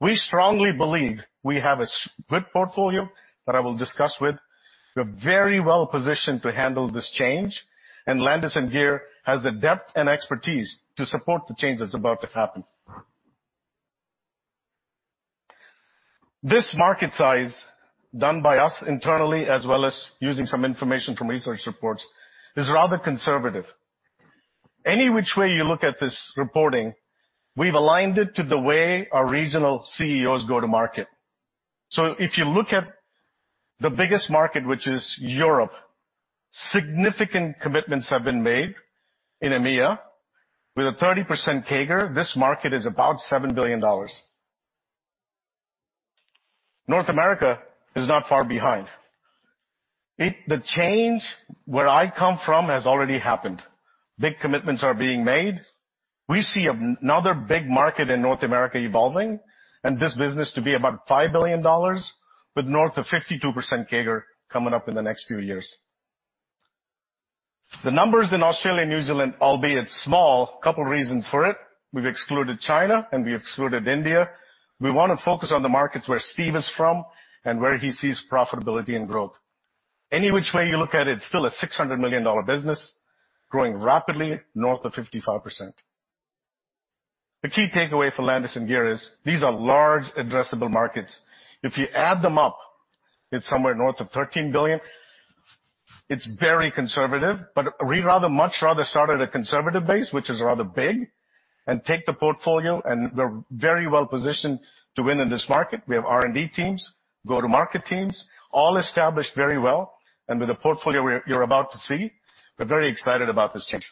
We strongly believe we have a good portfolio that I will discuss with. We're very well-positioned to handle this change, Landis+Gyr has the depth and expertise to support the change that's about to happen. This market size, done by us internally as well as using some information from research reports, is rather conservative. Any which way you look at this reporting, we've aligned it to the way our regional CEOs go to market. If you look at the biggest market, which is Europe, significant commitments have been made in EMEA with a 30% CAGR. This market is about $7 billion. North America is not far behind. The change where I come from has already happened. Big commitments are being made. We see another big market in North America evolving and this business to be about $5 billion with north of 52% CAGR coming up in the next few years. The numbers in Australia and New Zealand, albeit small, couple reasons for it. We've excluded China and we excluded India. We wanna focus on the markets where Steve is from and where he sees profitability and growth. Any which way you look at it's still a $600 million business growing rapidly north of 55%. The key takeaway for Landis+Gyr is these are large addressable markets. If you add them up, it's somewhere north of $13 billion. It's very conservative, but we'd rather much rather start at a conservative base, which is rather big, and take the portfolio, and we're very well-positioned to win in this market. We have R&D teams, go-to-market teams, all established very well, and with the portfolio we're, you're about to see, we're very excited about this change.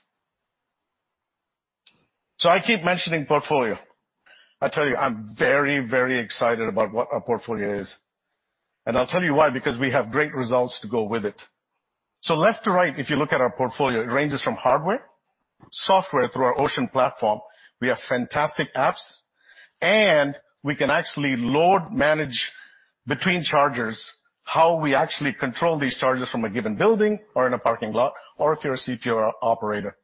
I keep mentioning portfolio. I tell you, I'm very, very excited about what our portfolio is. I'll tell you why, because we have great results to go with it. Left to right, if you look at our portfolio, it ranges from hardware, software through our Ocean platform. We have fantastic apps, and we can actually load manage between chargers, how we actually control these chargers from a given building or in a parking lot or if you're a CPO or operator.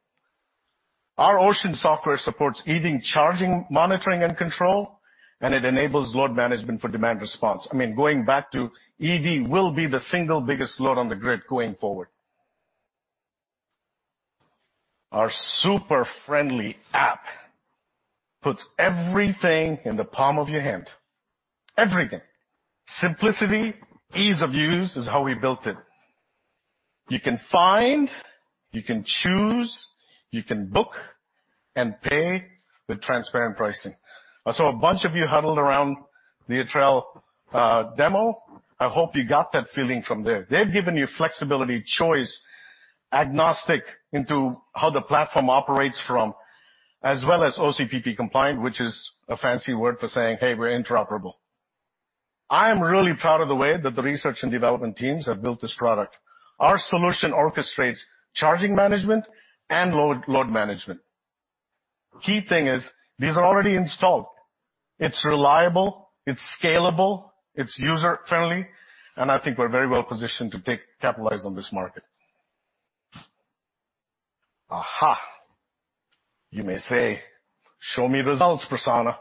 Our Ocean software supports EV charging, monitoring, and control, and it enables load management for demand response. I mean, going back to EV will be the single biggest load on the grid going forward. Our super friendly app puts everything in the palm of your hand. Everything. Simplicity, ease of use is how we built it. You can find, you can choose, you can book, and pay with transparent pricing. I saw a bunch of you huddled around the Etrel demo. I hope you got that feeling from there. They've given you flexibility, choice, agnostic into how the platform operates from as well as OCPP compliant, which is a fancy word for saying, "Hey, we're interoperable." I am really proud of the way that the research and development teams have built this product. Our solution orchestrates charging management and load management. Key thing is these are already installed. It's reliable, it's scalable, it's user-friendly, and I think we're very well-positioned to capitalize on this market. You may say, "Show me results, Prasanna."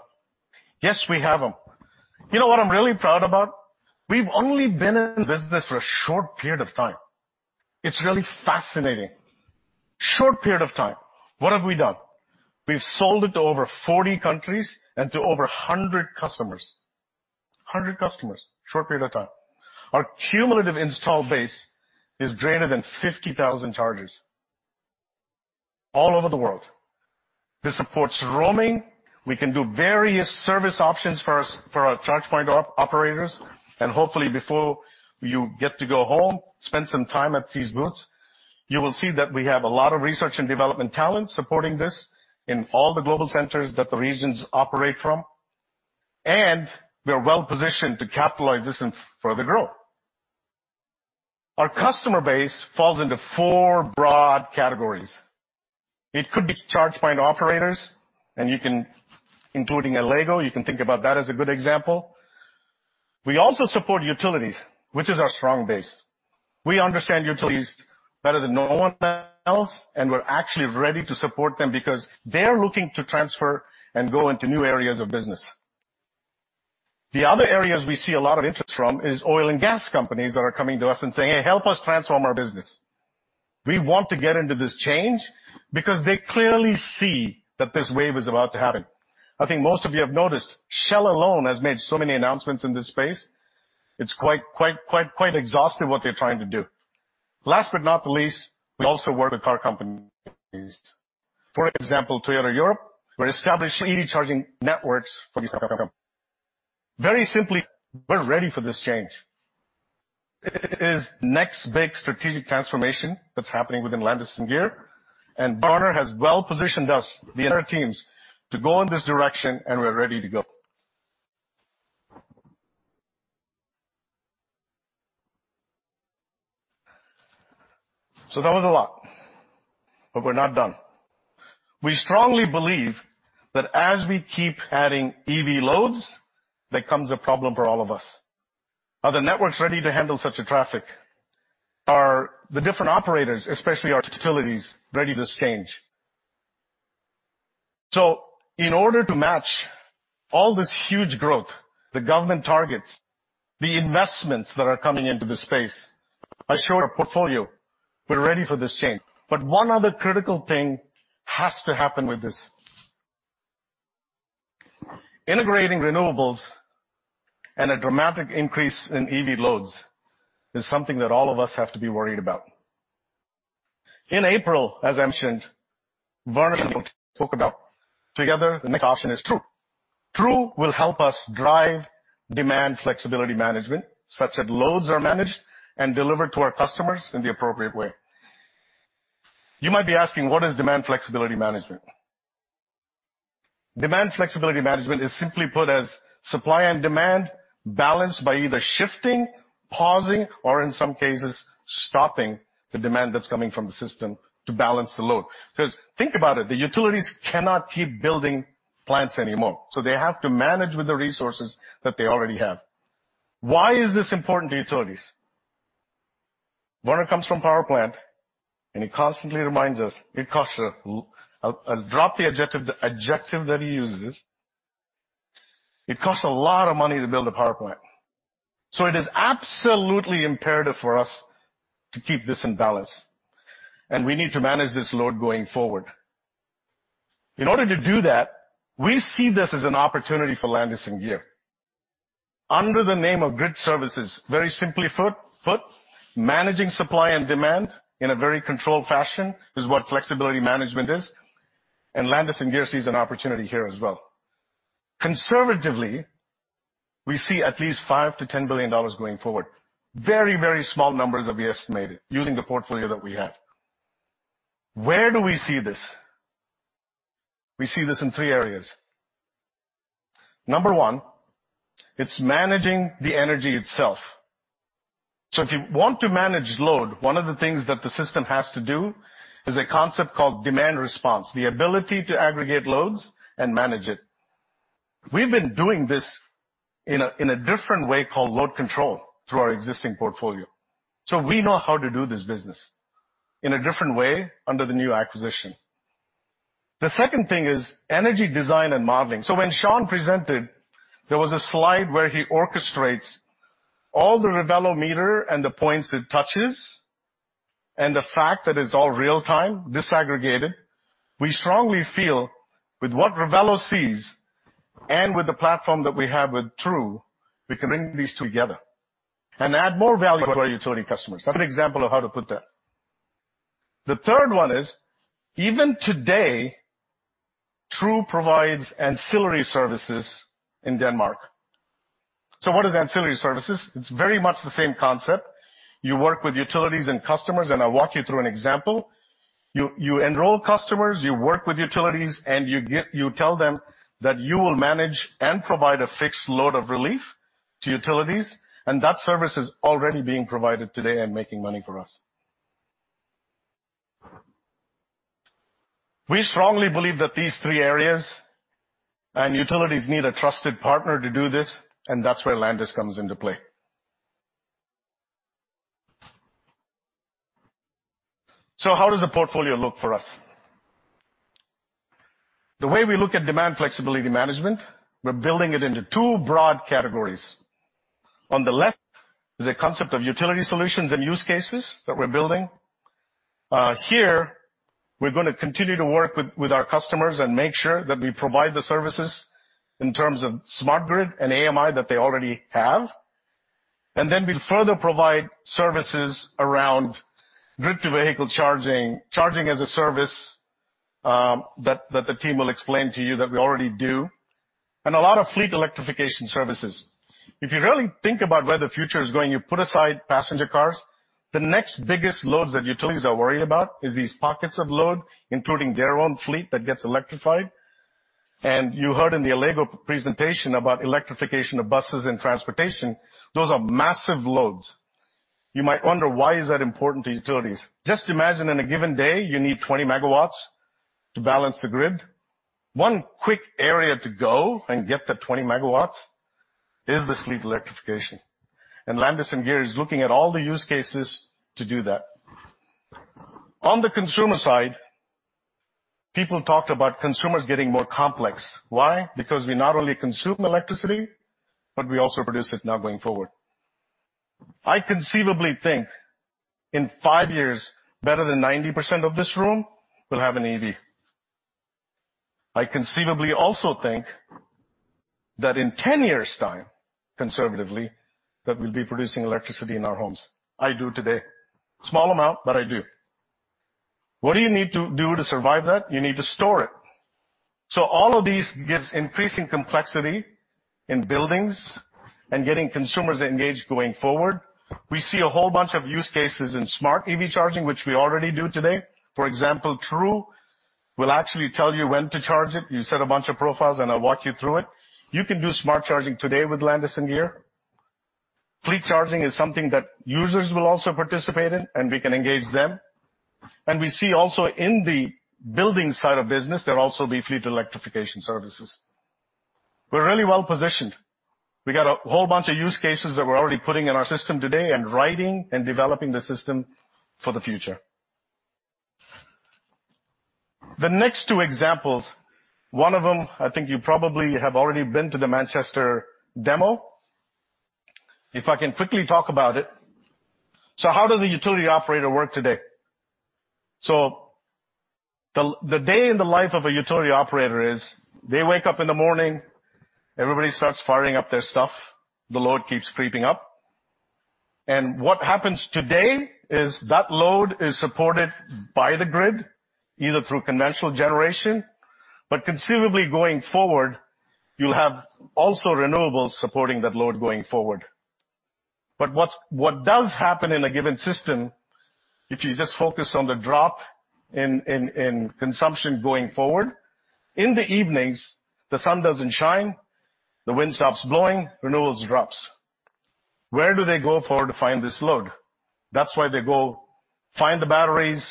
Yes, we have them. You know what I'm really proud about? We've only been in business for a short period of time. It's really fascinating. Short period of time. What have we done? We've sold it to over 40 countries and to over 100 customers. 100 customers, short period of time. Our cumulative install base is greater than 50,000 chargers all over the world. This supports roaming. We can do various service options for us, for our charge point operators, and hopefully before you get to go home, spend some time at these booths. You will see that we have a lot of research and development talent supporting this in all the global centers that the regions operate from. We are well-positioned to capitalize this and further grow. Our customer base falls into four broad categories. It could be charge point operators, and you can including Allego. You can think about that as a good example. We also support utilities, which is our strong base. We understand utilities better than no one else, and we're actually ready to support them because they're looking to transfer and go into new areas of business. The other areas we see a lot of interest from is oil and gas companies that are coming to us and saying, "Hey, help us transform our business. We want to get into this change," because they clearly see that this wave is about to happen. I think most of you have noticed Shell alone has made so many announcements in this space. It's quite exhaustive what they're trying to do. Last but not the least, we also work with car companies. For example, Toyota Europe, we're establishing EV charging networks for. Very simply, we're ready for this change. It is next big strategic transformation that's happening within Landis+Gyr, Werner has well-positioned us, the entire teams, to go in this direction. We're ready to go. That was a lot, but we're not done. We strongly believe that as we keep adding EV loads, there comes a problem for all of us. Are the networks ready to handle such a traffic? Are the different operators, especially our utilities, ready this change? In order to match all this huge growth, the government targets, the investments that are coming into the space, I showed a portfolio, we're ready for this change. One other critical thing has to happen with this. Integrating renewables and a dramatic increase in EV loads is something that all of us have to be worried about. In April, as I mentioned, Werner and I spoke about together the next option is True. True will help us drive demand flexibility management, such that loads are managed and delivered to our customers in the appropriate way. You might be asking, what is demand flexibility management? Demand flexibility management is simply put as supply and demand balanced by either shifting, pausing, or in some cases, stopping the demand that's coming from the system to balance the load. 'Cause think about it, the utilities cannot keep building plants anymore, so they have to manage with the resources that they already have. Why is this important to utilities? Werner comes from power plant, and he constantly reminds us it costs I'll drop the adjective, the adjective that he uses. It costs a lot of money to build a power plant. It is absolutely imperative for us to keep this in balance, and we need to manage this load going forward. In order to do that, we see this as an opportunity for Landis+Gyr. Under the name of grid services, very simply foot-foot, managing supply and demand in a very controlled fashion is what flexibility management is. Landis+Gyr sees an opportunity here as well. Conservatively, we see at least $5 billion-$10 billion going forward. Very small numbers that we estimated using the portfolio that we have. Where do we see this? We see this in three areas. Number one, it's managing the energy itself. If you want to manage load, one of the things that the system has to do is a concept called demand response, the ability to aggregate loads and manage it. We've been doing this in a different way called load control through our existing portfolio. We know how to do this business in a different way under the new acquisition. The second thing is energy design and modeling. When Sean presented, there was a slide where he orchestrates all the Revelo meter and the points it touches, and the fact that it's all real-time, disaggregated. We strongly feel with what Revelo sees and with the platform that we have with True, we can bring these together and add more value to our utility customers. That's an example of how to put that. The third one is, even today, True provides ancillary services in Denmark. What is ancillary services? It's very much the same concept. You work with utilities and customers, I'll walk you through an example. You, you enroll customers, you work with utilities, and you tell them that you will manage and provide a fixed load of relief to utilities, and that service is already being provided today and making money for us. We strongly believe that these three areas and utilities need a trusted partner to do this, and that's where Landis+Gyr comes into play. How does the portfolio look for us? The way we look at demand flexibility management, we're building it into two broad categories. On the left is a concept of utility solutions and use cases that we're building. Here we're gonna continue to work with our customers and make sure that we provide the services in terms of smart grid and AMI that they already have. We'll further provide services around grid-to-vehicle charging as a service, that the team will explain to you that we already do, and a lot of fleet electrification services. If you really think about where the future is going, you put aside passenger cars. The next biggest loads that utilities are worried about is these pockets of load, including their own fleet that gets electrified. You heard in the Allego presentation about electrification of buses and transportation. Those are massive loads. You might wonder, why is that important to utilities? Just imagine in a given day, you need 20 MW to balance the grid. One quick area to go and get that 20 MW is this fleet electrification, and Landis+Gyr is looking at all the use cases to do that. On the consumer side, people talked about consumers getting more complex. Why? We not only consume electricity, but we also produce it now going forward. I conceivably think in five years, better than 90% of this room will have an EV. I conceivably also think that in 10 years' time, conservatively, that we'll be producing electricity in our homes. I do today. Small amount, but I do. What do you need to do to survive that? You need to store it. All of these gives increasing complexity in buildings and getting consumers engaged going forward. We see a whole bunch of use cases in smart EV charging, which we already do today. For example, True will actually tell you when to charge it. You set a bunch of profiles, and I'll walk you through it. You can do smart charging today with Landis+Gyr. Fleet charging is something that users will also participate in, and we can engage them. We see also in the building side of business, there'll also be fleet electrification services. We're really well-positioned. We got a whole bunch of use cases that we're already putting in our system today and writing and developing the system for the future. The next two examples, one of them, I think you probably have already been to the Manchester demo. If I can quickly talk about it. How does a utility operator work today? The day in the life of a utility operator is they wake up in the morning, everybody starts firing up their stuff, the load keeps creeping up. What happens today is that load is supported by the grid, either through conventional generation, but conceivably going forward, you'll have also renewables supporting that load going forward. What does happen in a given system, if you just focus on the drop in consumption going forward, in the evenings, the sun doesn't shine, the wind stops blowing, renewables drops. Where do they go for to find this load? That's why they go find the batteries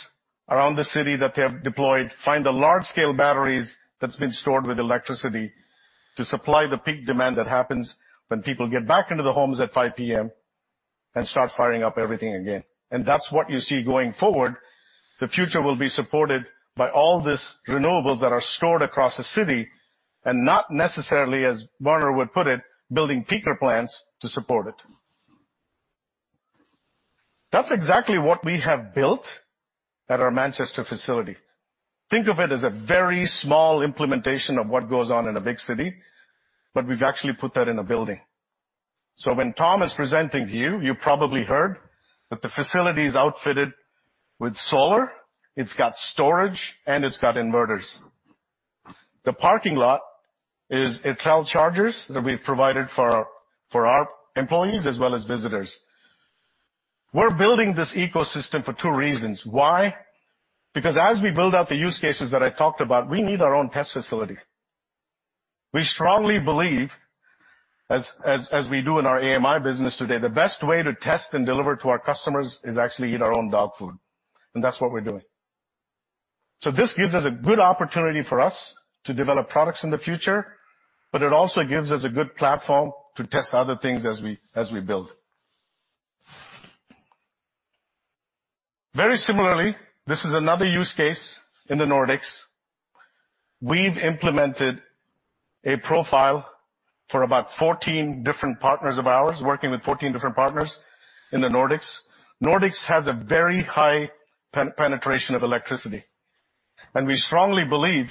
around the city that they have deployed, find the large scale batteries that's been stored with electricity to supply the peak demand that happens when people get back into their homes at 5:00 P.M. and start firing up everything again. That's what you see going forward. The future will be supported by all these renewables that are stored across the city and not necessarily, as Werner would put it, building peaker plants to support it. That's exactly what we have built at our Manchester facility. Think of it as a very small implementation of what goes on in a big city, but we've actually put that in a building. When Tom is presenting to you probably heard that the facility is outfitted with solar, it's got storage, and it's got inverters. The parking lot it's all chargers that we've provided for our employees as well as visitors. We're building this ecosystem for two reasons. Why? Because as we build out the use cases that I talked about, we need our own test facility. We strongly believe as we do in our AMI business today, the best way to test and deliver to our customers is actually eat our own dog food, and that's what we're doing. This gives us a good opportunity for us to develop products in the future, but it also gives us a good platform to test other things as we build. Very similarly, this is another use case in the Nordics. We've implemented a profile for about 14 different partners of ours, working with 14 different partners in the Nordics. Nordics has a very high penetration of electricity. We strongly believe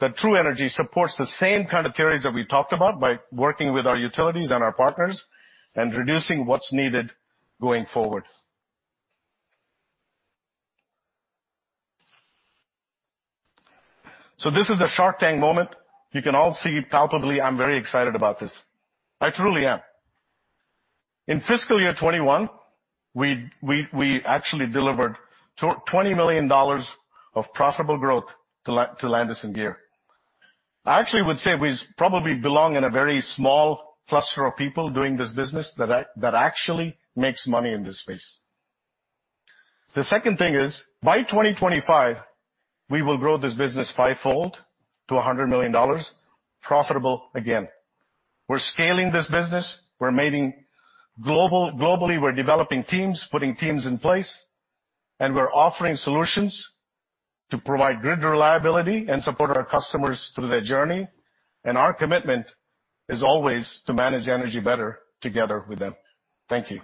that True Energy supports the same kind of theories that we talked about by working with our utilities and our partners and reducing what's needed going forward. This is a Shark Tank moment. You can all see palpably, I'm very excited about this. I truly am. In fiscal year 2021, we actually delivered $20 million of profitable growth to Landis+Gyr. I actually would say we probably belong in a very small cluster of people doing this business that actually makes money in this space. The second thing is, by 2025, we will grow this business five-fold to $100 million profitable again. We're scaling this business. We're making global... Globally, we're developing teams, putting teams in place, and we're offering solutions to provide grid reliability and support our customers through their journey. Our commitment is always to manage energy better together with them. Thank you.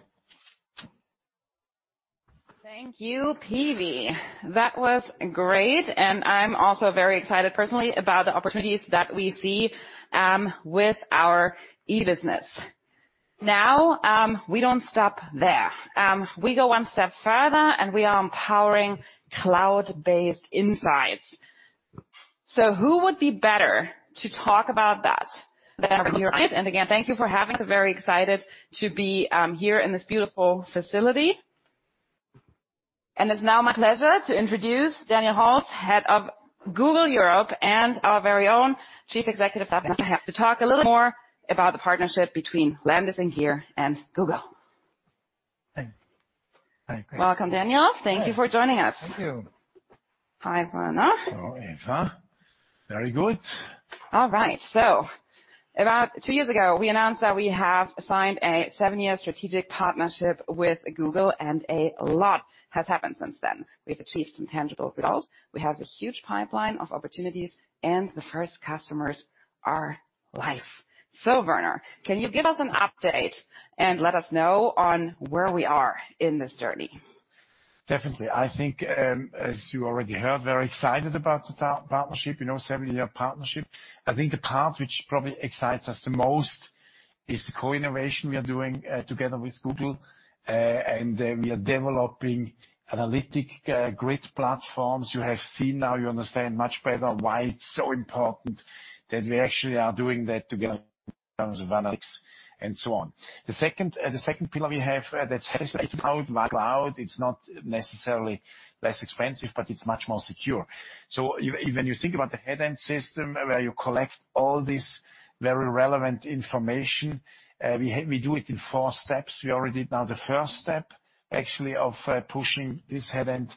Thank you, PV. That was great. I'm also very excited personally about the opportunities that we see with our e-business. Now, we don't stop there. We go one step further, we are empowering cloud-based insights. Who would be better to talk about that than our client? Again, thank you for having me. Very excited to be here in this beautiful facility. It's now my pleasure to introduce Daniel Holz, Head of Google Europe, and our very own Chief Executive Officer to talk a little more about the partnership between Landis+Gyr and Google. Hey. Hi. Great. Welcome, Daniel. Thank you for joining us. Thank you. Hi, Werner. Hello, Eva. Very good. All right. About two years ago, we announced that we have signed a seven-year strategic partnership with Google, and a lot has happened since then. We've achieved some tangible results. We have a huge pipeline of opportunities, and the first customers are live. Werner, can you give us an update and let us know on where we are in this journey? Definitely. I think, as you already heard, very excited about the seven-year partnership. I think the part which probably excites us the most is the co-innovation we are doing together with Google. We are developing analytic grid platforms. You have seen now, you understand much better why it's so important that we actually are doing that together in terms of analytics and so on. The second, the second pillar we have, that's cloud. It's not necessarily less expensive, but it's much more secure. Even you think about the headend system where you collect all this very relevant information, we do it in four steps. We already done the first step actually of pushing this headend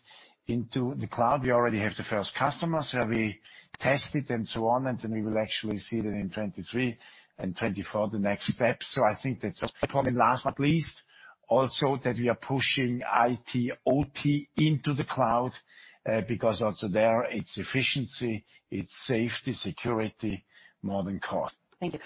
into the cloud. We already have the first customers where we test it and so on, and then we will actually see that in 2023 and 2024, the next steps. I think that's probably last but least also that we are pushing IT, OT into the cloud, because also there, it's efficiency, it's safety, security more than cost. Thank you.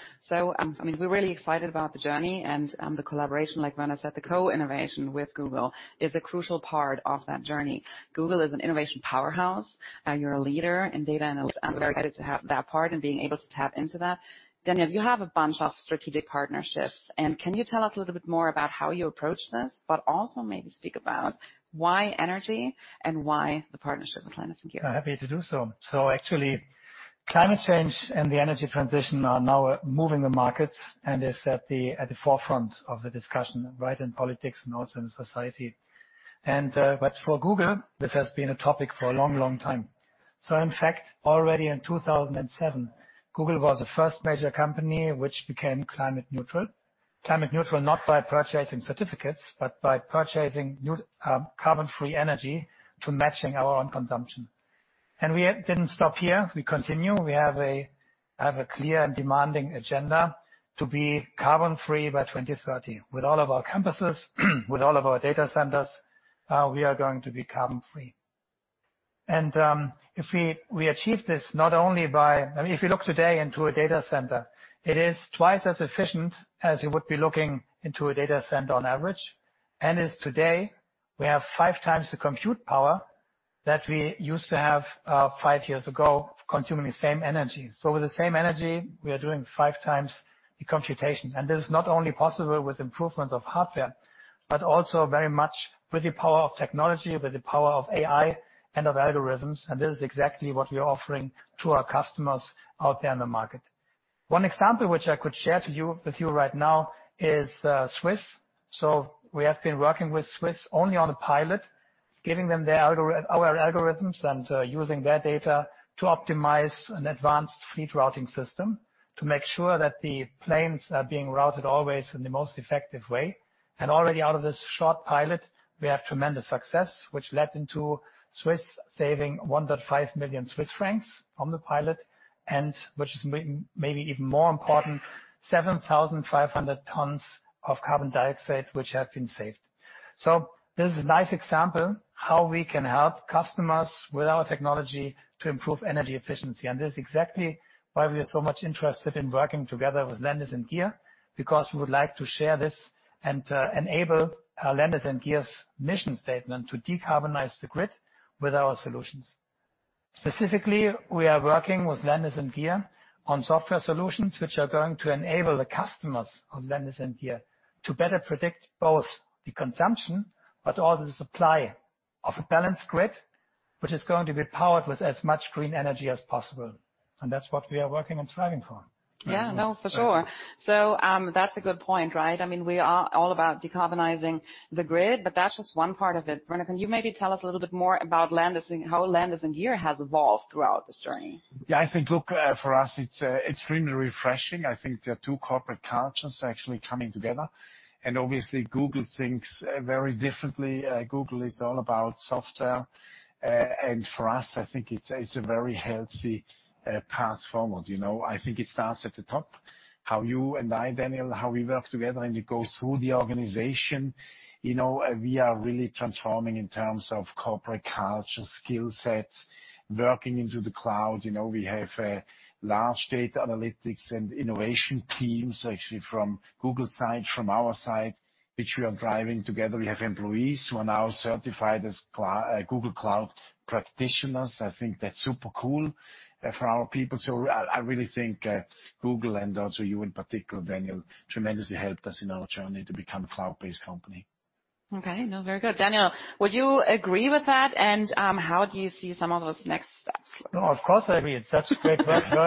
I mean, we're really excited about the journey and the collaboration, like Werner said, the co-innovation with Google is a crucial part of that journey. Google is an innovation powerhouse. You're a leader in data analytics, and we're excited to have that part in being able to tap into that. Daniel, you have a bunch of strategic partnerships, and can you tell us a little bit more about how you approach this, but also maybe speak about why energy and why the partnership with Landis+Gyr? Happy to do so. Actually, climate change and the energy transition are now moving the markets, and it's at the forefront of the discussion, right, in politics and also in society. For Google, this has been a topic for a long, long time. In fact, already in 2007, Google was the first major company which became climate neutral. Climate neutral, not by purchasing certificates, but by purchasing new carbon-free energy to matching our own consumption. We didn't stop here. We continue. We have a clear and demanding agenda to be carbon-free by 2030. With all of our campuses, with all of our data centers, we are going to be carbon-free. If we achieve this not only by... I mean, if you look today into a data center, it is twice as efficient as it would be looking into a data center on average. As today, we have five times the compute power that we used to have, five years ago, consuming the same energy. With the same energy, we are doing five times the computation. This is not only possible with improvements of hardware, but also very much with the power of technology, with the power of AI and of algorithms, and this is exactly what we are offering to our customers out there in the market. One example which I could share with you right now is EKZ. We have been working with EKZ only on a pilot, giving them our algorithms and using their data to optimize an advanced fleet routing system to make sure that the planes are being routed always in the most effective way. Already out of this short pilot, we have tremendous success, which led into EKZ saving 1.5 million Swiss francs on the pilot, and which is maybe even more important, 7,500 tons of carbon dioxide which have been saved. This is a nice example how we can help customers with our technology to improve energy efficiency. This is exactly why we are so much interested in working together with Landis+Gyr, because we would like to share this and enable Landis+Gyr's mission statement to decarbonize the grid with our solutions. Specifically, we are working with Landis+Gyr on software solutions which are going to enable the customers of Landis+Gyr to better predict both the consumption, but also the supply of a balanced grid, which is going to be powered with as much green energy as possible. That's what we are working and striving for. Yeah, no, for sure. That's a good point, right? I mean, we are all about decarbonizing the grid, but that's just one part of it. Werner, can you maybe tell us a little bit more about how Landis+Gyr has evolved throughout this journey? Yeah, I think, look, for us, it's extremely refreshing. I think there are two corporate cultures actually coming together. Obviously, Google thinks very differently. Google is all about software. And for us, I think it's a very healthy path forward, you know. I think it starts at the top, how you and I, Daniel, how we work together, and it goes through the organization. You know, we are really transforming in terms of corporate culture, skill sets, working into the cloud. You know, we have large data analytics and innovation teams actually from Google side, from our side, which we are driving together. We have employees who are now certified as Google Cloud practitioners. I think that's super cool for our people. I really think Google and also you in particular, Daniel, tremendously helped us in our journey to become a cloud-based company. Okay. No, very good. Daniel, would you agree with that? How do you see some of those next steps? No, of course, I agree. It's such a great question.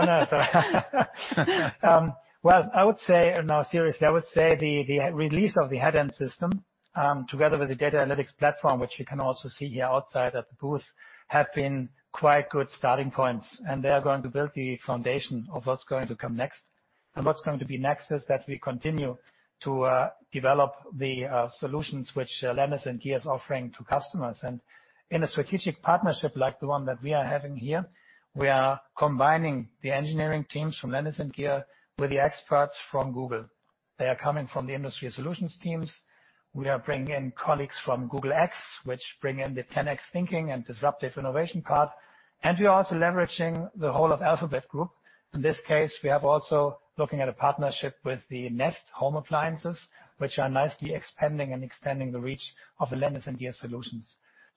I would say... No, seriously, I would say the release of the headend system, together with the data analytics platform, which you can also see here outside at the booth, have been quite good starting points. They are going to build the foundation of what's going to come next. What's going to be next is that we continue to develop the solutions which Landis+Gyr is offering to customers. In a strategic partnership like the one that we are having here, we are combining the engineering teams from Landis+Gyr with the experts from Google. They are coming from the industry solutions teams. We are bringing in colleagues from Google X, which bring in the 10X thinking and disruptive innovation part. We are also leveraging the whole of Alphabet Group. In this case, we have also looking at a partnership with the Nest home appliances, which are nicely expanding and extending the reach of the Landis+Gyr solutions.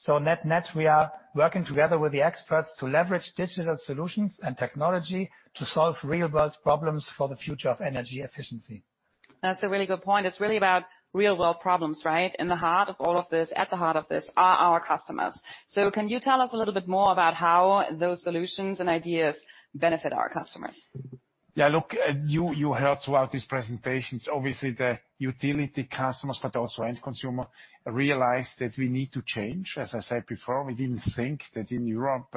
net-net, we are working together with the experts to leverage digital solutions and technology to solve real world problems for the future of energy efficiency. That's a really good point. It's really about real-world problems, right? In the heart of all of this, at the heart of this are our customers. Can you tell us a little bit more about how those solutions and ideas benefit our customers? Yeah, look, you heard throughout these presentations, obviously, the utility customers, but also end consumer realize that we need to change. As I said before, we didn't think that in Europe,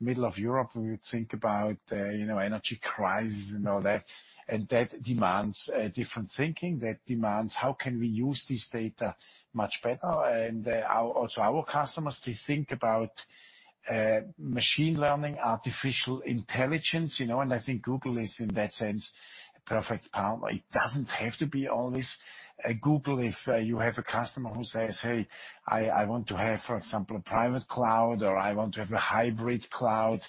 middle of Europe, we would think about, you know, energy crisis and all that. That demands different thinking. That demands how can we use this data much better? Also our customers to think about machine learning, artificial intelligence, you know, I think Google is in that sense, a perfect partner. It doesn't have to be always a Google. If you have a customer who says, "Hey, I want to have, for example, a private cloud, or I want to have a hybrid cloud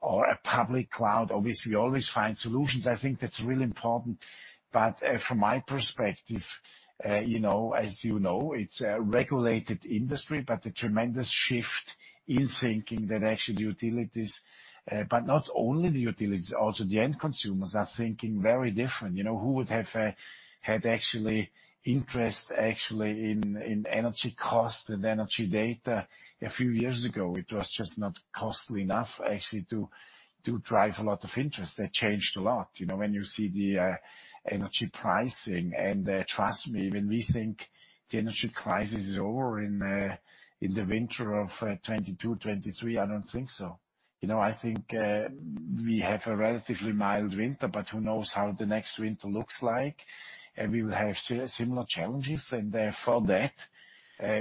or a public cloud," obviously, we always find solutions. I think that's really important. From my perspective, you know, as you know, it's a regulated industry, but a tremendous shift in thinking that actually the utilities, but not only the utilities, also the end consumers are thinking very different. You know, who would have had actually interest actually in energy cost and energy data a few years ago? It was just not costly enough actually to drive a lot of interest. That changed a lot, you know, when you see the energy pricing. Trust me, when we think the energy crisis is over in the winter of 2022, 2023, I don't think so. You know, I think we have a relatively mild winter, but who knows how the next winter looks like. We will have similar challenges, and therefore that,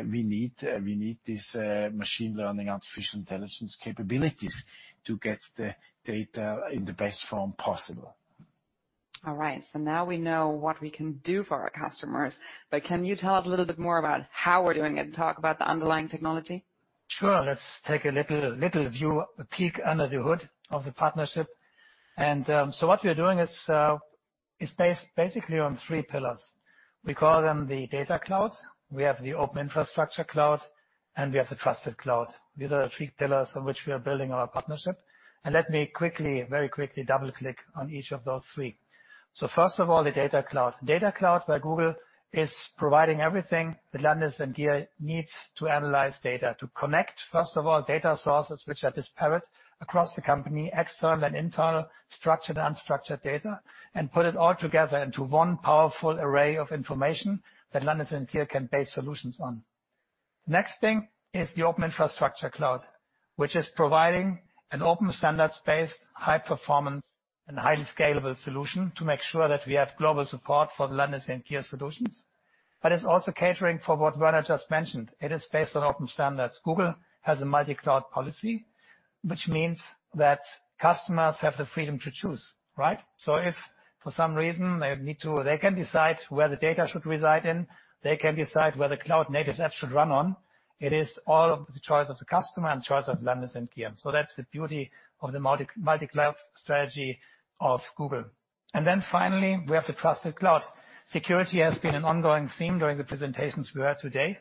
we need this, machine learning, artificial intelligence capabilities to get the data in the best form possible. All right. Now we know what we can do for our customers, but can you tell us a little bit more about how we're doing it and talk about the underlying technology? Sure. Let's take a little view, a peek under the hood of the partnership. What we are doing is based basically on three pillars. We call them the data cloud. We have the open infrastructure cloud, and we have the trusted cloud. These are the three pillars on which we are building our partnership. Let me very quickly double-click on each of those three. First of all, the data cloud. Data cloud by Google is providing everything that Landis+Gyr needs to analyze data to connect, first of all, data sources which are disparate across the company, external and internal, structured, unstructured data, and put it all together into one powerful array of information that Landis+Gyr can base solutions on. Next thing is the open infrastructure cloud, which is providing an open standards-based, high-performance, and highly scalable solution to make sure that we have global support for the Landis+Gyr solutions. It's also catering for what Werner just mentioned. It is based on open standards. Google has a multi-cloud policy, which means that customers have the freedom to choose, right? If for some reason they need to, they can decide where the data should reside in, they can decide where the cloud native app should run on. It is all the choice of the customer and choice of Landis+Gyr. That's the beauty of the multi-cloud strategy of Google. Finally, we have the trusted cloud. Security has been an ongoing theme during the presentations we had today.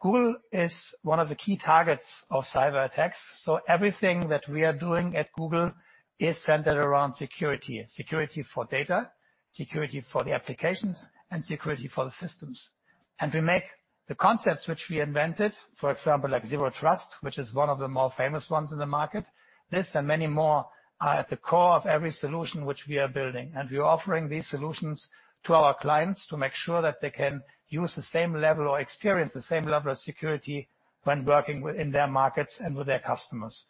Google is one of the key targets of cyberattacks, so everything that we are doing at Google is centered around security. Security for data, security for the applications, and security for the systems. We make the concepts which we invented, for example, like Zero Trust, which is one of the more famous ones in the market. This and many more are at the core of every solution which we are building. We are offering these solutions to our clients to make sure that they can use the same level or experience the same level of security when working within their markets and with their customers.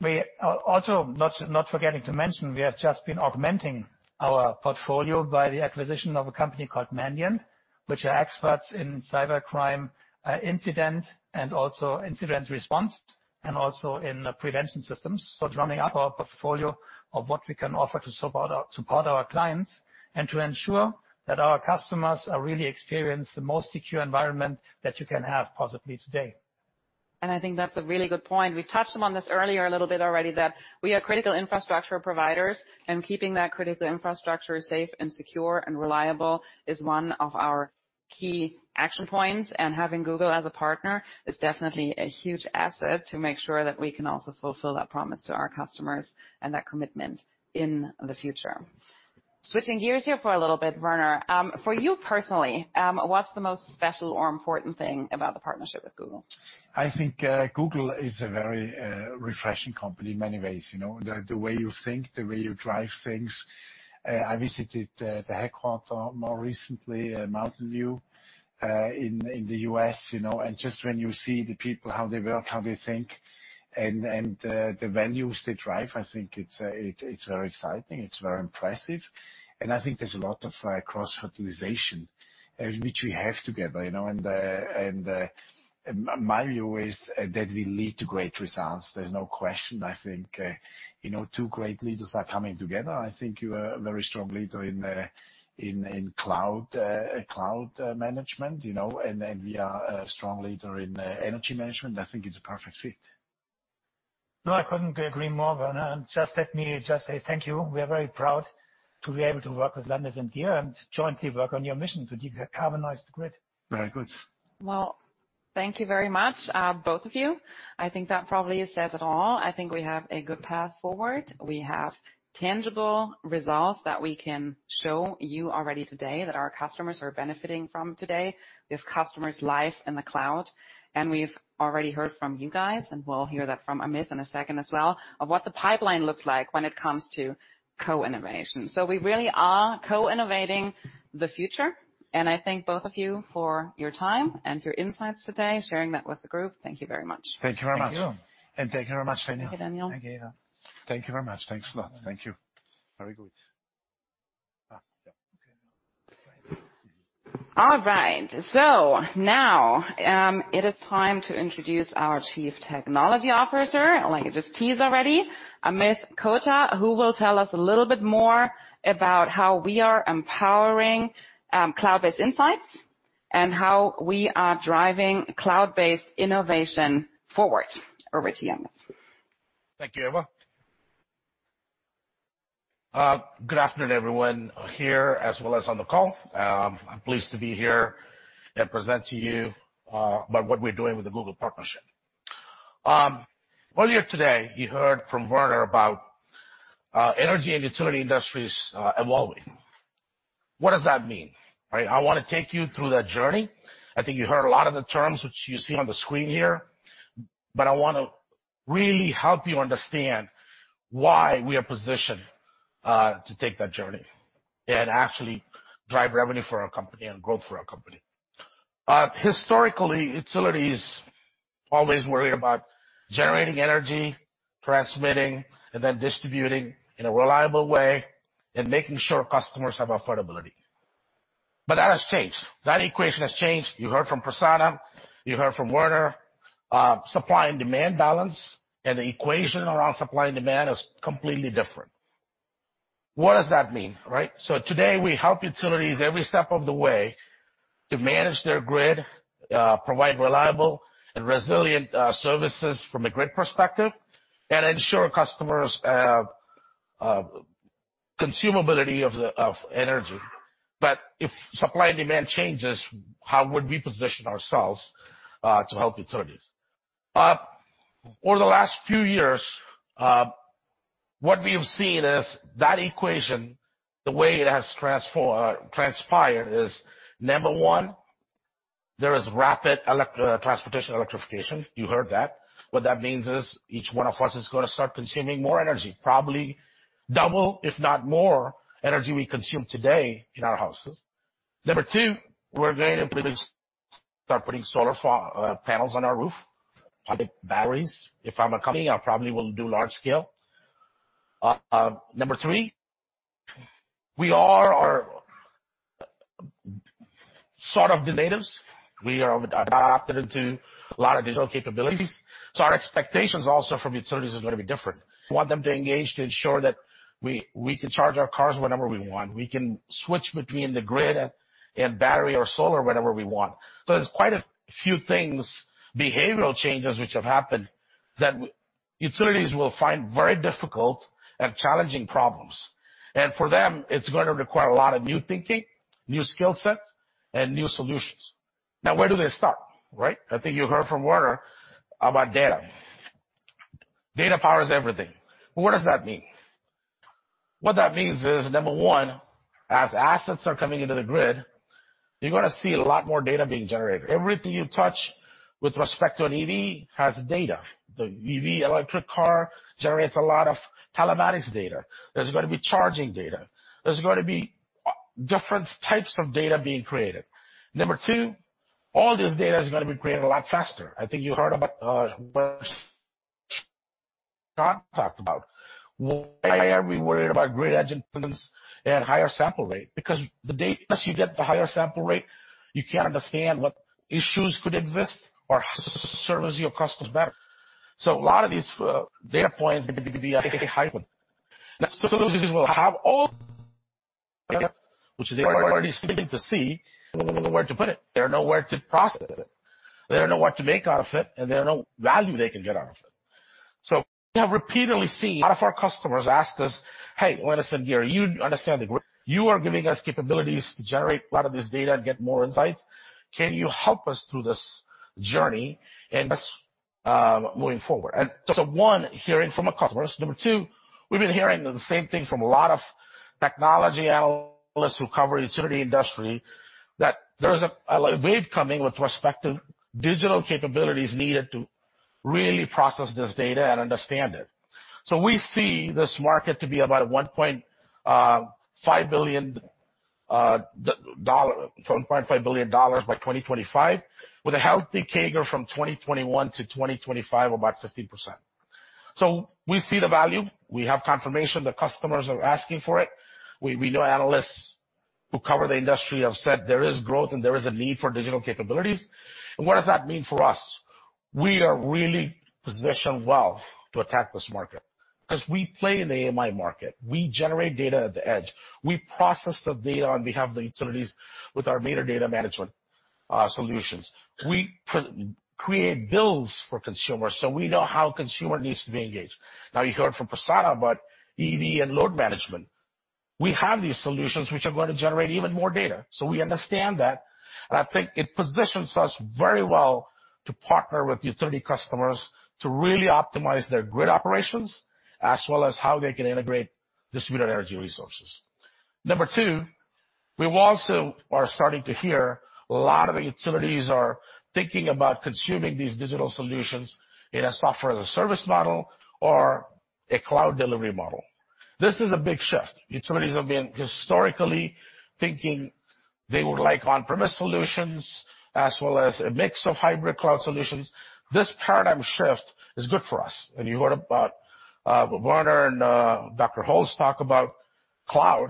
We also not forgetting to mention, we have just been augmenting our portfolio by the acquisition of a company called Luna, which are experts in cybercrime, incident, and also incident response, and also in prevention systems. It's rounding up our portfolio of what we can offer to support our clients and to ensure that our customers are really experience the most secure environment that you can have possibly today. I think that's a really good point. We've touched on this earlier a little bit already, that we are critical infrastructure providers, and keeping that critical infrastructure safe and secure and reliable is one of our key action points. Having Google as a partner is definitely a huge asset to make sure that we can also fulfill that promise to our customers and that commitment in the future. Switching gears here for a little bit, Werner, for you personally, what's the most special or important thing about the partnership with Google? I think Google is a very refreshing company in many ways, you know. The way you think, the way you drive things. I visited the headquarter more recently, Mountain View, in the US, you know, and just when you see the people, how they work, how they think, and the values they drive, I think it's very exciting. It's very impressive. I think there's a lot of cross-fertilization which we have together, you know. My view is that will lead to great results. There's no question. I think, you know, two great leaders are coming together. I think you are a very strong leader in cloud management, you know, and we are a strong leader in energy management, and I think it's a perfect fit. No, I couldn't agree more, Werner. Just let me just say thank you. We are very proud to be able to work with Landis+Gyr and jointly work on your mission to decarbonize the grid. Very good. Thank you very much, both of you. I think that probably says it all. I think we have a good path forward. We have tangible results that we can show you already today that our customers are benefiting from today. We have customers live in the cloud. We've already heard from you guys, and we'll hear that from Amit in a second as well, of what the pipeline looks like when it comes to co-innovation. We really are co-innovating the future. I thank both of you for your time and your insights today, sharing that with the group. Thank you very much. Thank you very much. Thank you. Thank you very much, Eva. Thank you, Daniel. Thank you, Eva. Thank you very much. Thanks a lot. Thank you. Very good. Yeah. Okay. All right. Now, it is time to introduce our Chief Technology Officer, like I just teased already, Amit Kotha, who will tell us a little bit more about how we are empowering, cloud-based insights and how we are driving cloud-based innovation forward. Over to you, Amit. Thank you, Eva. Good afternoon, everyone here as well as on the call. I'm pleased to be here and present to you about what we're doing with the Google partnership. Earlier today, you heard from Werner about energy and utility industries evolving. What does that mean, right? I wanna take you through that journey. I think you heard a lot of the terms which you see on the screen here, but I wanna really help you understand why we are positioned to take that journey and actually drive revenue for our company and growth for our company. Historically, utilities always worry about generating energy, transmitting, and then distributing in a reliable way and making sure customers have affordability. That has changed. That equation has changed. You heard from Prasanna, you heard from Werner. Supply and demand balance and the equation around supply and demand is completely different. What does that mean, right? Today, we help utilities every step of the way to manage their grid, provide reliable and resilient services from a grid perspective, and ensure customers have consumability of energy. If supply and demand changes, how would we position ourselves to help utilities? Over the last few years, what we have seen is that equation, the way it has transpired is, number one, there is rapid transportation electrification. You heard that. What that means is each one of us is gonna start consuming more energy, probably double, if not more energy we consume today in our houses. Number two, we're going to start putting solar panels on our roof, public batteries. If I'm a company, I probably will do large scale. Number three, we are sort of the natives. We are adapted into a lot of digital capabilities, our expectations also from utilities is gonna be different. We want them to engage to ensure that we can charge our cars whenever we want. We can switch between the grid and battery or solar whenever we want. There's quite a few things, behavioral changes which have happened that utilities will find very difficult and challenging problems. For them, it's gonna require a lot of new thinking, new skill sets, and new solutions. Now, where do they start, right? I think you heard from Werner about data. Data powers everything. What does that mean? What that means is, number one, as assets are coming into the grid, you're gonna see a lot more data being generated. Everything you touch with respect to an EV has data. The EV electric car generates a lot of telematics data. There's gonna be charging data. There's gonna be different types of data being created. Number two, all this data is gonna be created a lot faster. I think you heard about what John talked about. Why are we worried about grid edge instruments and higher sample rate? The data as you get the higher sample rate, you can understand what issues could exist or service your customers better. A lot of these data points may be heightened. Utilities will have Which they are already starting to see, they don't know where to put it. They don't know where to process it. They don't know what to make out of it, and they don't know value they can get out of it. We have repeatedly seen a lot of our customers ask us, "Hey, Landis+Gyr, you understand the grid. You are giving us capabilities to generate a lot of this data and get more insights. Can you help us through this journey and moving forward?" One, hearing from our customers. Number two, we've been hearing the same thing from a lot of technology analysts who cover utility industry, that there is a wave coming with respect to digital capabilities needed to really process this data and understand it. We see this market to be about $1.5 billion by 2025, with a healthy CAGR from 2021-2025, about 15%. We see the value. We have confirmation that customers are asking for it. We know analysts who cover the industry have said there is growth and there is a need for digital capabilities. What does that mean for us? We are really positioned well to attack this market because we play in the AMI market. We generate data at the edge. We process the data on behalf of the utilities with our meter data management solutions. We create bills for consumers, so we know how consumer needs to be engaged. Now you heard from Prasanna about EV and load management. We have these solutions which are gonna generate even more data, so we understand that. I think it positions us very well to partner with utility customers to really optimize their grid operations as well as how they can integrate distributed energy resources. Number two, we also are starting to hear a lot of the utilities are thinking about consuming these digital solutions in a Software-as-a-Service model or a cloud delivery model. This is a big shift. Utilities have been historically thinking they would like on-premise solutions as well as a mix of hybrid cloud solutions. This paradigm shift is good for us. You heard about Werner and Dr. Holz talk about cloud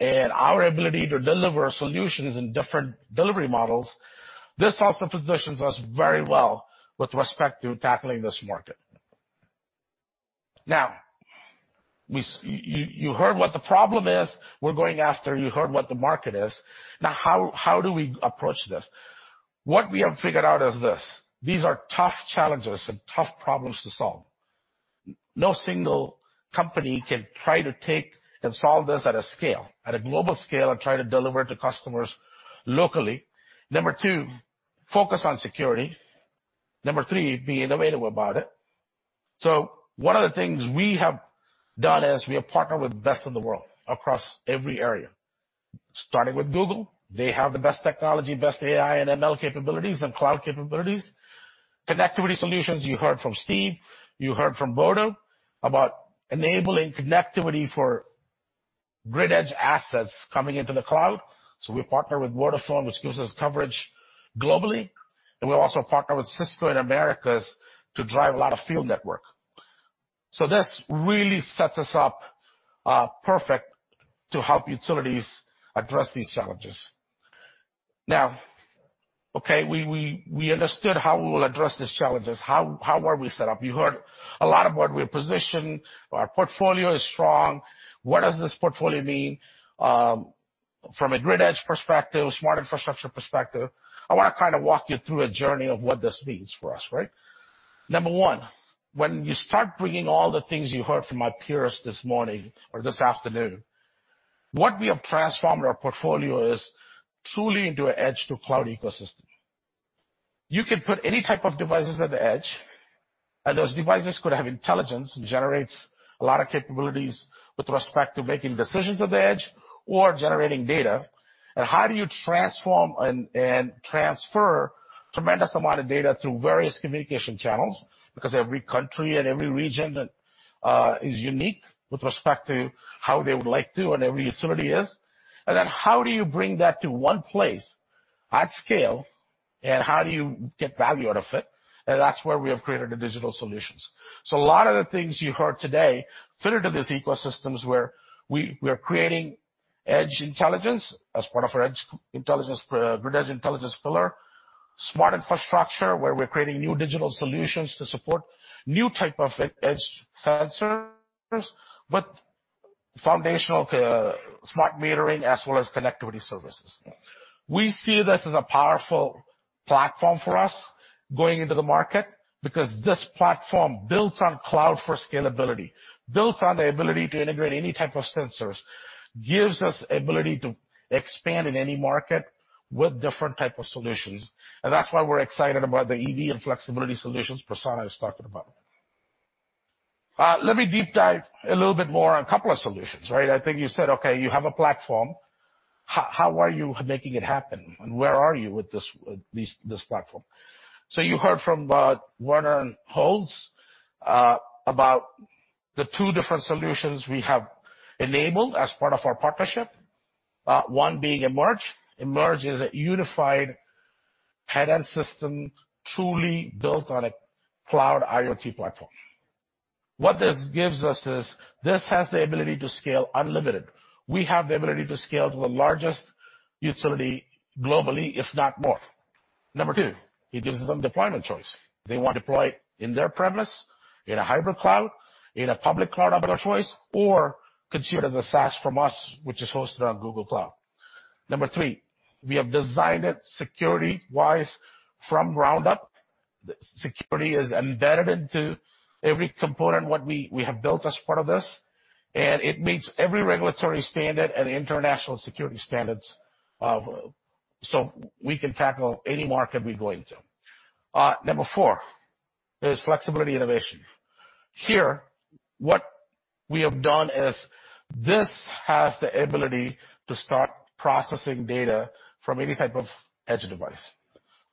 and our ability to deliver solutions in different delivery models. This also positions us very well with respect to tackling this market. You heard what the problem is we're going after. You heard what the market is. How do we approach this? What we have figured out is this: these are tough challenges and tough problems to solve. No single company can try to take and solve this at a scale, at a global scale, or try to deliver to customers locally. Number two, focus on security. Number three, be innovative about it. One of the things we have done is we have partnered with the best in the world across every area, starting with Google. They have the best technology, best AI and ML capabilities and cloud capabilities. Connectivity solutions, you heard from Steve, you heard from Bodo about enabling connectivity for grid edge assets coming into the cloud. We partner with Vodafone, which gives us coverage globally, and we also partner with Cisco in Americas to drive a lot of field network. This really sets us up perfect to help utilities address these challenges. Now, okay, we understood how we will address these challenges. How are we set up? You heard a lot of what we position. Our portfolio is strong. What does this portfolio mean from a grid edge perspective, smart infrastructure perspective? I wanna kinda walk you through a journey of what this means for us, right? Number one, when you start bringing all the things you heard from my peers this morning or this afternoon, what we have transformed our portfolio is truly into a edge to cloud ecosystem. You could put any type of devices at the edge, those devices could have intelligence, generates a lot of capabilities with respect to making decisions at the edge or generating data. How do you transform and transfer tremendous amount of data through various communication channels? Every country and every region is unique with respect to how they would like to and every utility is. Then how do you bring that to one place at scale, and how do you get value out of it? That's where we have created the digital solutions. A lot of the things you heard today fit into these ecosystems where we're creating edge intelligence as part of our grid edge intelligence pillar. Smart infrastructure, where we're creating new digital solutions to support new type of e-edge sensors with foundational to smart metering as well as connectivity services. We see this as a powerful platform for us going into the market, because this platform builds on cloud for scalability, builds on the ability to integrate any type of sensors, gives us ability to expand in any market with different type of solutions, and that's why we're excited about the EV and flexibility solutions Prasanna is talking about. Let me deep dive a little bit more on a couple of solutions, right? I think you said, okay, you have a platform. How are you making it happen, and where are you with this platform? You heard from Werner and Holtz about the two different solutions we have enabled as part of our partnership, one being Emerge. Emerge is a unified headend system truly built on a cloud IoT platform. What this gives us is this has the ability to scale unlimited. We have the ability to scale to the largest utility globally, if not more. Number two, it gives them deployment choice. They want to deploy in their premise, in a hybrid cloud, in a public cloud of their choice, or consume it as a SaaS from us, which is hosted on Google Cloud. Number three, we have designed it security-wise from ground up. Security is embedded into every component what we have built as part of this. It meets every regulatory standard and international security standards, so we can tackle any market we go into. Number four is flexibility innovation. Here, what we have done is this has the ability to start processing data from any type of edge device.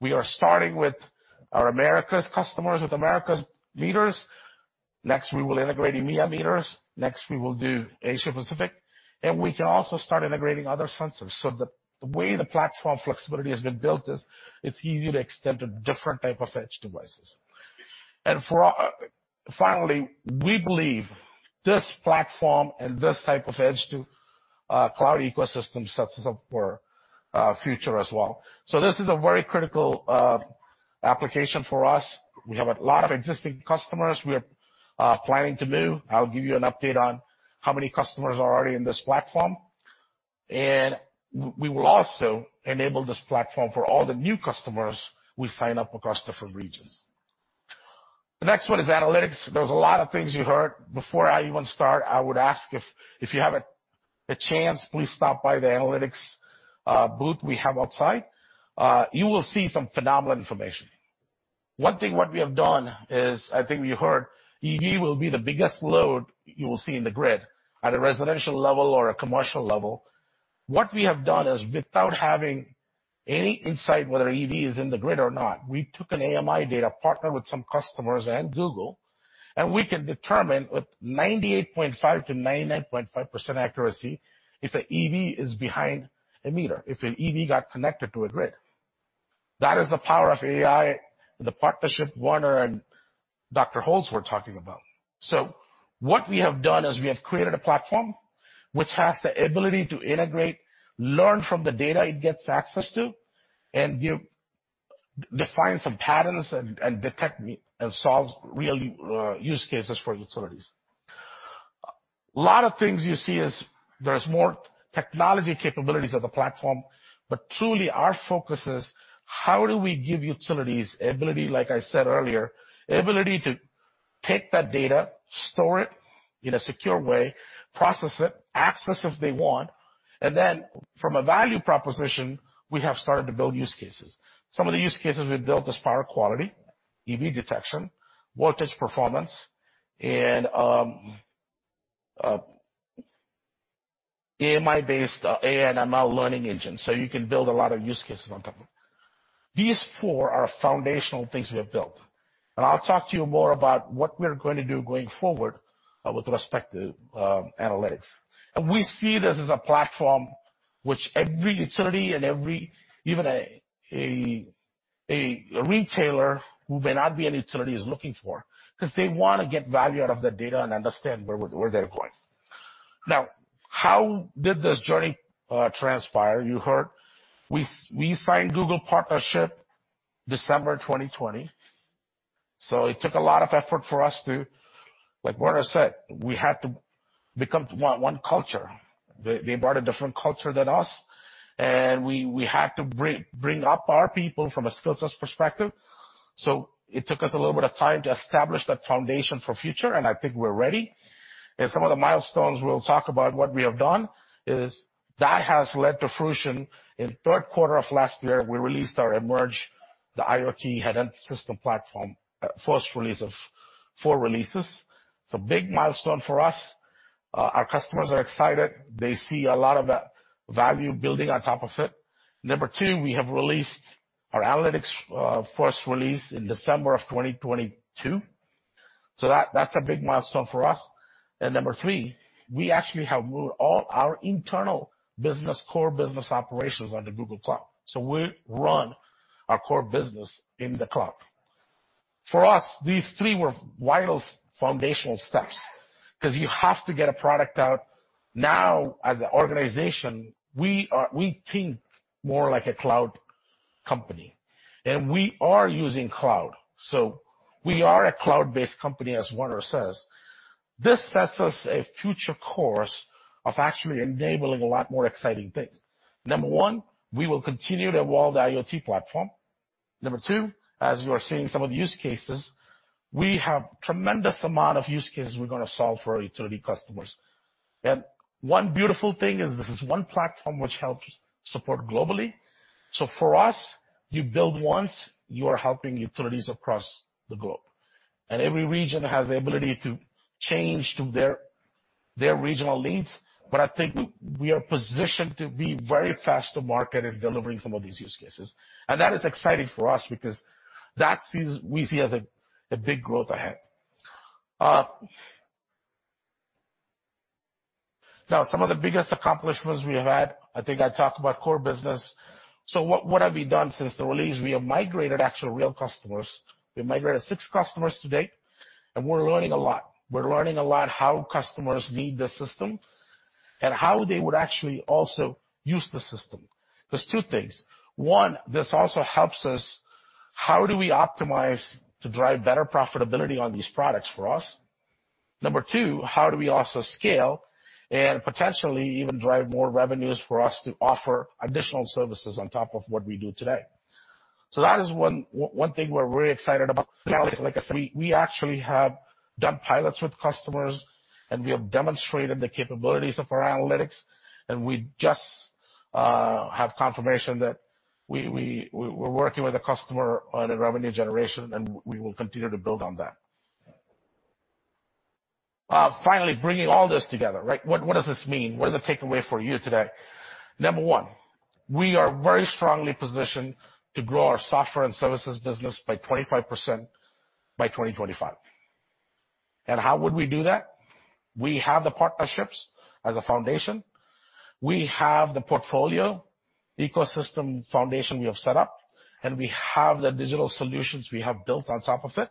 We are starting with our Americas customers, with Americas meters. Next, we will integrate EMEA meters. Next, we will do Asia-Pacific. We can also start integrating other sensors. The way the platform flexibility has been built is it's easy to extend to different type of edge devices. Finally, we believe this platform and this type of edge to cloud ecosystem sets us up for future as well. This is a very critical application for us. We have a lot of existing customers we are planning to move. I'll give you an update on how many customers are already in this platform. We will also enable this platform for all the new customers we sign up across different regions. The next one is analytics. There's a lot of things you heard. Before I even start, I would ask if you have a chance, please stop by the analytics booth we have outside. You will see some phenomenal information. One thing what we have done is, I think you heard, EV will be the biggest load you will see in the grid at a residential level or a commercial level. What we have done is without having any insight whether EV is in the grid or not, we took an AMI data, partnered with some customers and Google, and we can determine with 98.5%-99.5% accuracy if a EV is behind a meter, if an EV got connected to a grid. That is the power of AI, the partnership Werner and Dr. Holz were talking about. What we have done is we have created a platform which has the ability to integrate, learn from the data it gets access to, and define some patterns and detect me and solves real use cases for utilities. A lot of things you see is there's more technology capabilities of the platform, but truly our focus is how do we give utilities ability, like I said earlier, ability to take that data, store it in a secure way, process it, access if they want, and then from a value proposition, we have started to build use cases. Some of the use cases we've built is power quality, EV detection, voltage performance, and AMI-based AI and ML learning engine. You can build a lot of use cases on top of it. These four are foundational things we have built. I'll talk to you more about what we're going to do going forward, with respect to analytics. We see this as a platform which every utility and every... Even a retailer who may not be a utility is looking for, 'cause they wanna get value out of their data and understand where they're going. How did this journey transpire? You heard we signed Google partnership December 2020. It took a lot of effort for us to, like Werner said, we had to become one culture. They brought a different culture than us, and we had to bring up our people from a skill sets perspective. It took us a little bit of time to establish that foundation for future, and I think we're ready. Some of the milestones we'll talk about what we have done is that has led to fruition. In third quarter of last year, we released our Emerge, the IoT headend system platform, first release of four releases. It's a big milestone for us. Our customers are excited. They see a lot of value building on top of it. Number two, we have released our analytics, first release in December of 2022. That's a big milestone for us. Number three, we actually have moved all our internal business, core business operations on the Google Cloud. We run our core business in the cloud. For us, these three were vital foundational steps, 'cause you have to get a product out. Now as an organization, we think more like a cloud company, and we are using cloud. We are a cloud-based company, as Werner says. This sets us a future course of actually enabling a lot more exciting things. Number one, we will continue to evolve the IoT platform. Number two, as you are seeing some of the use cases, we have tremendous amount of use cases we're gonna solve for our utility customers. One beautiful thing is this is one platform which helps support globally. For us, you build once, you are helping utilities across the globe. Every region has the ability to change to their regional leads. I think we are positioned to be very fast to market in delivering some of these use cases. That is exciting for us because we see as a big growth ahead. Now some of the biggest accomplishments we have had, I think I talked about core business. What have we done since the release? We have migrated actual real customers. We migrated six customers to date, and we're learning a lot. We're learning a lot how customers need the system and how they would actually also use the system. There's two things. One, this also helps us, how do we optimize to drive better profitability on these products for us? Number two, how do we also scale and potentially even drive more revenues for us to offer additional services on top of what we do today? That is one thing we're very excited about. Like I said, we actually have done pilots with customers, and we have demonstrated the capabilities of our analytics, and we just have confirmation that we're working with a customer on a revenue generation, and we will continue to build on that. Finally, bringing all this together, right? What does this mean? What is the takeaway for you today? Number one, we are very strongly positioned to grow our software and services business by 25% by 2025. How would we do that? We have the partnerships as a foundation. We have the portfolio, ecosystem foundation we have set up, and we have the digital solutions we have built on top of it,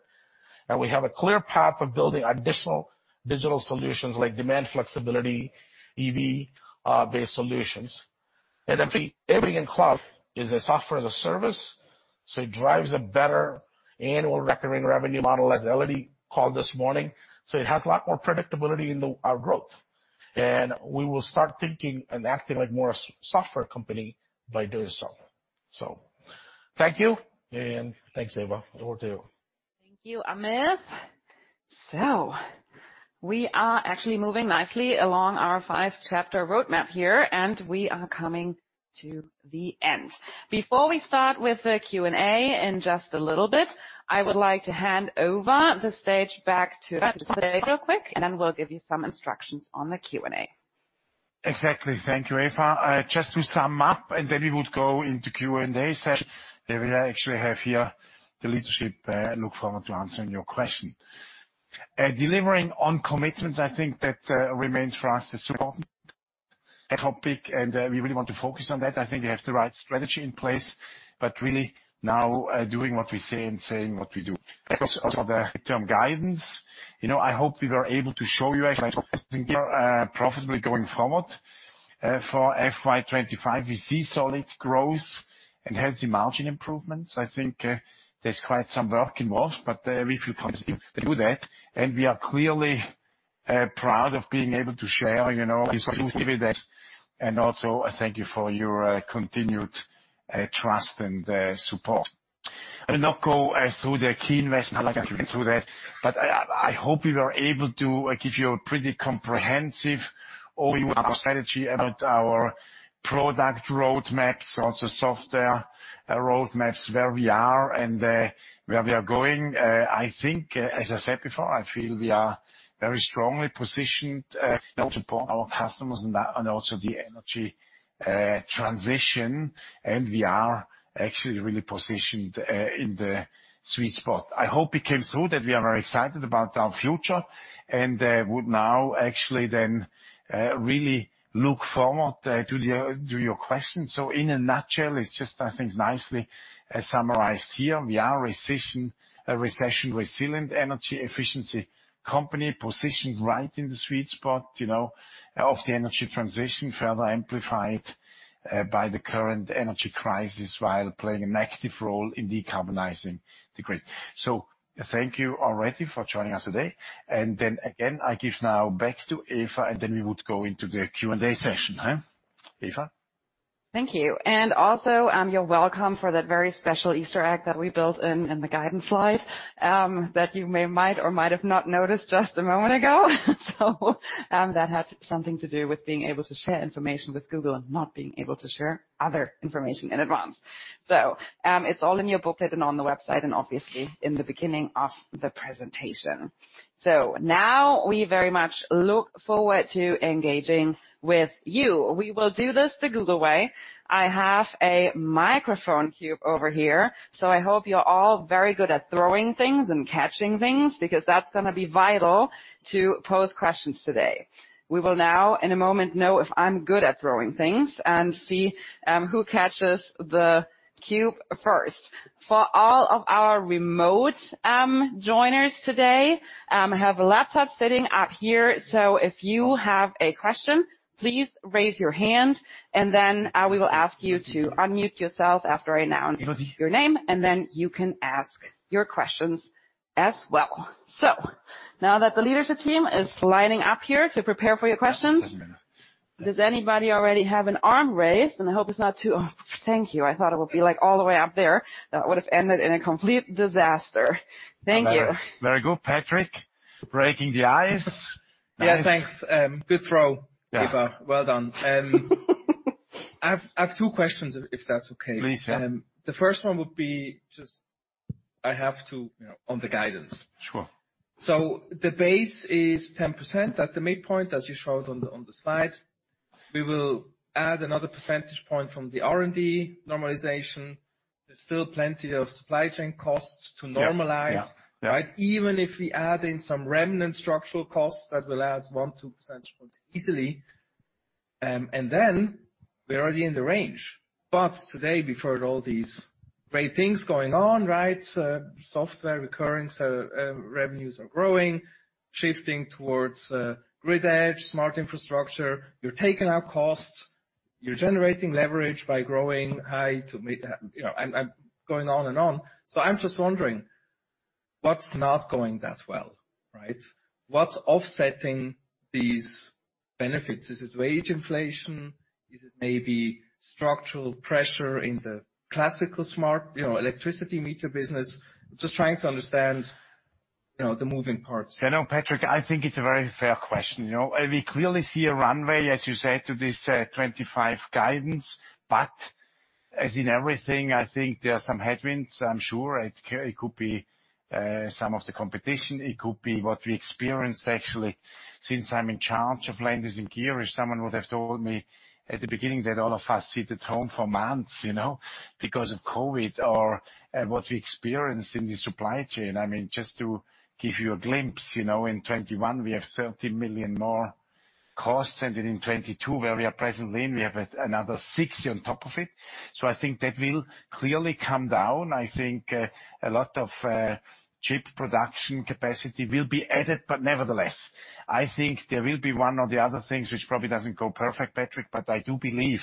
and we have a clear path of building additional digital solutions like demand flexibility, EV, based solutions. The Emerge Cloud is a Software-as-a-Service, it drives a better annual recurring revenue model, as Elodie called this morning. It has a lot more predictability in our growth. We will start thinking and acting like more a software company by doing so. Thank you, and thanks, Eva. Over to you. Thank you, Amit. We are actually moving nicely along our five chapter roadmap here, and we are coming to the end. Before we start with the Q&A in just a little bit, I would like to hand over the stage back to Quick, we'll give you some instructions on the Q&A. Exactly. Thank you, Eva. Just to sum up. We would go into Q&A session, where we actually have here the leadership, look forward to answering your question. Delivering on commitments, I think that remains for us is so important topic. We really want to focus on that. I think we have the right strategy in place. Really now, doing what we say and saying what we do. As for the term guidance, you know, I hope we were able to show you actually profitably going forward. For FY 2025, we see solid growth and healthy margin improvements. I think there's quite some work involved. We feel confident to do that. We are clearly proud of being able to share, you know, this with you today. Also, I thank you for your continued trust and support. I will not go through the key investment. I like Eva went through that, but I hope we were able to give you a pretty comprehensive overview of our strategy, about our product roadmaps, also software roadmaps, where we are and where we are going. I think as I said before, I feel we are very strongly positioned to support our customers and also the energy transition. We are actually really positioned in the sweet spot. I hope it came through that we are very excited about our future and would now actually then really look forward to your questions. In a nutshell, it's just I think nicely summarized here. We are a recession-resilient energy efficiency company positioned right in the sweet spot, you know, of the energy transition, further amplified by the current energy crisis while playing an active role in decarbonizing the grid. Thank you already for joining us today. Again, I give now back to Eva, and then we would go into the Q&A session. Huh, Eva? Thank you. You're welcome for that very special Easter egg that we built in the guidance slide that you may might or might have not noticed just a moment ago. That had something to do with being able to share information with Google and not being able to share other information in advance. It's all in your booklet and on the website and obviously in the beginning of the presentation. Now we very much look forward to engaging with you. We will do this the Google way. I have a microphone cube over here, so I hope you're all very good at throwing things and catching things because that's gonna be vital to pose questions today. We will now in a moment know if I'm good at throwing things and see who catches the cube first. For all of our remote joiners today, I have a laptop sitting up here, so if you have a question, please raise your hand, and then we will ask you to unmute yourself after I announce your name, and then you can ask your questions as well. Now that the leadership team is lining up here to prepare for your questions, does anybody already have an arm raised? I hope it's not too... Thank you. I thought it would be, like, all the way up there. That would have ended in a complete disaster. Thank you. Very, very good, Patrick. Breaking the ice. Yeah. Thanks. Good throw, Eva. Well done. I have two questions if that's okay. Please, yeah. The first one would be just I have to, you know, on the guidance. Sure. The base is 10% at the midpoint, as you showed on the slide. We will add another percentage point from the R&D normalization. There's still plenty of supply chain costs to normalize. Yeah. Yeah. Right? Even if we add in some remnant structural costs, that will add one, two percentage points easily. We're already in the range. Today we've heard all these great things going on, right? Software recurring, revenues are growing, shifting towards grid edge, smart infrastructure. You're taking out costs. You're generating leverage by growing. I'm going on and on. I'm just wondering what's not going that well, right? What's offsetting these benefits? Is it wage inflation? Is it maybe structural pressure in the classical smart electricity meter business? Just trying to understand the moving parts. You know, Patrick, I think it's a very fair question. You know, we clearly see a runway, as you said, to this, 25 guidance. As in everything, I think there are some headwinds, I'm sure. It could be some of the competition. It could be what we experienced actually since I'm in charge of Landis+Gyr. If someone would have told me at the beginning that all of us sit at home for months, you know, because of COVID or what we experienced in the supply chain. I mean, just to give you a glimpse, you know, in 2021 we have $30 million more costs, and in 2022, where we are presently, we have another $60 million on top of it. I think that will clearly come down. I think a lot of chip production capacity will be added. Nevertheless, I think there will be one or the other things which probably doesn't go perfect, Patrick, but I do believe,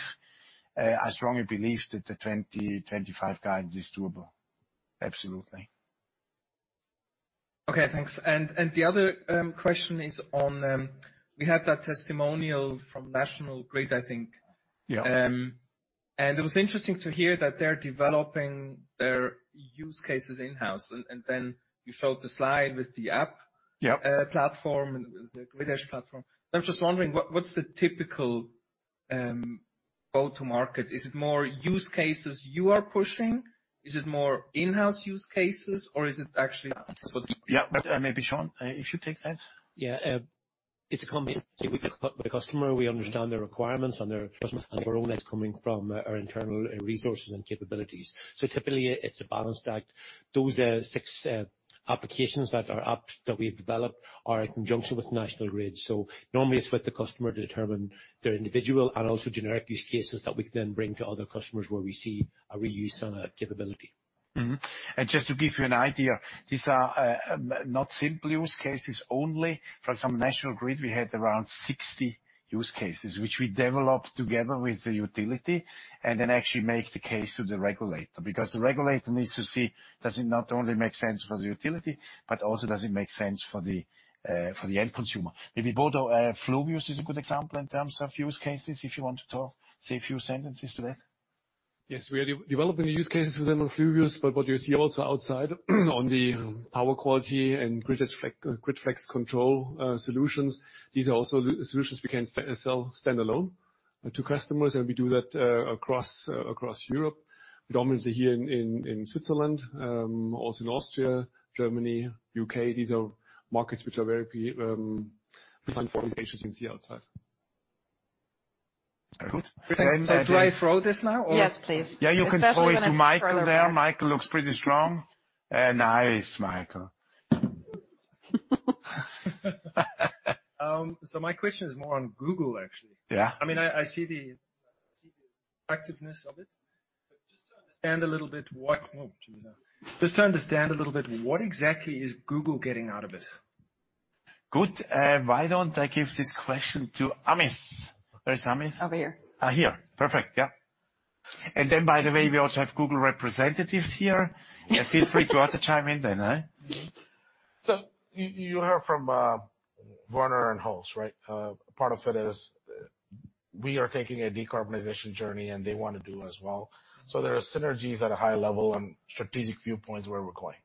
I strongly believe that the 2025 guidance is doable. Absolutely. Okay, thanks. The other question is on... We had that testimonial from National Grid, I think. Yeah. It was interesting to hear that they're developing their use cases in-house. Then you showed the slide with the. Yeah. Platform and the Grid Edge platform. I'm just wondering, what's the typical go-to-market? Is it more use cases you are pushing? Is it more in-house use cases, or is it actually sort of. Yeah, maybe Sean, if you take that. Yeah. It's a combination. We speak with the customer, we understand their requirements and their customers, and their own needs coming from our internal resources and capabilities. Typically it's a balanced act. Those six applications that are apps that we've developed are in conjunction with National Grid. Normally it's with the customer to determine their individual and also generic use cases that we can then bring to other customers where we see a reuse on a capability. Just to give you an idea, these are not simple use cases only. For example, National Grid, we had around 60 use cases, which we developed together with the utility and then actually make the case to the regulator. The regulator needs to see, does it not only make sense for the utility, but also does it make sense for the end consumer. Maybe Bodo, Fluvius is a good example in terms of use cases, if you want to talk, say a few sentences to that. We are de-developing the use cases within Fluvius, but what you see also outside on the power quality and grid flex control solutions. These are also the solutions we can sell standalone to customers, and we do that across Europe. Predominantly here in Switzerland, also in Austria, Germany, U.K.. These are markets which are very important locations you can see outside. Very good. Do I throw this now or? Yes, please. Yeah. You can throw it to Michael there. Michael looks pretty strong. Nice, Michael. My question is more on Google, actually. Yeah. I mean, I see the attractiveness of it. Oh, Julien. Just to understand a little bit, what exactly is Google getting out of it? Good. Why don't I give this question to Amit? Where is Amit? Over here. Here. Perfect. Yeah. By the way, we also have Google representatives here. Feel free to also chime in then, eh? You, you heard from Werner and Horst, right? Part of it is we are taking a decarbonization journey, and they wanna do as well. There are synergies at a high level and strategic viewpoints where we're going.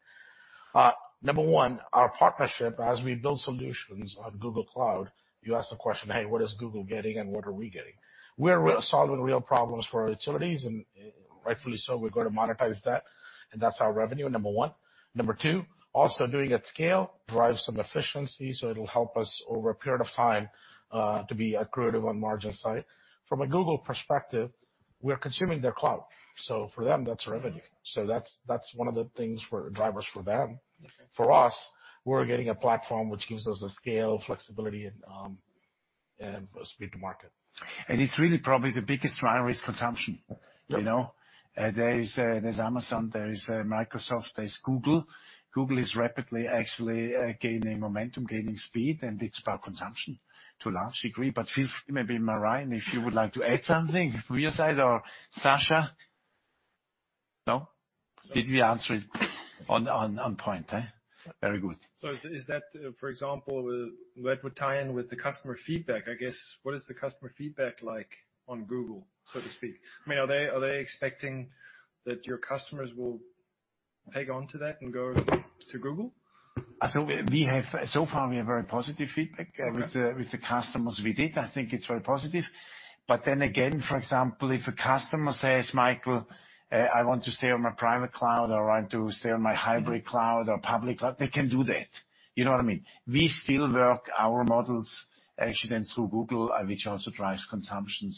Number one, our partnership as we build solutions on Google Cloud, you ask the question, "Hey, what is Google getting and what are we getting?" We're solving real problems for our utilities, and rightfully so, we're gonna monetize that, and that's our revenue, number one. Number two, also doing it scale drives some efficiency, so it'll help us over a period of time to be accretive on margin side. From a Google perspective, we're consuming their cloud, so for them, that's revenue. That's one of the things for drivers for them. For us, we're getting a platform which gives us the scale, flexibility, and speed to market. It's really probably the biggest driver is consumption. Yep. You know? There is, there's Amazon, there is, Microsoft, there's Google. Google is rapidly actually gaining momentum, gaining speed, and it's about consumption to a large degree. Maybe Marijn, if you would like to add something from your side or Sasha? No. Did we answer it on, on point, eh? Very good. Is that, for example, that would tie in with the customer feedback, I guess. What is the customer feedback like on Google, so to speak? I mean, are they expecting that your customers will peg on to that and go to Google? Far we have very positive feedback. Okay. With the customers we did. I think it's very positive. For example, if a customer says, "Michael, I want to stay on my private cloud," or, "I want to stay on my hybrid cloud or public cloud," they can do that. You know what I mean? We still work our models actually then through Google, which also drives consumption.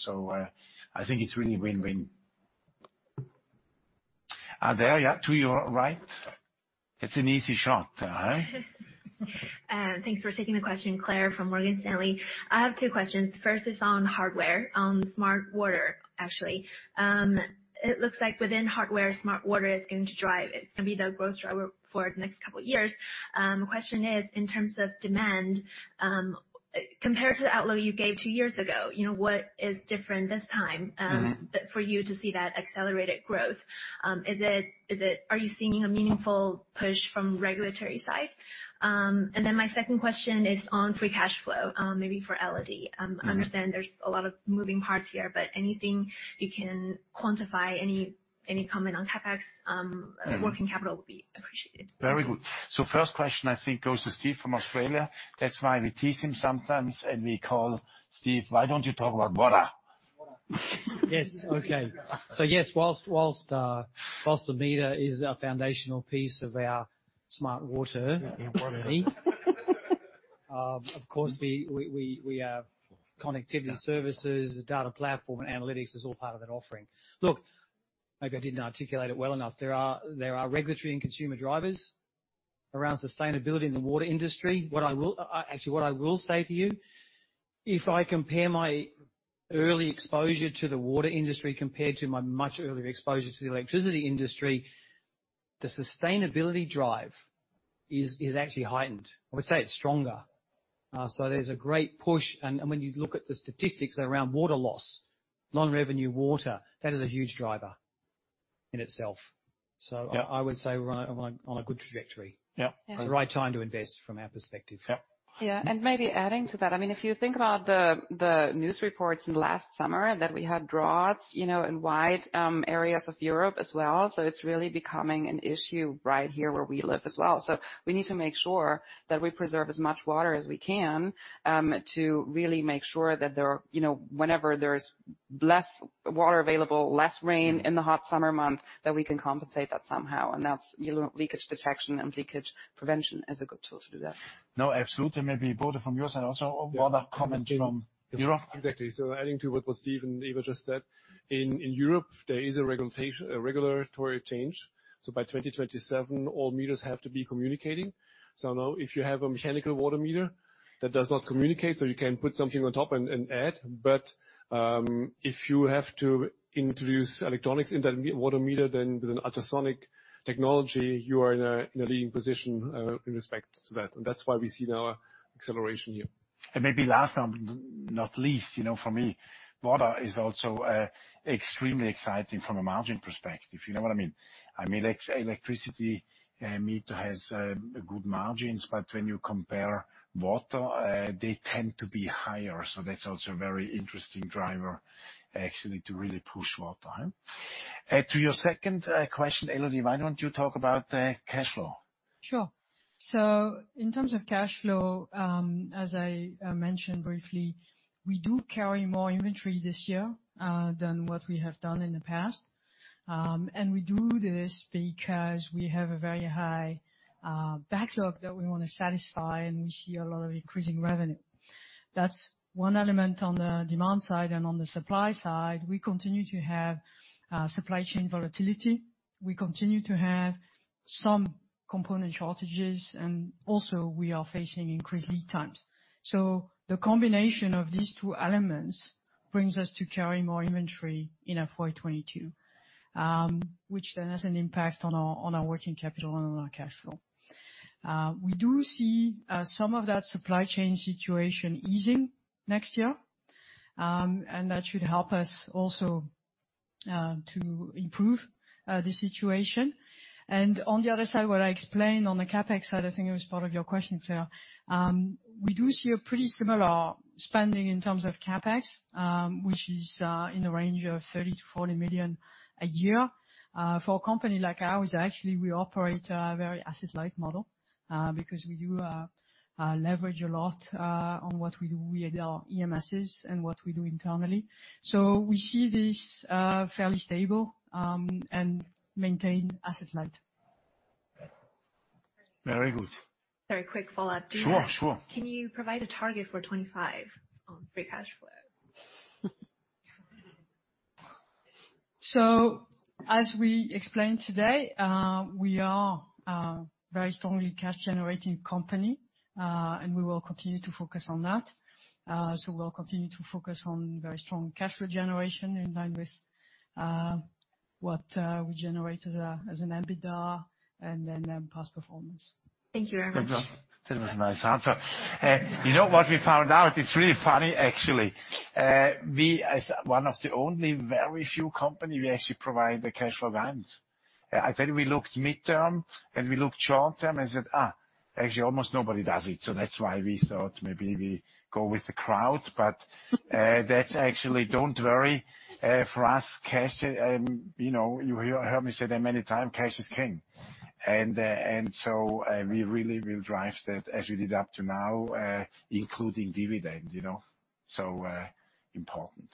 I think it's really win-win. There, yeah, to your right. It's an easy shot, huh? Thanks for taking the question. Claire from Morgan Stanley. I have two questions. First is on hardware, on Smart Water, actually. It looks like within hardware, Smart Water is going to drive. It's gonna be the growth driver for the next couple of years. Question is, in terms of demand, compared to the outlook you gave two years ago, you know, what is different this time? Mm-hmm. For you to see that accelerated growth? Are you seeing a meaningful push from regulatory side? Then my second question is on free cash flow, maybe for Elodie. Mm-hmm. I understand there's a lot of moving parts here, anything you can quantify, any comment on CapEx? Mm-hmm. Working capital would be appreciated. Very good. First question, I think goes to Steve from Australia. That's why we tease him sometimes and we call, "Steve, why don't you talk about water? Yes. Okay. Yes, whilst the meter is a foundational piece of our Smart Water economy, of course, we have connectivity services, data platform, and analytics is all part of that offering. Look, maybe I didn't articulate it well enough. There are regulatory and consumer drivers around sustainability in the water industry. Actually, what I will say to you, if I compare my early exposure to the water industry compared to my much earlier exposure to the electricity industry, the sustainability drive is actually heightened. I would say it's stronger. There's a great push, and when you look at the statistics around water loss, non-revenue water, that is a huge driver in itself. Yeah. I would say we're on a good trajectory. Yeah. Yes. The right time to invest from our perspective. Yep. Maybe adding to that, I mean, if you think about the news reports in last summer that we had droughts, you know, in wide areas of Europe as well, it's really becoming an issue right here where we live as well. We need to make sure that we preserve as much water as we can, to really make sure that there, you know, whenever there's less water available, less rain in the hot summer month, that we can compensate that somehow. That's, you know, leakage detection and leakage prevention is a good tool to do that. No, absolutely. Maybe Bodo from your side also or Bodo comment from Europe? Exactly. Adding to what both Prasanna and Eva just said, in Europe there is a regulatory change, by 2027 all meters have to be communicating. Now if you have a mechanical water meter that does not communicate, you can put something on top and add. If you have to introduce electronics in that water meter, with an ultrasonic technology you are in a leading position in respect to that. That's why we see now acceleration here. Maybe last but not least, you know, for me, water is also extremely exciting from a margin perspective. You know what I mean? I mean, electricity meter has good margins, but when you compare water, they tend to be higher. That's also a very interesting driver actually to really push water, huh? To your second question, Elodie, why don't you talk about cash flow? Sure. In terms of cash flow, as I mentioned briefly, we do carry more inventory this year than what we have done in the past. We do this because we have a very high backlog that we want to satisfy, and we see a lot of increasing revenue. That's one element on the demand side and on the supply side we continue to have supply chain volatility. We continue to have some component shortages and also we are facing increased lead times. The combination of these two elements brings us to carry more inventory in our FY 2022, which then has an impact on our working capital and on our cash flow. We do see some of that supply chain situation easing next year, and that should help us also to improve the situation. On the other side, what I explained on the CapEx side, I think it was part of your question, Claire. We do see a pretty similar spending in terms of CapEx, which is in the range of $30 million-$40 million a year. For a company like ours, actually we operate a very asset-light model because we do leverage a lot on what we do with our EMSs and what we do internally. We see this fairly stable and maintain asset light. Very good. Very quick follow-up. Sure, sure. Can you provide a target for 25 on free cash flow? As we explained today, we are very strongly cash generating company, and we will continue to focus on that. We'll continue to focus on very strong cash flow generation in line with what we generate as a, as an EBITDA and then, past performance. Thank you very much. That was a nice answer. You know what we found out? It's really funny actually. We as one of the only very few company, we actually provide the cash flow guidance. I think we looked midterm, and we looked short-term and said, "actually almost nobody does it." That's why we thought maybe we go with the crowd. That's actually. Don't worry. For us, cash, you know, heard me say that many time, cash is king. We really will drive that as we did up to now, including dividend, you know. Important.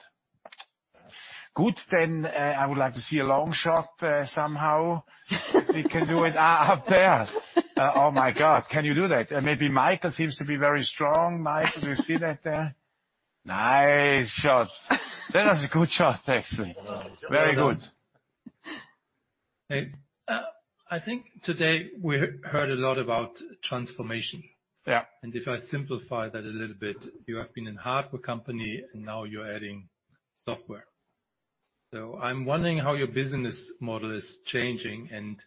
Good. I would like to see a long shot, somehow. If we can do it. Up there. Oh my God, can you do that? Maybe Michael seems to be very strong. Michael, do you see that there? Nice shot. That was a good shot actually. Very good. Hey, I think today we heard a lot about transformation. Yeah. If I simplify that a little bit, you have been in hardware company and now you're adding software. I'm wondering how your business model is changing and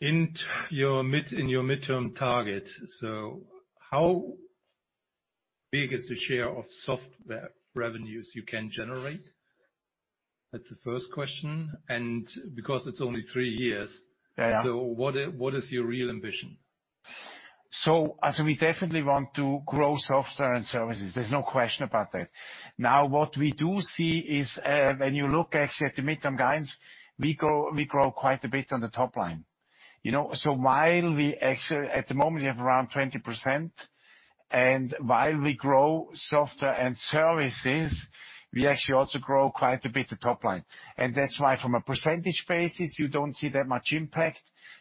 in your midterm target, so how big is the share of software revenues you can generate? That's the first question. Because it's only three years. Yeah. What is your real ambition? As we definitely want to grow software and services, there's no question about that. What we do see is, when you look actually at the midterm guidance, we grow quite a bit on the top line. You know? At the moment we have around 20%, and while we grow software and services, we actually also grow quite a bit of top line. That's why from a percentage basis you don't see that much impact.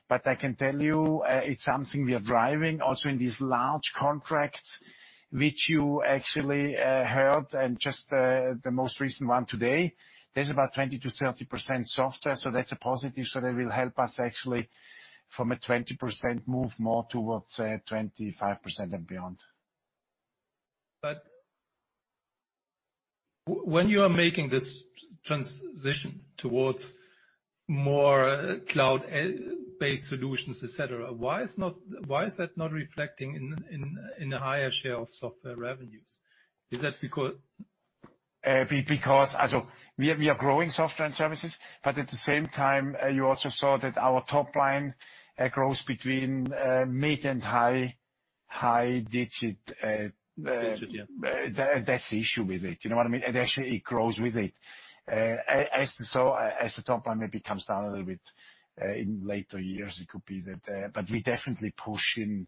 I can tell you, it's something we are driving also in these large contracts which you actually heard and just the most recent one today. There's about 20%-30% software, that's a positive. They will help us actually from a 20% move more towards 25% and beyond. But. When you are making this transition towards more cloud-based solutions, et cetera, why is that not reflecting in a higher share of software revenues? Is that because. Because we are growing software and services, but at the same time, you also saw that our top line grows between mid and high digit. Digit, yeah. That's the issue with it. You know what I mean? It actually grows with it. As the top line maybe comes down a little bit, in later years, it could be that. We definitely push in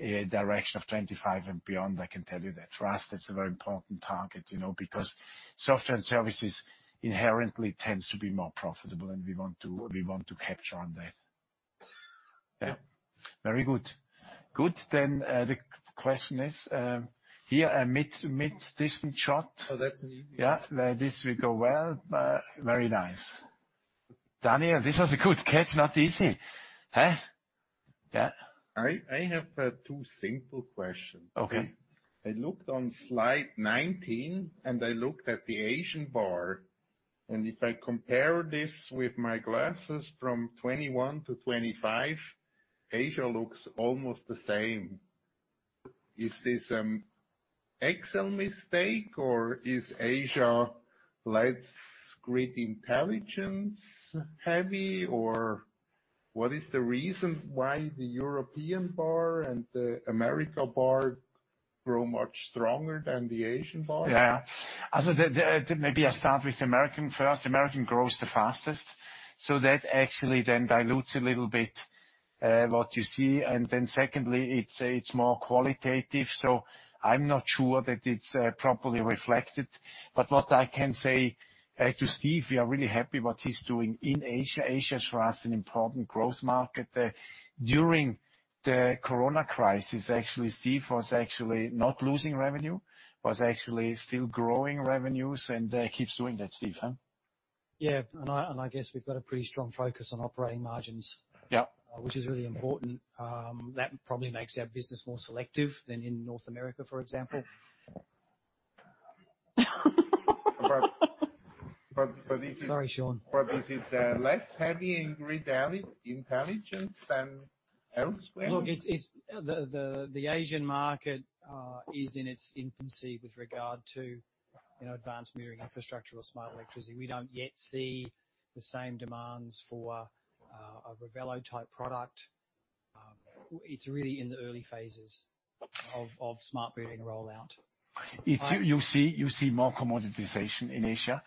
a direction of 25 and beyond, I can tell you that. For us, that's a very important target, you know, because software and services inherently tends to be more profitable, and we want to, we want to capture on that. Yeah. Very good. Good. The question is, here a mid-distance shot. Oh, that's an easy one. Yeah. This will go well. very nice. Daniel, this was a good catch. Not easy. Huh? Yeah. I have two simple questions. Okay. I looked on slide 19, and I looked at the Asian bar. If I compare this with my glasses from 21 to 25, Asia looks almost the same. Is this an Excel mistake, or is Asia less grid intelligence heavy? What is the reason why the European bar and the America bar grow much stronger than the Asian bar? Yeah. Also, the Maybe I start with American first. American grows the fastest, so that actually then dilutes a little bit, what you see. Secondly, it's more qualitative, so I'm not sure that it's properly reflected. What I can say, to Steve, we are really happy what he's doing in Asia. Asia is for us an important growth market. During the corona crisis, actually, Steve was actually not losing revenue, was actually still growing revenues, and keeps doing that. Steve, huh? Yeah. I, and I guess we've got a pretty strong focus on operating margins. Yeah. Which is really important. That probably makes our business more selective than in North America, for example. Is it? Sorry, Sean. Is it less heavy in grid intelligence than elsewhere? Look, it's The Asian market is in its infancy with regard to, you know, advanced metering infrastructure or smart electricity. We don't yet see the same demands for a Revelo type product. It's really in the early phases of smart metering rollout. You see more commoditization in Asia.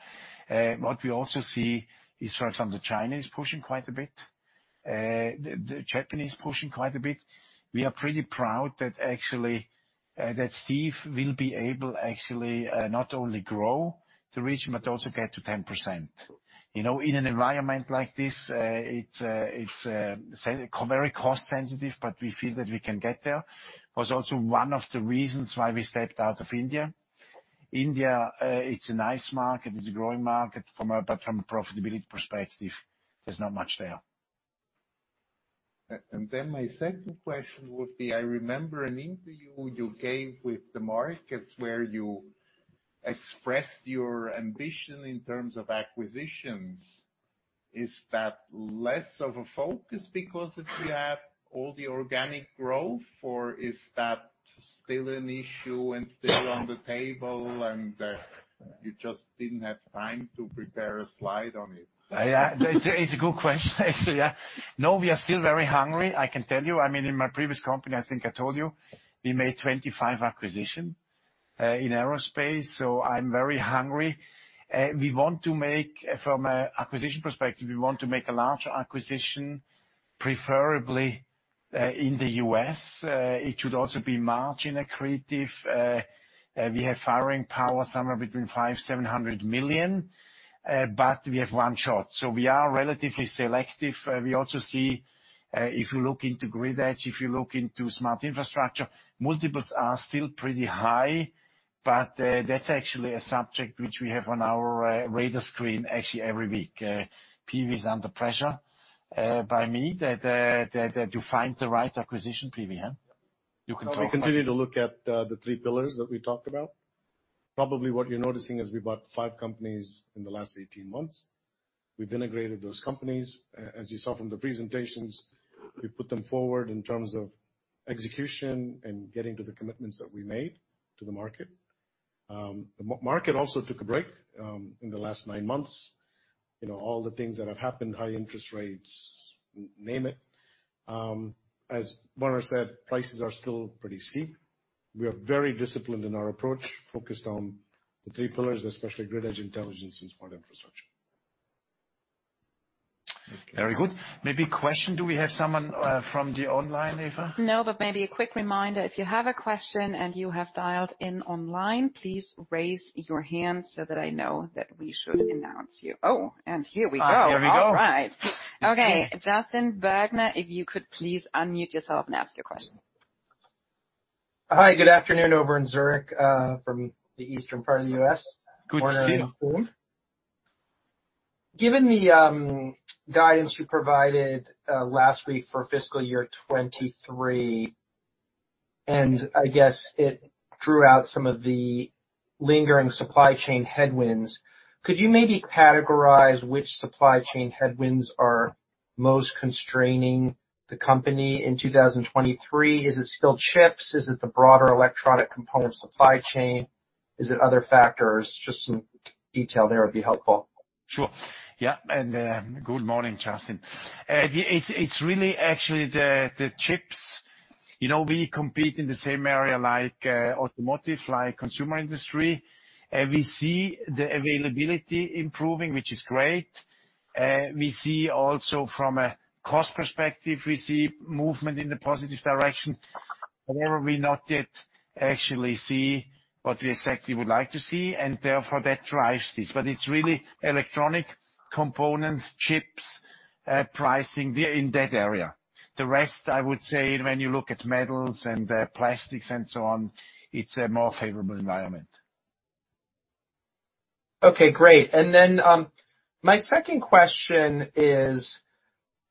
What we also see is, for example, China is pushing quite a bit. The Japanese pushing quite a bit. We are pretty proud that actually that Steve will be able actually not only grow the region but also get to 10%. You know, in an environment like this, it's very cost sensitive, but we feel that we can get there. Was also one of the reasons why we stepped out of India. India, it's a nice market, it's a growing market but from a profitability perspective, there's not much there. My second question would be, I remember an interview you gave with the markets where you expressed your ambition in terms of acquisitions. Is that less of a focus because if you have all the organic growth or is that still an issue and still on the table and you just didn't have time to prepare a slide on it? Yeah. It's a good question, actually, yeah. We are still very hungry, I can tell you. I mean, in my previous company, I think I told you, we made 25 acquisitions in aerospace, I'm very hungry. From a acquisition perspective, we want to make a large acquisition, preferably in the U.S. It should also be margin accretive. We have firing power somewhere between $500 million-$700 million, we have one shot. We are relatively selective. We also see, if you look into grid edge, if you look into smart infrastructure, multiples are still pretty high. That's actually a subject which we have on our radar screen actually every week. PV is under pressure by me that you find the right acquisition PV, huh? You can talk about it. We continue to look at the three pillars that we talked about. Probably what you're noticing is we bought five companies in the last 18 months. We've integrated those companies. As you saw from the presentations, we put them forward in terms of execution and getting to the commitments that we made to the market. The market also took a break in the last nine months. You know, all the things that have happened, high interest rates, name it. As Werner Lieberherr said, prices are still pretty steep. We are very disciplined in our approach, focused on the three pillars, especially grid edge intelligence and smart infrastructure. Very good. Maybe question. Do we have someone from the online, Eva? Maybe a quick reminder. If you have a question and you have dialed in online, please raise your hand so that I know that we should announce you. Here we go. Here we go. All right. Okay, Justin Bergner, if you could please unmute yourself and ask your question. Hi, good afternoon. Over in Zurich, from the eastern part of the U.S.. Good to see you. Given the guidance you provided last week for fiscal year 2023, and I guess it drew out some of the lingering supply chain headwinds, could you maybe categorize which supply chain headwinds are most constraining the company in 2023? Is it still chips? Is it the broader electronic component supply chain? Is it other factors? Just some detail there would be helpful. Sure. Yeah. Good morning, Justin. It's really actually the chips. You know, we compete in the same area like automotive, like consumer industry. We see the availability improving, which is great. We see also from a cost perspective, we see movement in the positive direction. However, we not yet actually see what we exactly would like to see, and therefore that drives this. It's really electronic components, chips, pricing, we're in that area. The rest, I would say when you look at metals and plastics and so on, it's a more favorable environment. Okay, great. My second question is,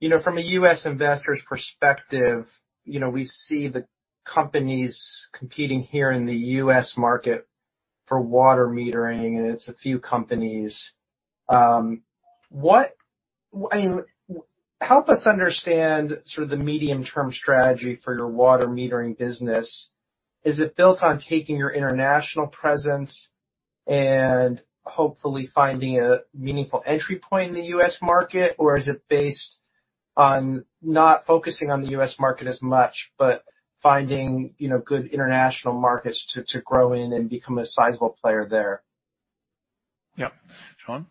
you know, from a U.S. investor's perspective, you know, we see the companies competing here in the U.S. market for water metering, and it's a few companies. I mean, Help us understand sort of the medium-term strategy for your water metering business. Is it built on taking your international presence and hopefully finding a meaningful entry point in the U.S. market? Or is it based on not focusing on the U.S. market as much, but finding, you know, good international markets to grow in and become a sizable player there? Yeah. Sean?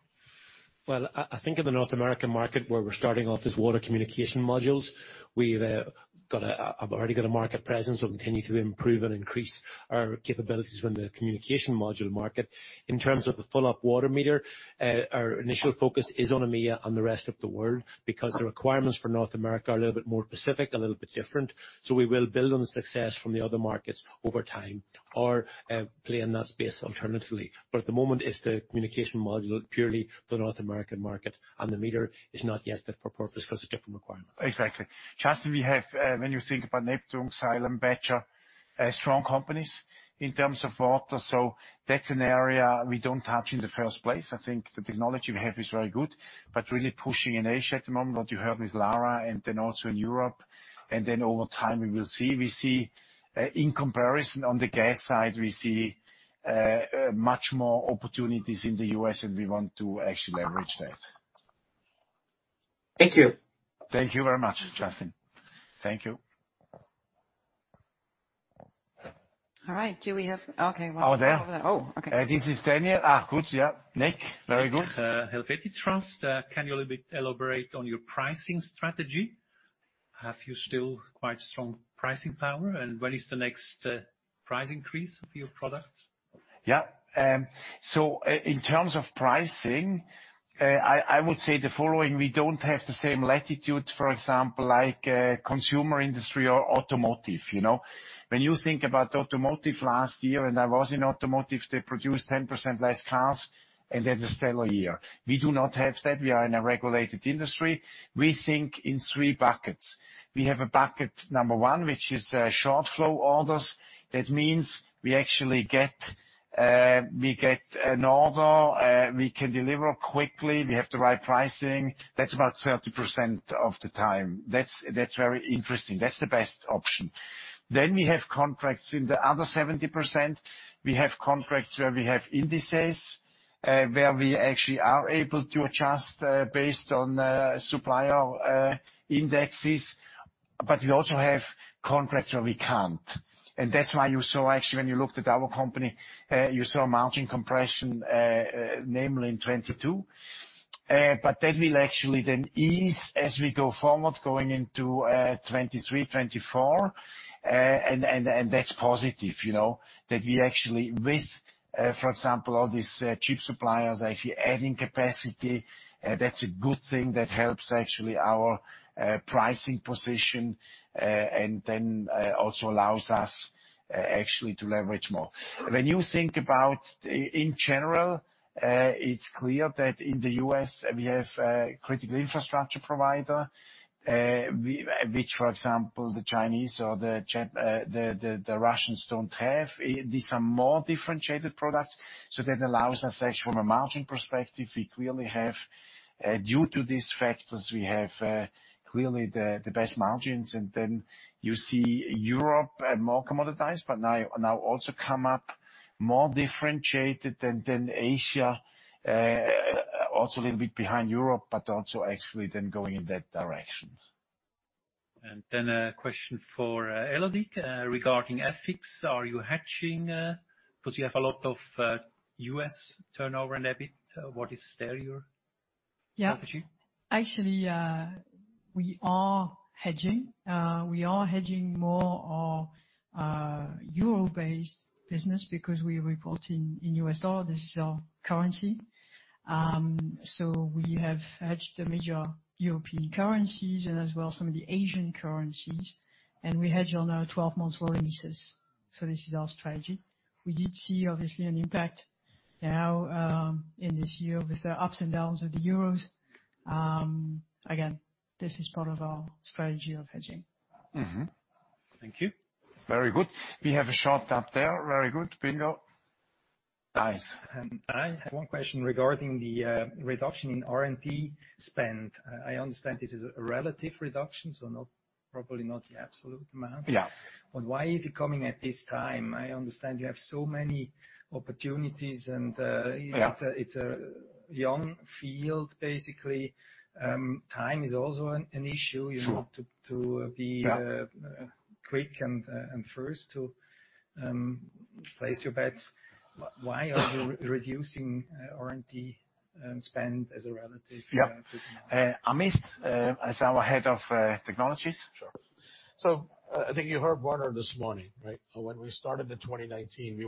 I think in the North American market, where we're starting off as water communication modules, we've already got a market presence. We'll continue to improve and increase our capabilities within the communication module market. In terms of the full op water meter, our initial focus is on EMEA and the rest of the world, because the requirements for North America are a little bit more specific, a little bit different. We will build on the success from the other markets over time or play in that space alternatively. At the moment, it's the communication module, purely the North American market, and the meter is not yet fit for purpose 'cause of different requirements. Exactly. Justin Bergner, we have, when you think about Neptune Technology Group, Xylem Inc., Badger Meter, strong companies in terms of water, so that's an area we don't touch in the first place. I think the technology we have is very good, but really pushing in Asia at the moment, what you heard with Lara Olsen and then also in Europe. Then, over time, we will see. We see, in comparison on the gas side, we see, much more opportunities in the U.S., and we want to actually leverage that. Thank you. Thank you very much, Justin. Thank you. All right. Okay. Oh, there. Oh, okay. This is Daniel. Good. Yeah. Nick, very good. Helvetic Trust. Can you a little bit elaborate on your pricing strategy? Have you still quite strong pricing power? When is the next price increase of your products? Yeah. in terms of pricing, I would say the following: We don't have the same latitude, for example, like consumer industry or automotive, you know. When you think about automotive last year, and I was in automotive, they produced 10% less cars, and that's a stellar year. We do not have that. We are in a regulated industry. We think in three buckets. We have a bucket number one, which is short flow orders. That means we actually get, we get an order, we can deliver quickly, we have the right pricing. That's about 30% of the time. That's very interesting. That's the best option. We have contracts in the other 70%. We have contracts where we have indices, where we actually are able to adjust, based on supplier indexes, but we also have contracts where we can't. That's why you saw actually, when you looked at our company, you saw margin compression, namely in 2022. That will actually then ease as we go forward going into 2023, 2024. That's positive, you know, that we actually with, for example, all these chip suppliers actually adding capacity, that's a good thing. That helps actually our pricing position, and then also allows us actually to leverage more. When you think about in general, it's clear that in the US, we have a critical infrastructure provider, which, for example, the Chinese or the Russians don't have. These are more differentiated products, so that allows us actually from a margin perspective, we clearly have, due to these factors, we have, clearly the best margins. You see Europe, more commoditized, but now also come up more differentiated. Asia, also a little bit behind Europe, but also actually then going in that direction. A question for Elodie. Regarding ethics, are you hedging? 'cause you have a lot of U.S. turnover and EBIT. Yeah. Opportunity? Actually, we are hedging. We are hedging more our Euro-based business because we're reporting in US dollar. This is our currency. We have hedged the major European currencies and as well some of the Asian currencies, and we hedge on our 12-month volumes. This is our strategy. We did see obviously an impact now in this year with the ups and downs of the euros. Again, this is part of our strategy of hedging. Mm-hmm. Thank you. Very good. We have a shot up there. Very good. Bingo. Guys. I have one question regarding the reduction in R&D spend. I understand this is a relative reduction, so probably not the absolute amount. Yeah. Why is it coming at this time? I understand you have so many opportunities and. Yeah. It's a young field, basically. Time is also an issue. Sure. You know, to, to be. Yeah. Quick and first to place your bets. Why are you reducing R&D spend as a relative-? Yeah. Amit is our head of technologies. Sure. I think you heard Werner this morning, right? When we started in 2019, we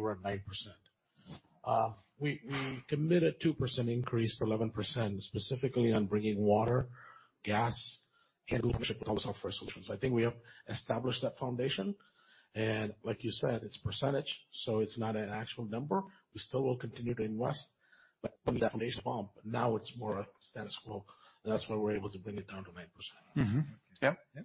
committed 2% increase to 11% specifically on bringing water, gas software solutions. I think we have established that foundation. Like you said, it's percentage, so it's not an actual number. We still will continue to invest, but from the foundation on, but now it's more status quo. That's why we're able to bring it down to 9%. Mm-hmm. Yeah. Yeah.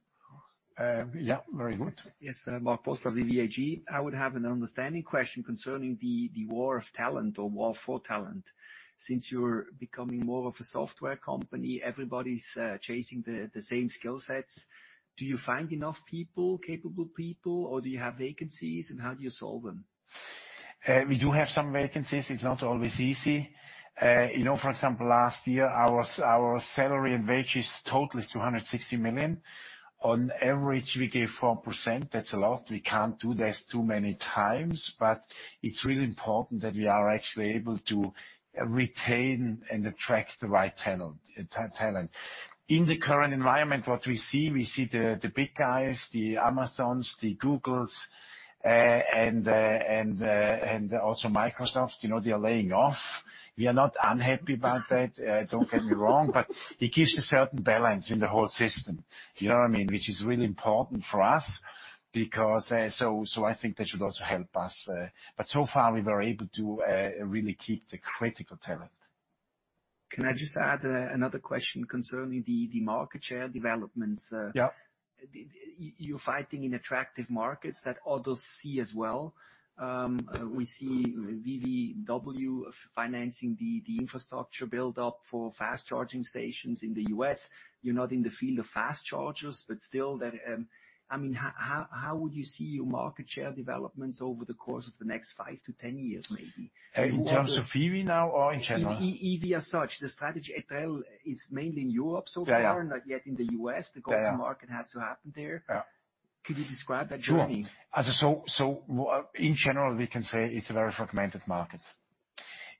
Yeah. Very good. Yes. Marc Forst, from VVaG. I would have an understanding question concerning the war of talent or war for talent. Since you're becoming more of a software company, everybody's chasing the same skill sets. Do you find enough people, capable people, or do you have vacancies, and how do you solve them? We do have some vacancies. It's not always easy. You know, for example, last year our salary and wages total is $260 million. On average, we gave 4%. That's a lot. We can't do this too many times, but it's really important that we are actually able to retain and attract the right talent. In the current environment, what we see, we see the big guys, the Amazons, the Googles, and also Microsofts, you know, they are laying off. We are not unhappy about that, don't get me wrong, but it gives a certain balance in the whole system. Do you know what I mean? Which is really important for us because so I think that should also help us. So far, we were able to really keep the critical talent. Can I just add another question concerning the market share developments? Yeah. You're fighting in attractive markets that others see as well. We see VVW financing the infrastructure build-up for fast-charging stations in the US. You're not in the field of fast chargers, but still that, I mean, how would you see your market share developments over the course of the next five to 10 years, maybe? In terms of EV now or in general? EV as such. The strategy, Etrel, is mainly in Europe so far. Yeah, yeah. Not yet in the U.S. Yeah, yeah. The go-to-market has to happen there. Yeah. Could you describe that journey? Sure. In general, we can say it's a very fragmented market.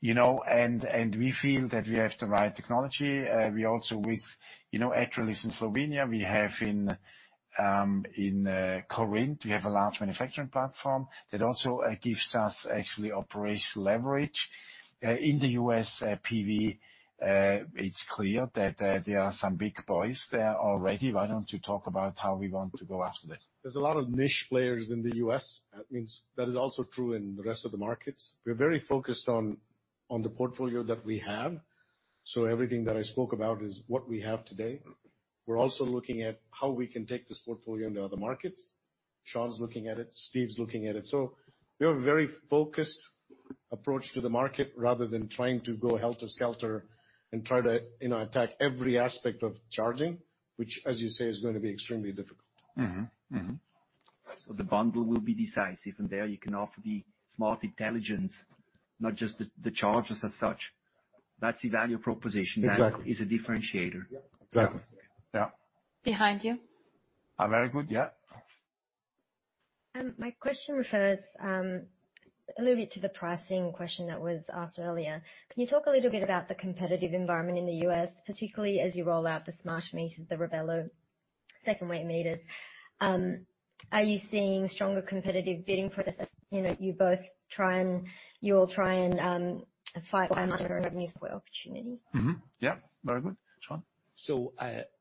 You know, and we feel that we have the right technology. We also, you know, Etrel is in Slovenia. We have in Corinth, we have a large manufacturing platform that also gives us actually operational leverage. In the U.S., PV, it's clear that there are some big boys there already. Why don't you talk about how we want to go after that? There's a lot of niche players in the U.S. That means that is also true in the rest of the markets. We're very focused on the portfolio that we have. Everything that I spoke about is what we have today. We're also looking at how we can take this portfolio into other markets. Sean's looking at it. Steve's looking at it. We have a very focused approach to the market rather than trying to go helter skelter and try to, you know, attack every aspect of charging, which, as you say, is gonna be extremely difficult. Mm-hmm. Mm-hmm. The bundle will be decisive, and there you can offer the smart intelligence, not just the chargers as such. That's the value proposition. Exactly. That is a differentiator. Yep. Exactly. Yeah. Behind you. very good. Yeah. My question refers a little bit to the pricing question that was asked earlier. Can you talk a little bit about the competitive environment in the US, particularly as you roll out the smart meters, the Revelo second weight meters? Are you seeing stronger competitive bidding processes? You know, you'll try and fight one another and miss more opportunities. Mm-hmm. Yeah. Very good. Sean.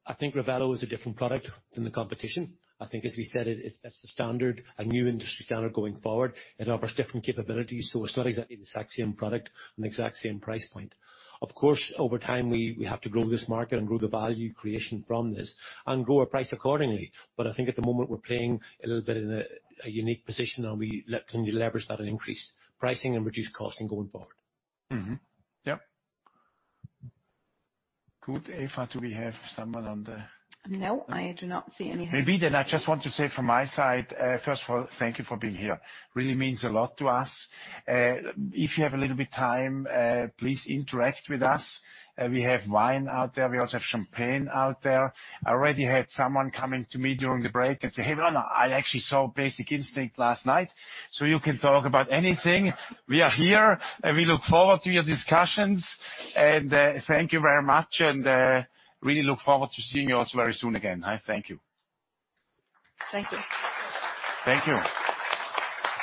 I think Revelo is a different product than the competition. I think as we said, it's a standard, a new industry standard going forward. It offers different capabilities, so it's not exactly the exact same product and exact same price point. Of course, over time, we have to grow this market and grow the value creation from this and grow our price accordingly. I think at the moment, we're playing a little bit in a unique position, and we can leverage that and increase pricing and reduce costing going forward. Mm-hmm. Yep. Good. Eva, do we have someone on the? No, I do not see anything. I just want to say from my side, first of all, thank you for being here. Really means a lot to us. If you have a little bit of time, please interact with us. We have wine out there. We also have champagne out there. I already had someone coming to me during the break and say, "Hey, Werner, I actually saw Basic Instinct last night," you can talk about anything. We are here, we look forward to your discussions. Thank you very much and really look forward to seeing you all very soon again. I thank you. Thank you. Thank you.